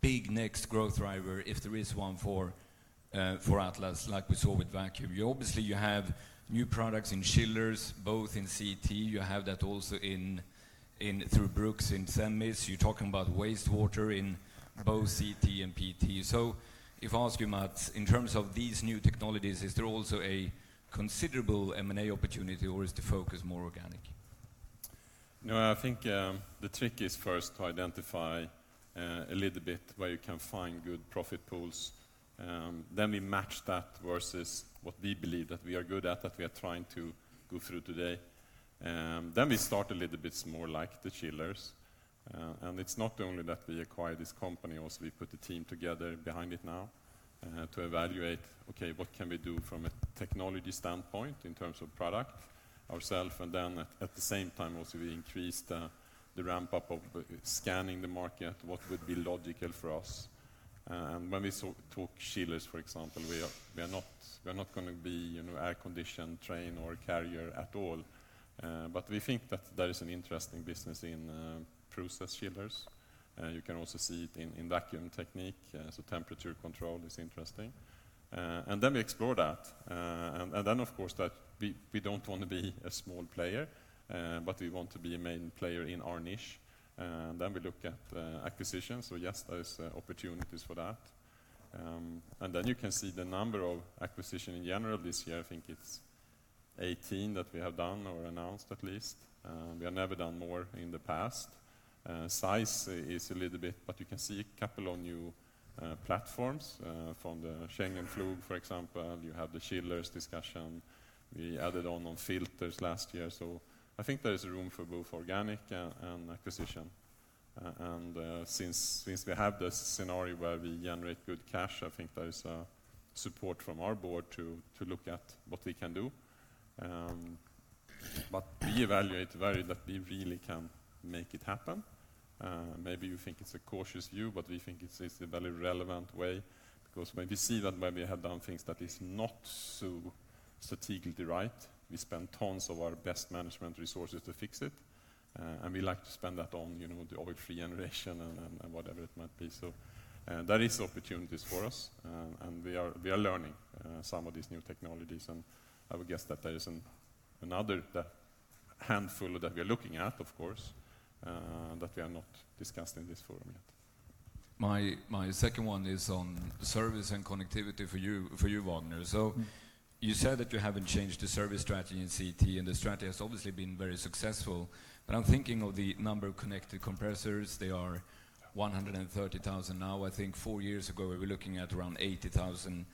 Big next growth driver, if there is one for Atlas like we saw with Vacuum. You obviously, you have new products in Chillers, both in CT. You have that also in through Brooks in semis. You're talking about wastewater in both CT and PT. If I ask you, Mats, in terms of these new technologies, is there also a considerable M&A opportunity, or is the focus more organic? I think the trick is first to identify a little bit where you can find good profit pools. Then we match that versus what we believe that we are good at, that we are trying to go through today. Then we start a little bit more like the Chillers. It's not only that we acquire this company, also we put the team together behind it now to evaluate, okay, what can we do from a technology standpoint in terms of product ourself? Then at the same time also we increase the ramp up of scanning the market, what would be logical for us. When we talk Chillers, for example, we are not going to be, you know, air-conditioned train or Carrier at all. But we think that there is an interesting business in process chillers. You can also see it in Vacuum Technique, so temperature control is interesting. We explore that. We don't wanna be a small player, but we want to be a main player in our niche. We look at acquisitions. Yes, there is opportunities for that. You can see the number of acquisition in general this year, I think it's 18 that we have done or announced at least. We have never done more in the past. Size is a little bit, but you can see a couple of new platforms from the Scheugenpflug, for example. You have the chillers discussion. We added on filters last year. I think there is room for both organic and acquisition. Since we have this scenario where we generate good cash, I think there is support from our board to look at what we can do. We evaluate very that we really can make it happen. Maybe you think it's a cautious view, but we think it's a very relevant way, because when we see that when we have done things that is not so strategically right, we spend tons of our best management resources to fix it. We like to spend that on, you know, the organic free generation and whatever it might be. That is opportunities for us. We are learning some of these new technologies, and I would guess that there is another that handful that we are looking at, of course, that we are not discussing in this forum yet. My second one is on service and connectivity for you, Vagner. You said that you haven't changed the service strategy in CT, and the strategy has obviously been very successful. I'm thinking of the number of connected compressors. They are 130,000 now. I think four years ago, we were looking at around 80,000.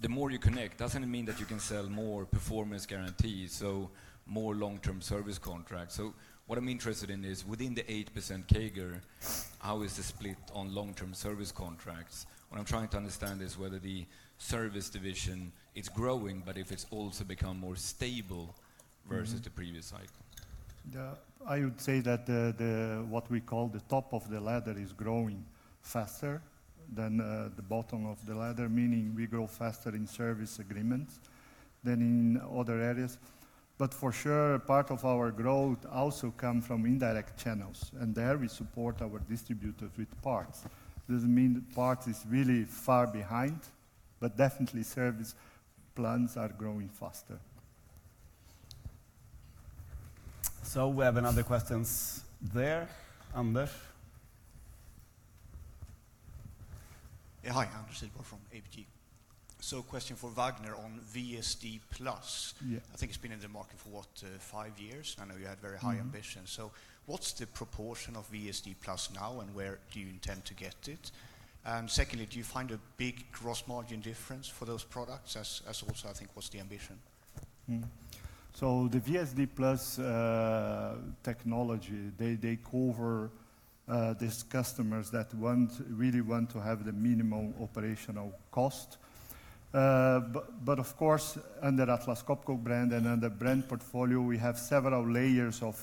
The more you connect doesn't mean that you can sell more performance guarantees, so more long-term service contracts. What I'm interested in is within the 8% CAGR, how is the split on long-term service contracts? What I'm trying to understand is whether the service division is growing, but if it's also become more stable versus the previous cycle. I would say that the what we call the top of the ladder is growing faster than the bottom of the ladder, meaning we grow faster in service agreements than in other areas. For sure, part of our growth also come from indirect channels, and there we support our distributor with parts. It doesn't mean that parts is really far behind, but definitely service plans are growing faster. We have another questions there. Anders. Yeah. Hi, Anders Idborg from ABG. Question for Vagner on VSD+. Yeah. I think it's been in the market for what, five years? I know you had very high ambitions. What's the proportion of VSD+ now, and where do you intend to get it? Secondly, do you find a big gross margin difference for those products as also I think was the ambition? The VSD+ technology, they cover these customers that really want to have the minimum operational cost. Of course, under Atlas Copco brand and under brand portfolio, we have several layers of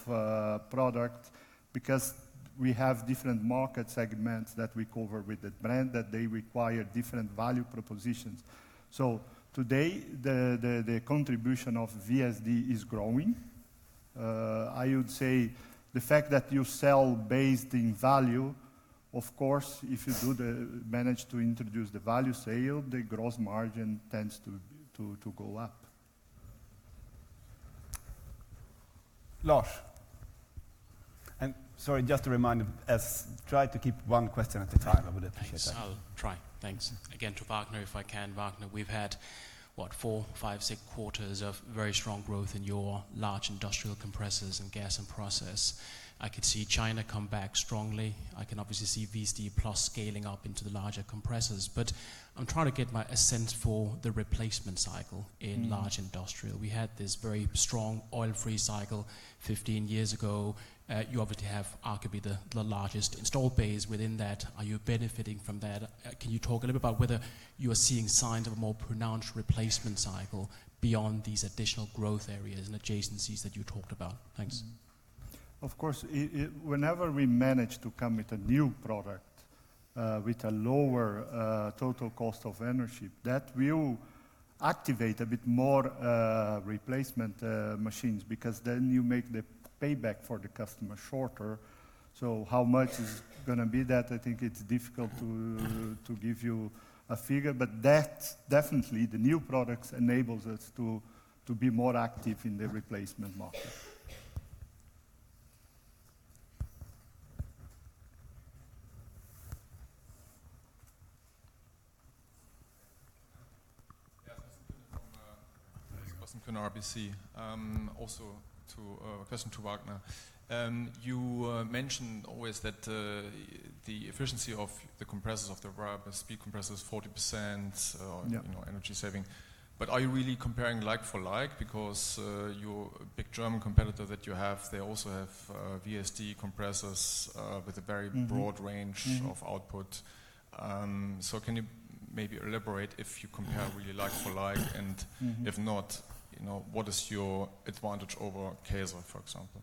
product because we have different market segments that we cover with the brand that they require different value propositions. Today, the contribution of VSD is growing. I would say the fact that you sell based in value, of course, if you manage to introduce the value sale, the gross margin tends to go up. Lars. Sorry, just a reminder, try to keep one question at a time. I would appreciate that. Thanks. I'll try. Thanks. Again to Vagner, if I can. Vagner, we've had, what, four, five, six quarters of very strong growth in your large industrial compressors and gas and process. I could see China come back strongly. I can obviously see VSD+ scaling up into the larger compressors. I'm trying to get my a sense for the replacement cycle in large industrial. We had this very strong oil-free cycle 15 years ago. You obviously have arguably the largest installed base within that. Are you benefiting from that? Can you talk a little bit about whether you are seeing signs of a more pronounced replacement cycle beyond these additional growth areas and adjacencies that you talked about? Thanks. Of course. Whenever we manage to come with a new product, with a lower total cost of energy, that will activate a bit more replacement machines because then you make the payback for the customer shorter. How much is gonna be that? I think it's difficult to give you a figure, but that definitely the new products enables us to be more active in the replacement market. Yeah. Sebastian Kuenne from RBC. Also to question to Vagner. You mention always that the efficiency of the compressors, of the variable speed compressor is 40%. Yeah you know, energy saving. Are you really comparing like for like? Your big German competitor that you have, they also have, VSD compressors, with a. broad range. of output. Can you maybe elaborate if you compare really like for like? if not, you know, what is your advantage over Kaeser, for example?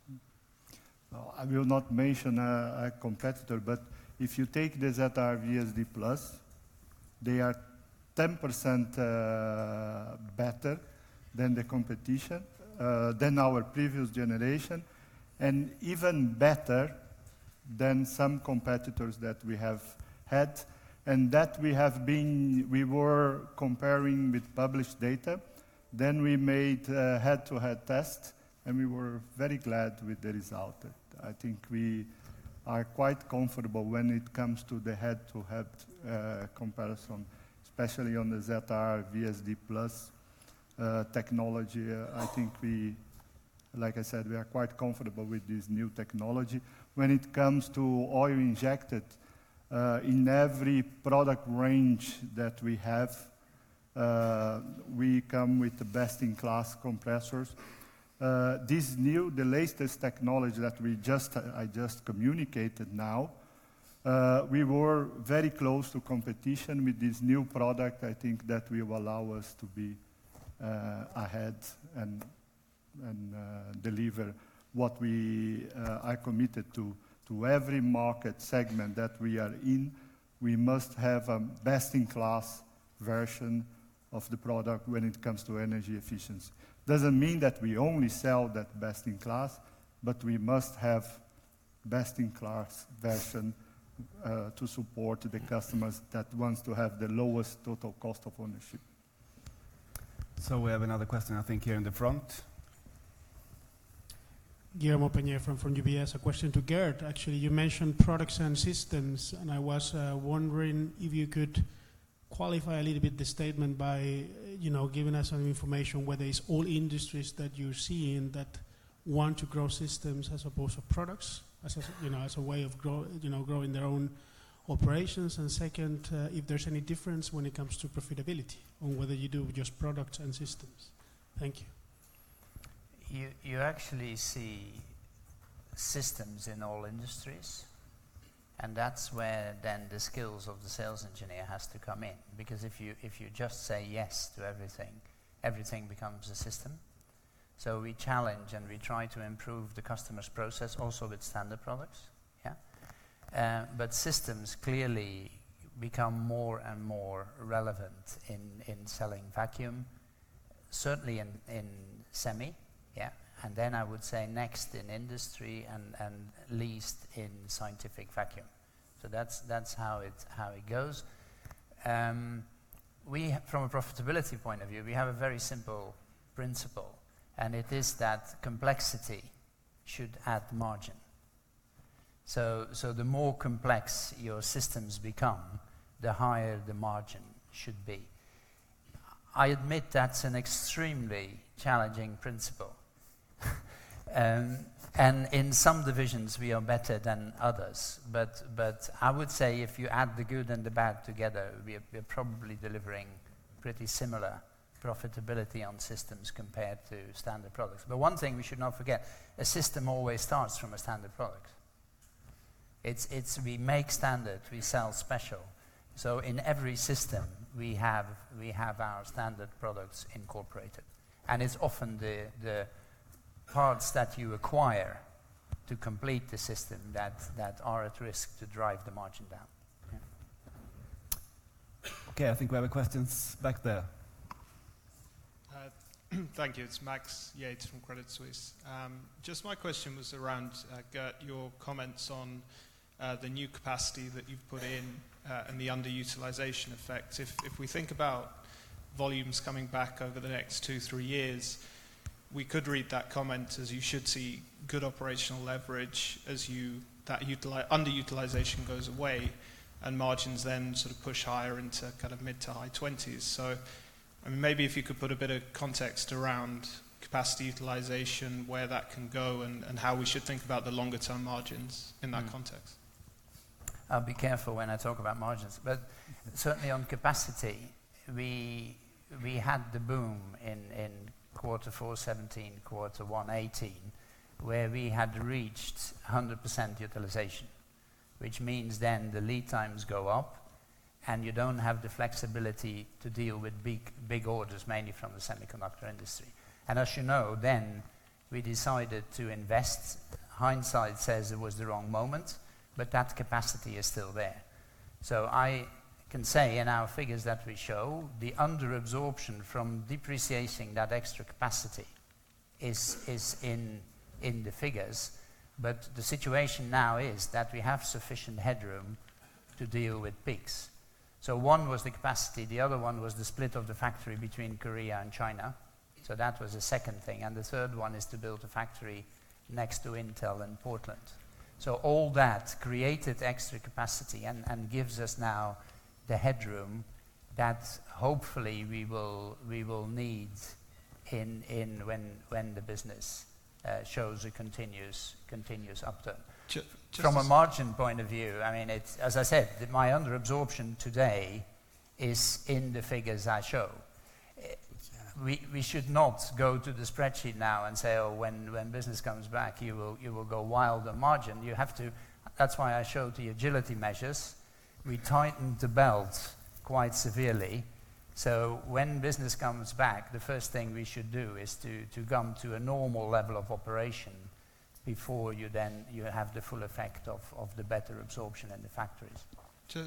No, I will not mention a competitor, but if you take the ZR VSD+, they are 10% better than the competition, than our previous generation, and even better than some competitors that we have had. That we were comparing with published data, then we made a head-to-head test, and we were very glad with the result. I think we are quite comfortable when it comes to the head-to-head comparison, especially on the ZR VSD+ technology. I think we, like I said, we are quite comfortable with this new technology. When it comes to oil injected, in every product range that we have, we come with the best-in-class compressors. This new, the latest technology that we just, I just communicated now, we were very close to competition with this new product. I think that will allow us to be ahead and deliver what we committed to. To every market segment that we are in, we must have a best-in-class version of the product when it comes to energy efficiency. Doesn't mean that we only sell that best in class, but we must have best-in-class version to support the customers that wants to have the lowest total cost of ownership. We have another question, I think, here in the front. Guillermo Peigneux-Lojo from UBS. A question to Geert, actually. You mentioned products and systems, and I was wondering if you could qualify a little bit the statement by, you know, giving us some information whether it's all industries that you're seeing that want to grow systems as opposed to products, as a, you know, as a way of growing their own operations. Second, if there's any difference when it comes to profitability on whether you do just products and systems. Thank you. You actually see systems in all industries, and that's where then the skills of the sales engineer has to come in. Because if you just say yes to everything becomes a system. We challenge and we try to improve the customer's process also with standard products. Yeah. Systems clearly become more and more relevant in selling vacuum, certainly in semi, yeah. Then I would say next in industry and least in scientific vacuum. That's how it goes. From a profitability point of view, we have a very simple principle, and it is that complexity should add margin. The more complex your systems become, the higher the margin should be. I admit that's an extremely challenging principle. In some divisions we are better than others, but I would say if you add the good and the bad together, we are probably delivering pretty similar profitability on systems compared to standard products. One thing we should not forget, a system always starts from a standard product. It's we make standard, we sell special. In every system we have our standard products incorporated, and it's often the parts that you acquire to complete the system that are at risk to drive the margin down. Okay, I think we have a questions back there. Thank you. It's Max Yates from Credit Suisse. My question was around Geert, your comments on the new capacity that you've put in and the underutilization effect. If we think about volumes coming back over the next two, three years, we could read that comment as you should see good operational leverage as that underutilization goes away and margins then sort of push higher into kind of mid to high 20s. I mean, maybe if you could put a bit of context around capacity utilization, where that can go and how we should think about the longer term margins in that context. I'll be careful when I talk about margins, but certainly on capacity, we had the boom in quarter four 2017, quarter one 2018, where we had reached 100% utilization, which means the lead times go up and you don't have the flexibility to deal with big orders, mainly from the semiconductor industry. As you know, we decided to invest. Hindsight says it was the wrong moment, but that capacity is still there. I can say in our figures that we show, the under-absorption from depreciating that extra capacity is in the figures. But the situation now is that we have sufficient headroom to deal with peaks. One was the capacity, the other one was the split of the factory between Korea and China. That was the second thing, and the third one is to build a factory next to Intel in Portland. All that created extra capacity and gives us now the headroom that hopefully we will need in when the business shows a continuous uptick. Ju-just- From a margin point of view, I mean, it's, as I said, my under-absorption today is in the figures I show. We should not go to the spreadsheet now and say, "Oh, when business comes back, you will go wild on margin." That's why I show the agility measures. We tightened the belt quite severely. When business comes back, the first thing we should do is to come to a normal level of operation before you then, you have the full effect of the better absorption in the factories.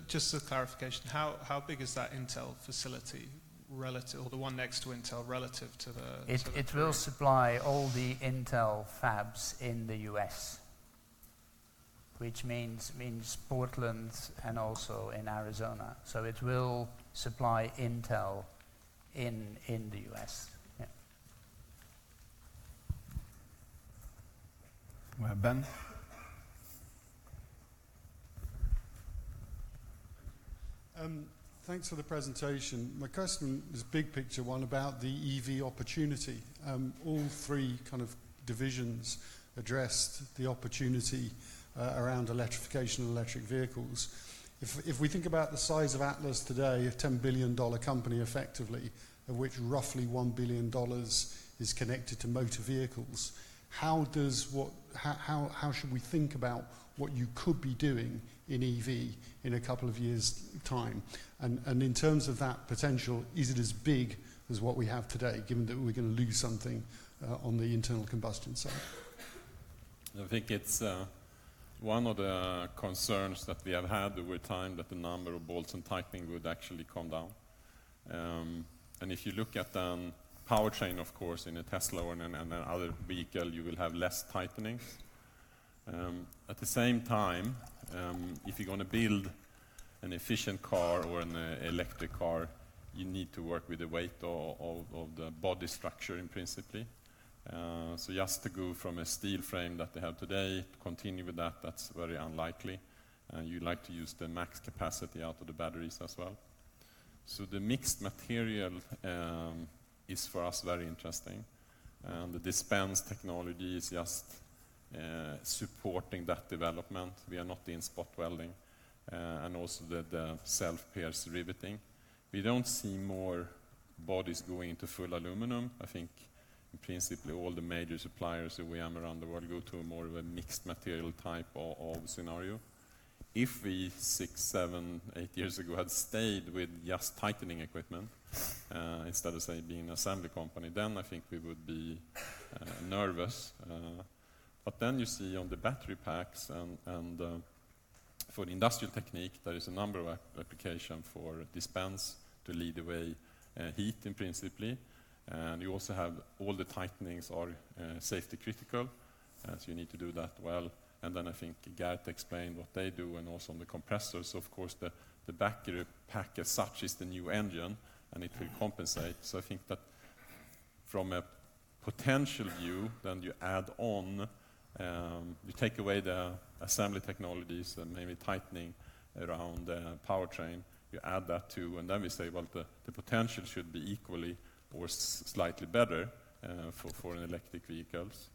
Just as clarification, how big is that Intel facility or the one next to Intel relative to the Korea-? It will supply all the Intel fabs in the U.S., which means Portland and also in Arizona. It will supply Intel in the U.S. Yeah. Well, Ben. Thanks for the presentation. My question is a big picture one about the EV opportunity. All three kind of divisions addressed the opportunity around electrification of electric vehicles. If we think about the size of Atlas today, a $10 billion company effectively, of which roughly $1 billion is connected to motor vehicles, how should we think about what you could be doing in EV in a couple of years' time? In terms of that potential, is it as big as what we have today, given that we're gonna lose something on the internal combustion side? I think it's one of the concerns that we have had over time that the number of bolts and tightening would actually come down. If you look at powertrain, of course, in a Tesla or in other vehicle, you will have less tightening. At the same time, if you're gonna build an efficient car or an electric car, you need to work with the weight of the body structure in principally. Just to go from a steel frame that they have today, continue with that's very unlikely, and you like to use the max capacity out of the batteries as well. The mixed material is for us very interesting, and the dispense technology is just supporting that development. We are not in spot welding, and also the self-pierce riveting. We don't see more bodies going into full aluminum. I think in principle, all the major suppliers that we have around the world go to more of a mixed material type of scenario. If we six, seven, eight years ago had stayed with just tightening equipment, instead of, say, being an assembly company, then I think we would be nervous. You see on the battery packs and, for the Industrial Technique, there is a number of application for dispense to lead away heat in principally. You also have all the tightenings are safety critical, as you need to do that well. I think Geert explained what they do and also on the compressors, of course, the battery pack as such is the new engine, and it will compensate. I think that from a potential view, you add on, you take away the assembly technologies and maybe tightening around the powertrain. You add that too, we say, "The potential should be equally or slightly better for an electric vehicles."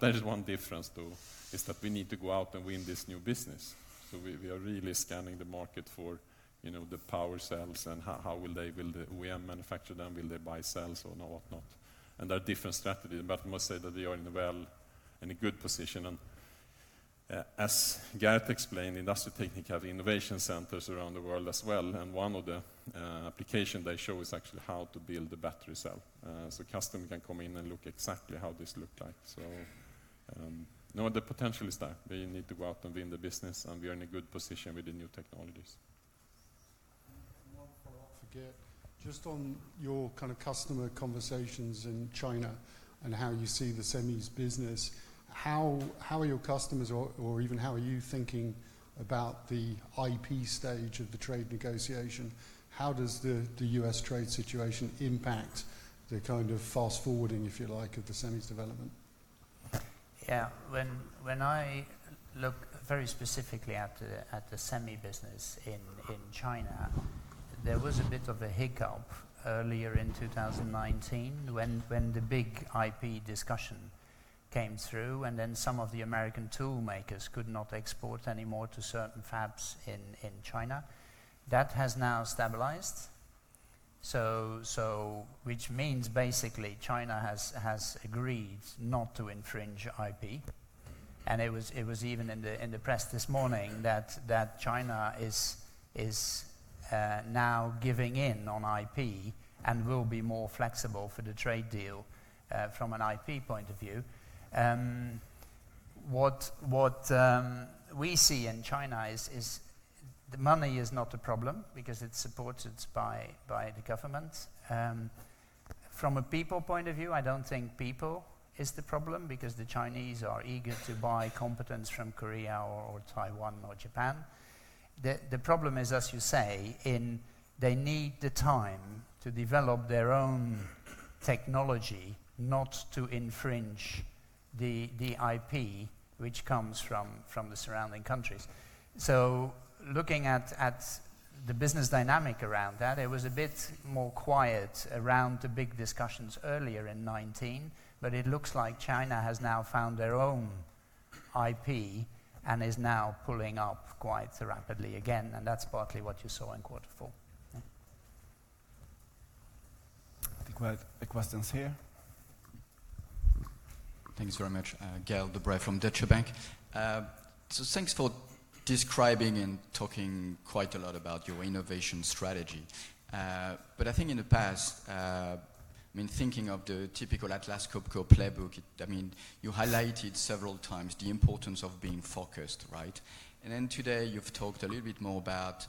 There is one difference though, is that we need to go out and win this new business. We are really scanning the market for, you know, the power cells and Will the OEM manufacture them? Will they buy cells or not? There are different strategies, we must say that we are in a well and a good position. As Geert explained, Industrial Technique have innovation centers around the world as well, one of the application they show is actually how to build a battery cell. Customer can come in and look exactly how this look like. No, the potential is there. We need to go out and win the business, and we are in a good position with the new technologies. One follow-up for Geert. Just on your kind of customer conversations in China and how you see the SEMI's business, how are your customers or even how are you thinking about the IP stage of the trade negotiation? How does the U.S. trade situation impact the kind of fast-forwarding, if you like, of the SEMI's development? Yeah. When I look very specifically at the SEMI business in China, there was a bit of a hiccup earlier in 2019 when the big IP discussion came through, and then some of the American toolmakers could not export anymore to certain fabs in China. That has now stabilized, so which means basically China has agreed not to infringe IP. It was even in the press this morning that China is now giving in on IP and will be more flexible for the trade deal, from an IP point of view. What we see in China is the money is not a problem because it's supported by the government. From a people point of view, I don't think people is the problem because the Chinese are eager to buy competence from Korea or Taiwan or Japan. The problem is, as you say, they need the time to develop their own technology not to infringe the IP which comes from the surrounding countries. Looking at the business dynamic around that, it was a bit more quiet around the big discussions earlier in 2019, but it looks like China has now found their own IP and is now pulling up quite rapidly again, and that's partly what you saw in quarter four. Yeah. I think we have a question here. Thanks very much. Gael de-Bray from Deutsche Bank. Thanks for describing and talking quite a lot about your innovation strategy. I think in the past, I mean, thinking of the typical Atlas Copco playbook, I mean, you highlighted several times the importance of being focused, right? Then today you've talked a little bit more about,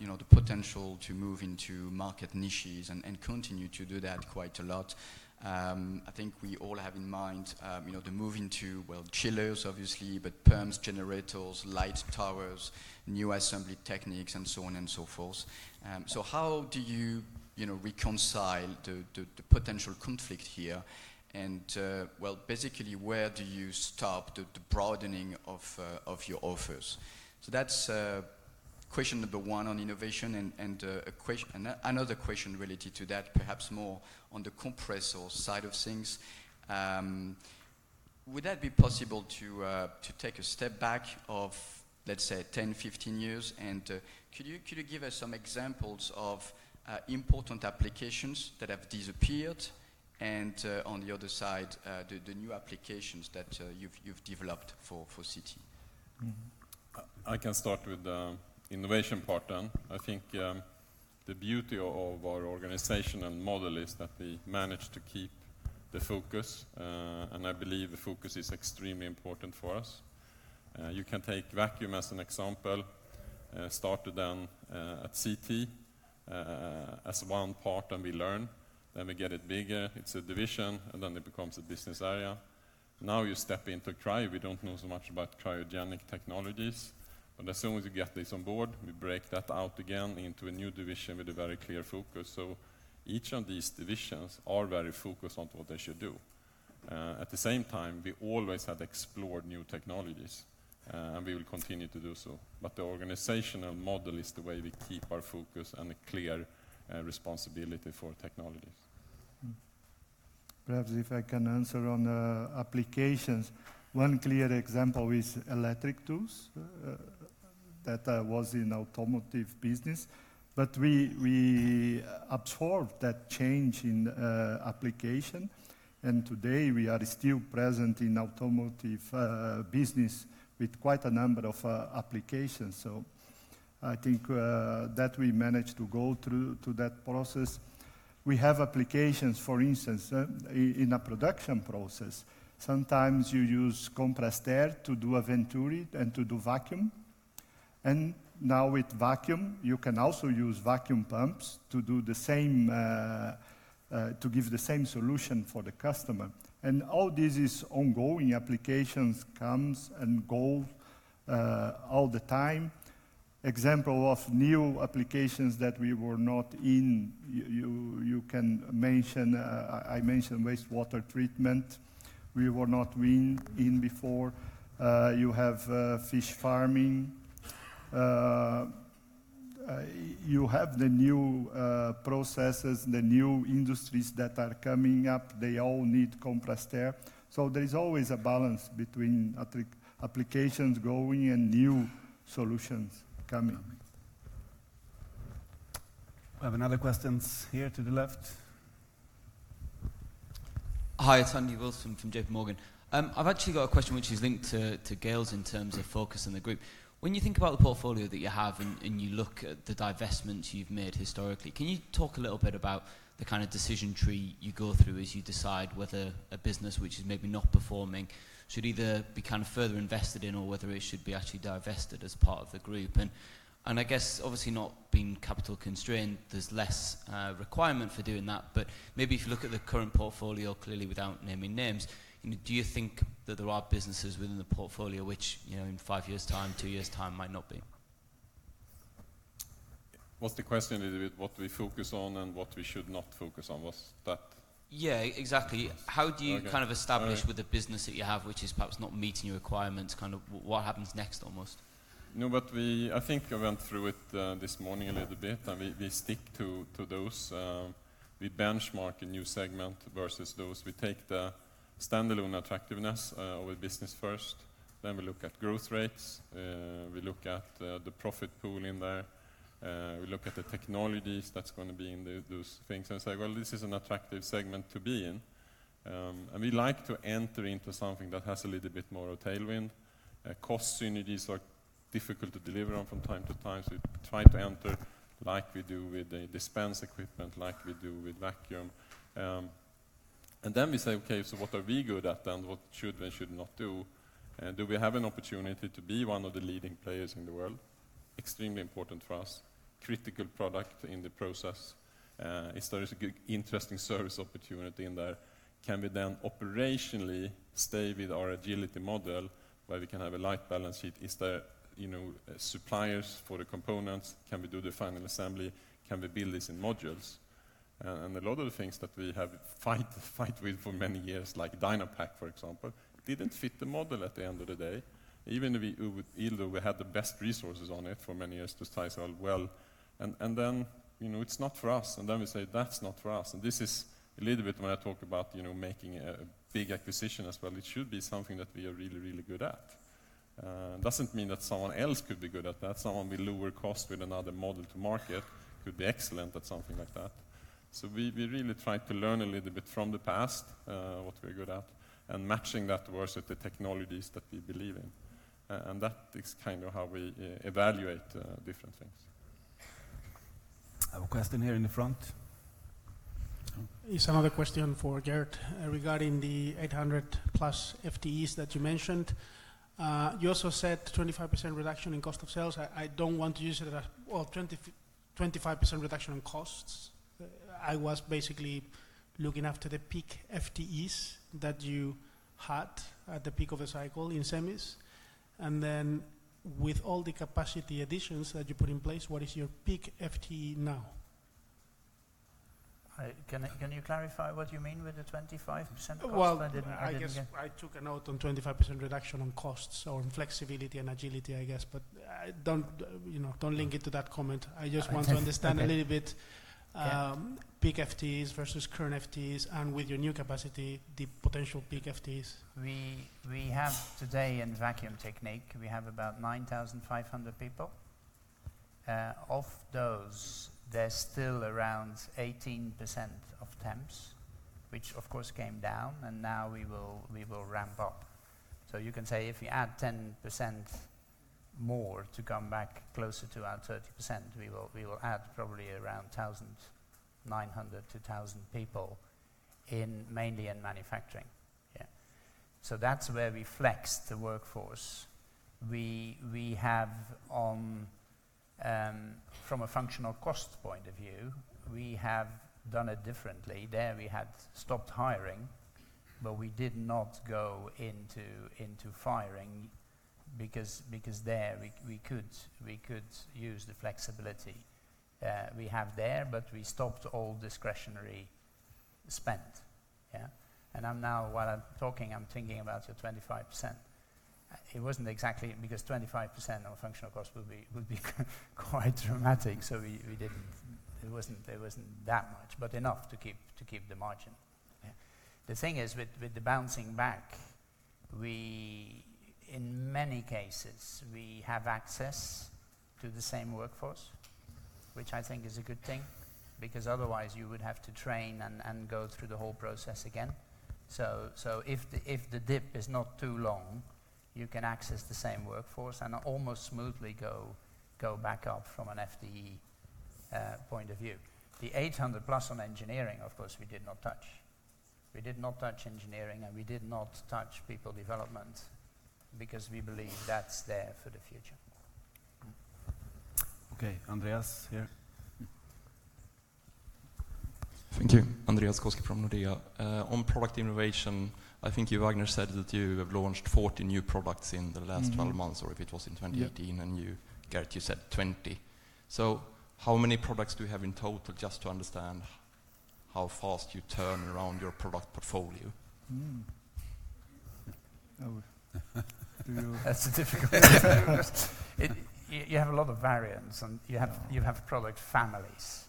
you know, the potential to move into market niches and continue to do that quite a lot. I think we all have in mind, you know, the move into, well, chillers obviously, but pumps, generators, light towers, new assembly techniques, and so on and so forth. How do you know, reconcile the potential conflict here and, well, basically, where do you stop the broadening of your offers? That's question number one on innovation and another question related to that, perhaps more on the compressor side of things. Would that be possible to take a step back of, let's say, 10, 15 years? Could you give us some examples of important applications that have disappeared, and on the other side, the new applications that you've developed for CT? I can start with the innovation part then. I think the beauty of our organization and model is that we manage to keep the focus, and I believe the focus is extremely important for us. You can take vacuum as an example. Started down at CT as one part and we learn, then we get it bigger, it's a division, and then it becomes a business area. You step into cryo. We don't know so much about cryogenic technologies, as soon as you get this on board, we break that out again into a new division with a very clear focus. Each of these divisions are very focused on what they should do. At the same time, we always have explored new technologies, and we will continue to do so. The organizational model is the way we keep our focus and a clear responsibility for technologies. Perhaps if I can answer on applications. One clear example is electric tools that was in automotive business. We absorbed that change in application, and today we are still present in automotive business with quite a number of applications. I think that we managed to go through to that process. We have applications, for instance, in a production process. Sometimes you use compressed air to do a Venturi and to do vacuum. Now with vacuum, you can also use vacuum pumps to do the same to give the same solution for the customer. All this is ongoing. Applications comes and go all the time. Example of new applications that we were not in, you can mention, I mentioned wastewater treatment. We were not in before. You have fish farming. You have the new processes, the new industries that are coming up. They all need compressed air. There is always a balance between applications going and new solutions coming. We have another questions here to the left. Hi, it's Andy Wilson from JPMorgan. I've actually got a question which is linked to Gael's in terms of focus in the group. When you think about the portfolio that you have and you look at the divestments you've made historically, can you talk a little bit about the kind of decision tree you go through as you decide whether a business which is maybe not performing should either be kind of further invested in or whether it should be actually divested as part of the group? I guess obviously not being capital constrained, there's less requirement for doing that. Maybe if you look at the current portfolio, clearly without naming names, you know, do you think that there are businesses within the portfolio which, you know, in five years' time, two years' time might not be? What's the question a little bit? What we focus on and what we should not focus on? Yeah, exactly. Okay. All right. How do you kind of establish with the business that you have, which is perhaps not meeting your requirements, kind of what happens next almost? No, I think I went through it this morning a little bit. I mean, we stick to those, we benchmark a new segment versus those. We take the standalone attractiveness of a business first, we look at growth rates, we look at the profit pool in there. We look at the technologies that's gonna be in those things and say, "Well, this is an attractive segment to be in." We like to enter into something that has a little bit more of tailwind. Cost synergies are difficult to deliver on from time to time, so we try to enter like we do with the dispense equipment, like we do with vacuum. Then we say, "Okay, so what are we good at then? What should we and should not do? Do we have an opportunity to be one of the leading players in the world?" Extremely important for us. Critical product in the process. Is there is a interesting service opportunity in there? Can we then operationally stay with our agility model where we can have a light balance sheet? Is there, you know, suppliers for the components? Can we do the final assembly? Can we build this in modules? A lot of the things that we have fight with for many years, like Dynapac, for example, didn't fit the model at the end of the day, even though we had the best resources on it for many years to size all well. Then, you know, it's not for us, and then we say, "That's not for us." This is a little bit when I talk about, you know, making a big acquisition as well. It should be something that we are really, really good at. It doesn't mean that someone else could be good at that. Someone with lower cost with another model to market could be excellent at something like that. We really try to learn a little bit from the past, what we are good at, and matching that towards with the technologies that we believe in. That is kind of how we evaluate different things. I have a question here in the front. Oh. It's another question for Geert regarding the 800+ FTEs that you mentioned. You also said 25% reduction in cost of sales. I don't want to use it as Well, 25% reduction on costs. I was basically looking after the peak FTEs that you had at the peak of a cycle in semis. With all the capacity additions that you put in place, what is your peak FTE now? Can you clarify what you mean with the 25% cost? I didn't get. Well, I guess I took a note on 25% reduction on costs or on flexibility and agility, I guess. I don't, you know, don't link it to that comment. I just want to understand. Okay. Yeah. a little bit, peak FTEs versus current FTEs, and with your new capacity, the potential peak FTEs. We have today in Vacuum Technique, we have about 9,500 people. Of those, there's still around 18% of temps, which of course came down. Now we will ramp up. You can say if you add 10% more to come back closer to our 30%, we will add probably around 900 to 1,000 people in mainly in manufacturing. Yeah. That's where we flex the workforce. We have, from a functional cost point of view, we have done it differently. There, we had stopped hiring, but we did not go into firing because there we could use the flexibility we have there, but we stopped all discretionary spend. Yeah. I'm now, while I'm talking, I'm thinking about your 25%. It wasn't exactly, because 25% of functional cost would be quite dramatic. We didn't It wasn't that much, but enough to keep the margin. Yeah. The thing is with the bouncing back, we in many cases, we have access to the same workforce, which I think is a good thing, because otherwise you would have to train and go through the whole process again. If the dip is not too long, you can access the same workforce and almost smoothly go back up from an FTE point of view. The 800 plus on engineering, of course, we did not touch. We did not touch engineering, and we did not touch people development because we believe that's there for the future. Okay. Andreas, here. Thank you. Andreas Koski from Nordea. On product innovation, I think you, Vagner, said that you have launched 40 new products in the last 12 months. if it was in 2018 Yeah and you, Geert, you said 20. How many products do you have in total, just to understand how fast you turn around your product portfolio? Mm. Do you- That's a difficult question. You have a lot of variants, and you have product families.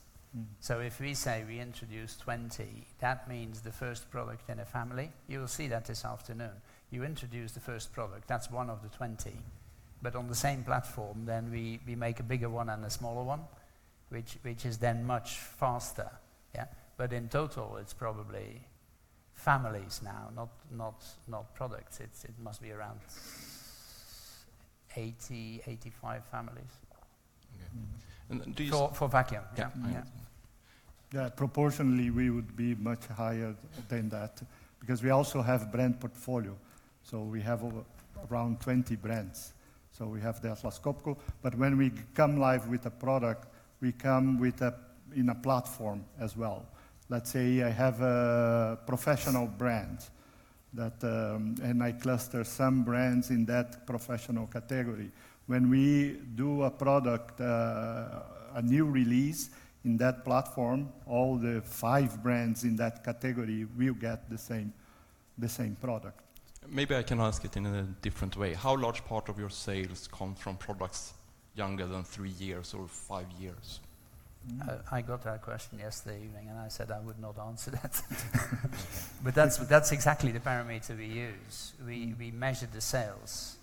If we say we introduce 20, that means the first product in a family, you will see that this afternoon. You introduce the first product, that's one of the 20. On the same platform, we make a bigger one and a smaller one, which is much faster. Yeah. In total, it's probably families now, not products. It must be around 80, 85 families. Okay. For vacuum. Yeah. Yeah. Proportionally, we would be much higher than that because we also have brand portfolio. We have over 20 brands. We have the Atlas Copco. When we come live with a product, we come with a platform as well. Let's say I have a professional brand that I cluster some brands in that professional category. When we do a product, a new release in that platform, all the five brands in that category will get the same product. Maybe I can ask it in a different way. How large part of your sales come from products younger than three years or five years? I got that question yesterday evening. I said I would not answer that. That's exactly the parameter we use. We measure the sales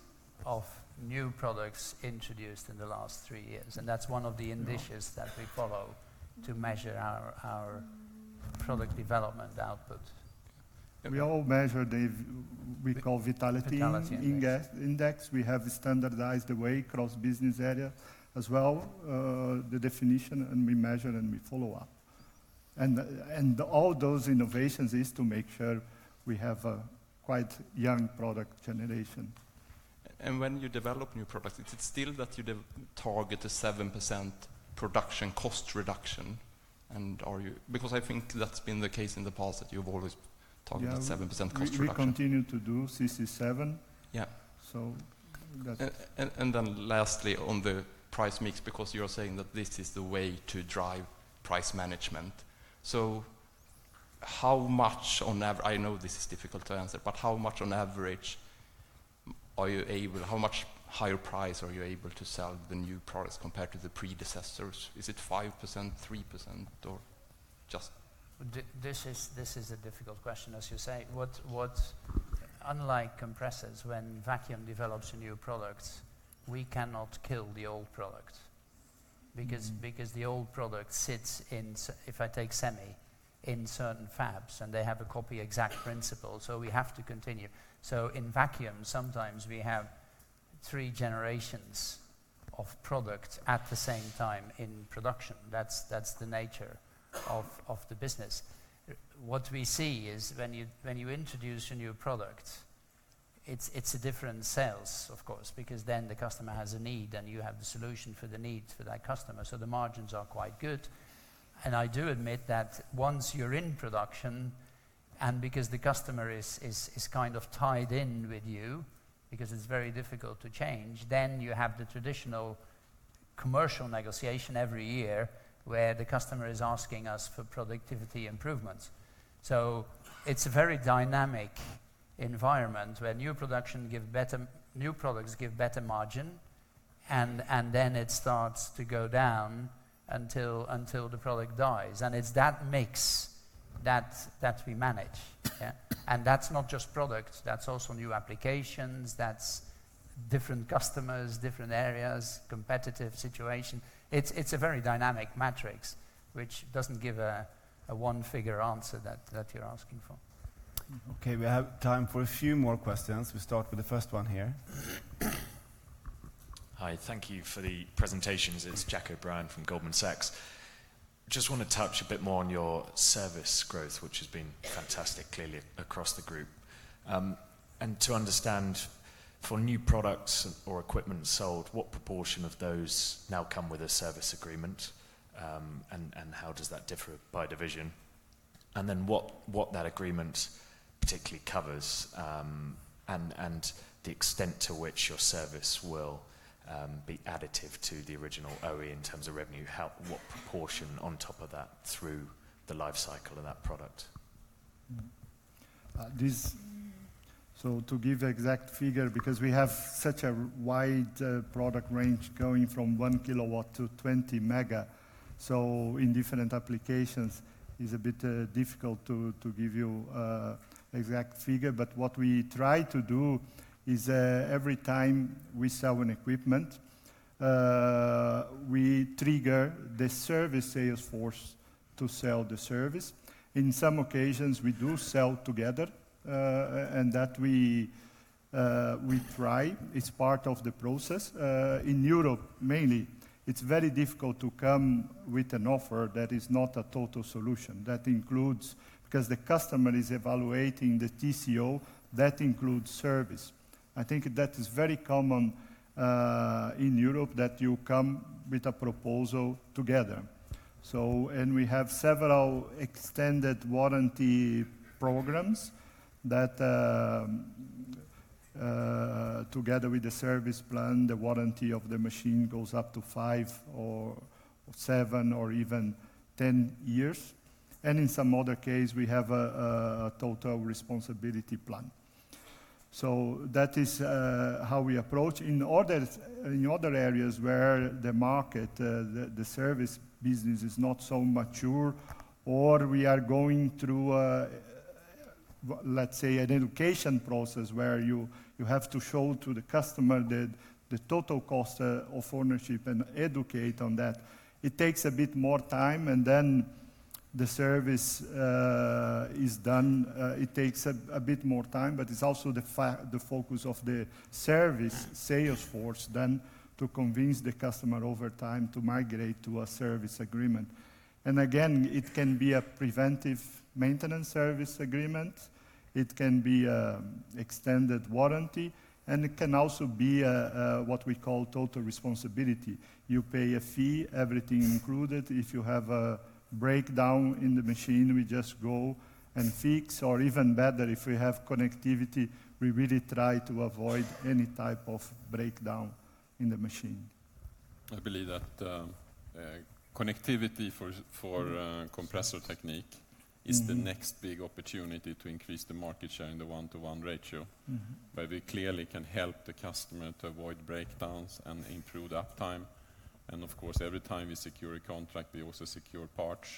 of new products introduced in the last three years. That's one of the indices. No that we follow to measure our product development output. Yeah. We all measure we call vitality in. Vitality index index. We have standardized the way across Business Area as well, the definition, and we measure and we follow up. All those innovations is to make sure we have a quite young product generation. When you develop new products, is it still that you target a 7% production cost reduction? Because I think that's been the case in the past, that you've always targeted 7% cost reduction. Yeah. We continue to do CC seven. Yeah. That's it. Lastly, on the price mix, because you're saying that this is the way to drive price management. How much I know this is difficult to answer, but how much on average are you able, how much higher price are you able to sell the new products compared to the predecessors? Is it 5%, 3%? This is a difficult question, as you say. Unlike compressors, when Vacuum develops a new product, we cannot kill the old product. Because the old product sits in if I take Semi, in certain fabs, and they have a copy-exact principle, we have to continue. In Vacuum, sometimes we have three generations of product at the same time in production. That's the nature of the business. What we see is when you introduce a new product, it's a different sales, of course, because then the customer has a need, and you have the solution for the need for that customer, so the margins are quite good. I do admit that once you're in production, and because the customer is kind of tied in with you because it's very difficult to change, then you have the traditional commercial negotiation every year where the customer is asking us for productivity improvements. It's a very dynamic environment where new products give better margin, and then it starts to go down until the product dies. It's that mix that we manage, yeah? That's not just product. That's also new applications. That's different customers, different areas, competitive situation. It's a very dynamic matrix, which doesn't give a one-figure answer that you're asking for. Okay. We have time for a few more questions. We start with the first one here. Hi. Thank you for the presentations. It's Jack O'Brien from Goldman Sachs. Just wanna touch a bit more on your service growth, which has been fantastic, clearly, across the group. To understand for new products or equipment sold, what proportion of those now come with a service agreement, and how does that differ by division? What that agreement particularly covers, and the extent to which your service will be additive to the original OE in terms of revenue? What proportion on top of that through the life cycle of that product? This, so to give exact figure, because we have such a wide product range going from one kilowatt to 20 mega, so in different applications is a bit difficult to give you exact figure. What we try to do is every time we sell an equipment, we trigger the service sales force to sell the service. In some occasions, we do sell together, and that we try. It's part of the process. In Europe mainly, it's very difficult to come with an offer that is not a total solution. That includes, because the customer is evaluating the TCO, that includes service. I think that is very common in Europe that you come with a proposal together. We have several extended warranty programs that together with the service plan, the warranty of the machine goes up to five or seven or even 10 years. In some other case, we have a total responsibility plan. That is how we approach. In others, in other areas where the market, the service business is not so mature, or we are going through, let's say, an education process where you have to show to the customer the total cost of ownership and educate on that, it takes a bit more time, and then the service is done. It takes a bit more time, but it's also the focus of the service sales force then to convince the customer over time to migrate to a service agreement. Again, it can be a preventive maintenance service agreement. It can be extended warranty, and it can also be what we call total responsibility. You pay a fee, everything included. If you have a breakdown in the machine, we just go and fix, or even better, if we have connectivity, we really try to avoid any type of breakdown in the machine. I believe that connectivity for Compressor Technique. Is the next big opportunity to increase the market share in the 1/1 ratio. Where we clearly can help the customer to avoid breakdowns and improve uptime. Of course, every time we secure a contract, we also secure parts.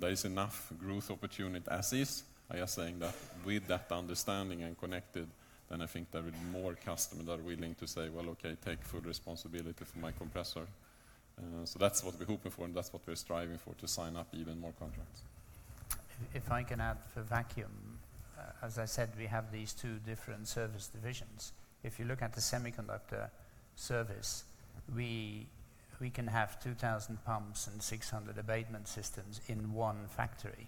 There is enough growth opportunity as is. I are saying that with that understanding and connected, I think there will be more customers that are willing to say, "Well, okay, take full responsibility for my compressor." That's what we're hoping for, and that's what we're striving for, to sign up even more contracts. If I can add for Vacuum, as I said, we have these two different service divisions. If you look at the semiconductor service, we can have 2,000 pumps and 600 abatement systems in one factory,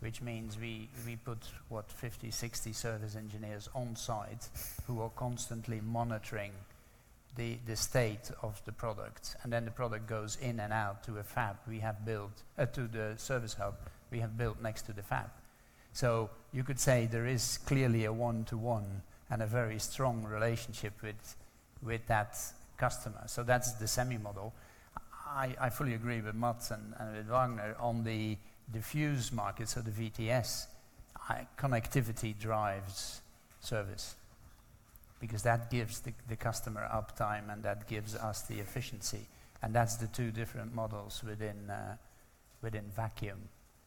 which means we put, what, 50, 60 service engineers on-site who are constantly monitoring the state of the product. Then the product goes in and out to the service hub we have built next to the fab. You could say there is clearly a one-to-one and a very strong relationship with that customer. That's the Semi model. I fully agree with Mats and with Vagner on the diffuse markets or the VTS. Connectivity drives service because that gives the customer uptime, and that gives us the efficiency, and that's the two different models within Vacuum.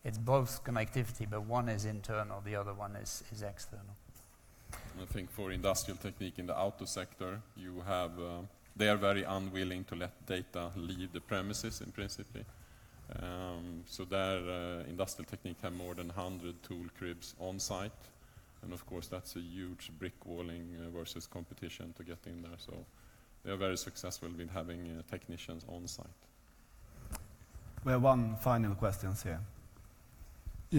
It's both connectivity, but one is internal, the other one is external. I think for Industrial Technique in the auto sector, you have, they are very unwilling to let data leave the premises in principle. There, Industrial Technique have more than 100 tool cribs on-site. Of course, that's a huge brick walling versus competition to get in there. They are very successful with having technicians on-site. We have one final questions here.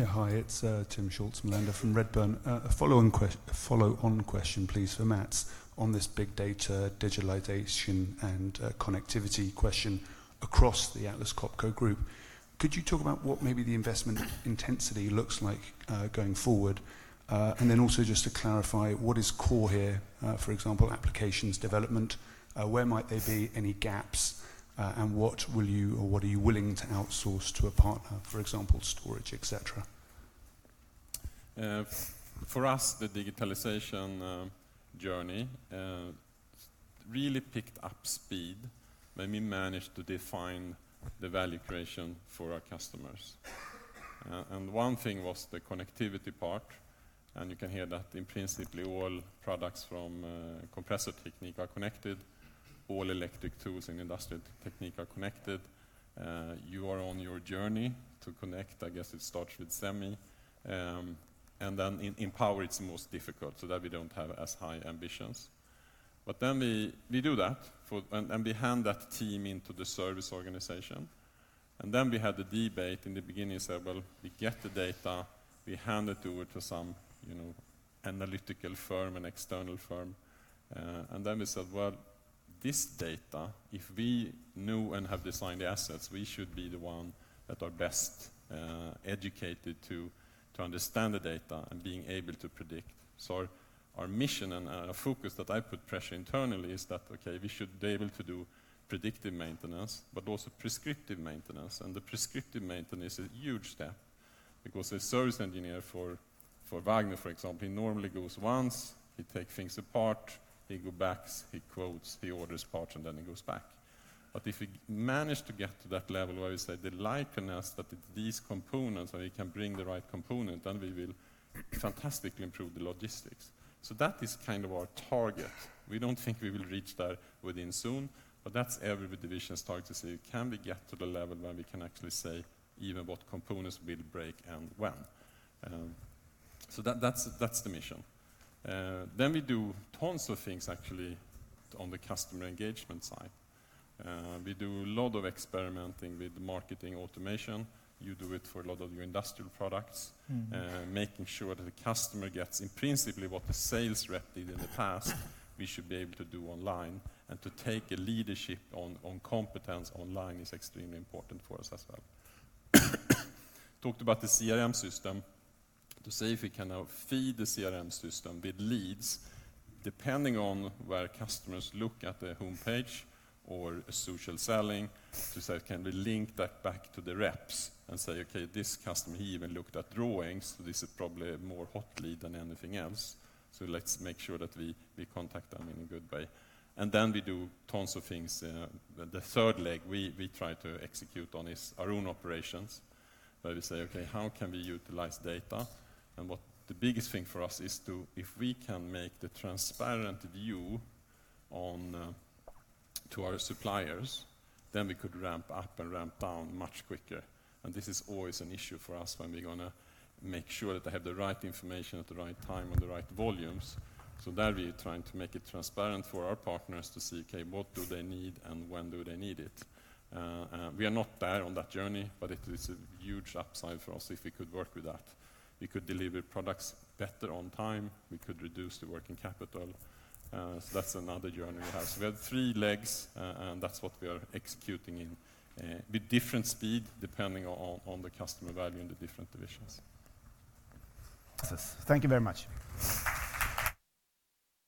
Hi, it's Timm Schulze-Melander from Redburn. A follow-on question, please, for Mats on this big data, digitalization, and connectivity question across the Atlas Copco Group. Could you talk about what maybe the investment intensity looks like going forward? Then also just to clarify, what is core here? For example, applications development, where might there be any gaps, and what will you or what are you willing to outsource to a partner, for example, storage, et cetera? For us, the digitalization journey really picked up speed when we managed to define the value creation for our customers. One thing was the connectivity part, and you can hear that in principally all products from Compressor Technique are connected, all electric tools in Industrial Technique are connected. You are on your journey to connect, I guess it starts with Semi. In Power it's most difficult, there we don't have as high ambitions. We do that and we hand that team into the service organization. We had the debate in the beginning and said, "Well, we get the data, we hand it to some, you know, analytical firm, an external firm." Then we said, "Well, this data, if we knew and have designed the assets, we should be the one that are best educated to understand the data and being able to predict." Our mission and focus that I put pressure internally is that, okay, we should be able to do predictive maintenance, but also prescriptive maintenance. The prescriptive maintenance is a huge step because a service engineer for Vagner, for example, he normally goes once, he take things apart, he go backs, he quotes, he orders parts, and then he goes back. If we manage to get to that level where we say the likeliness that these components or we can bring the right component, then we will fantastically improve the logistics. That is kind of our target. We don't think we will reach that within soon, but that's every division's target to say, can we get to the level where we can actually say even what components will break and when? That is the mission. We do tons of things actually on the customer engagement side. We do a lot of experimenting with marketing automation. You do it for a lot of your Industrial products. Making sure that the customer gets in principally what the sales rep did in the past, we should be able to do online. To take a leadership on competence online is extremely important for us as well. Talked about the CRM system. We need to see if we can now feed the CRM system with leads, depending on where customers look at the homepage or social selling, to say can we link that back to the reps and say, "Okay, this customer, he even looked at drawings, so this is probably a more hot lead than anything else. Let's make sure that we contact them in a good way." Then we do tons of things. The third leg we try to execute on is our own operations, where we say, "Okay, how can we utilize data?" What the biggest thing for us is to, if we can make the transparent view on to our suppliers, then we could ramp up and ramp down much quicker. This is always an issue for us when we're gonna make sure that they have the right information at the right time and the right volumes. There, we trying to make it transparent for our partners to see, okay, what do they need and when do they need it? We are not there on that journey, but it is a huge upside for us if we could work with that. We could deliver products better on time, we could reduce the working capital. That's another journey we have. We have three legs, and that's what we are executing in, with different speed depending on the customer value in the different divisions. Thank you very much.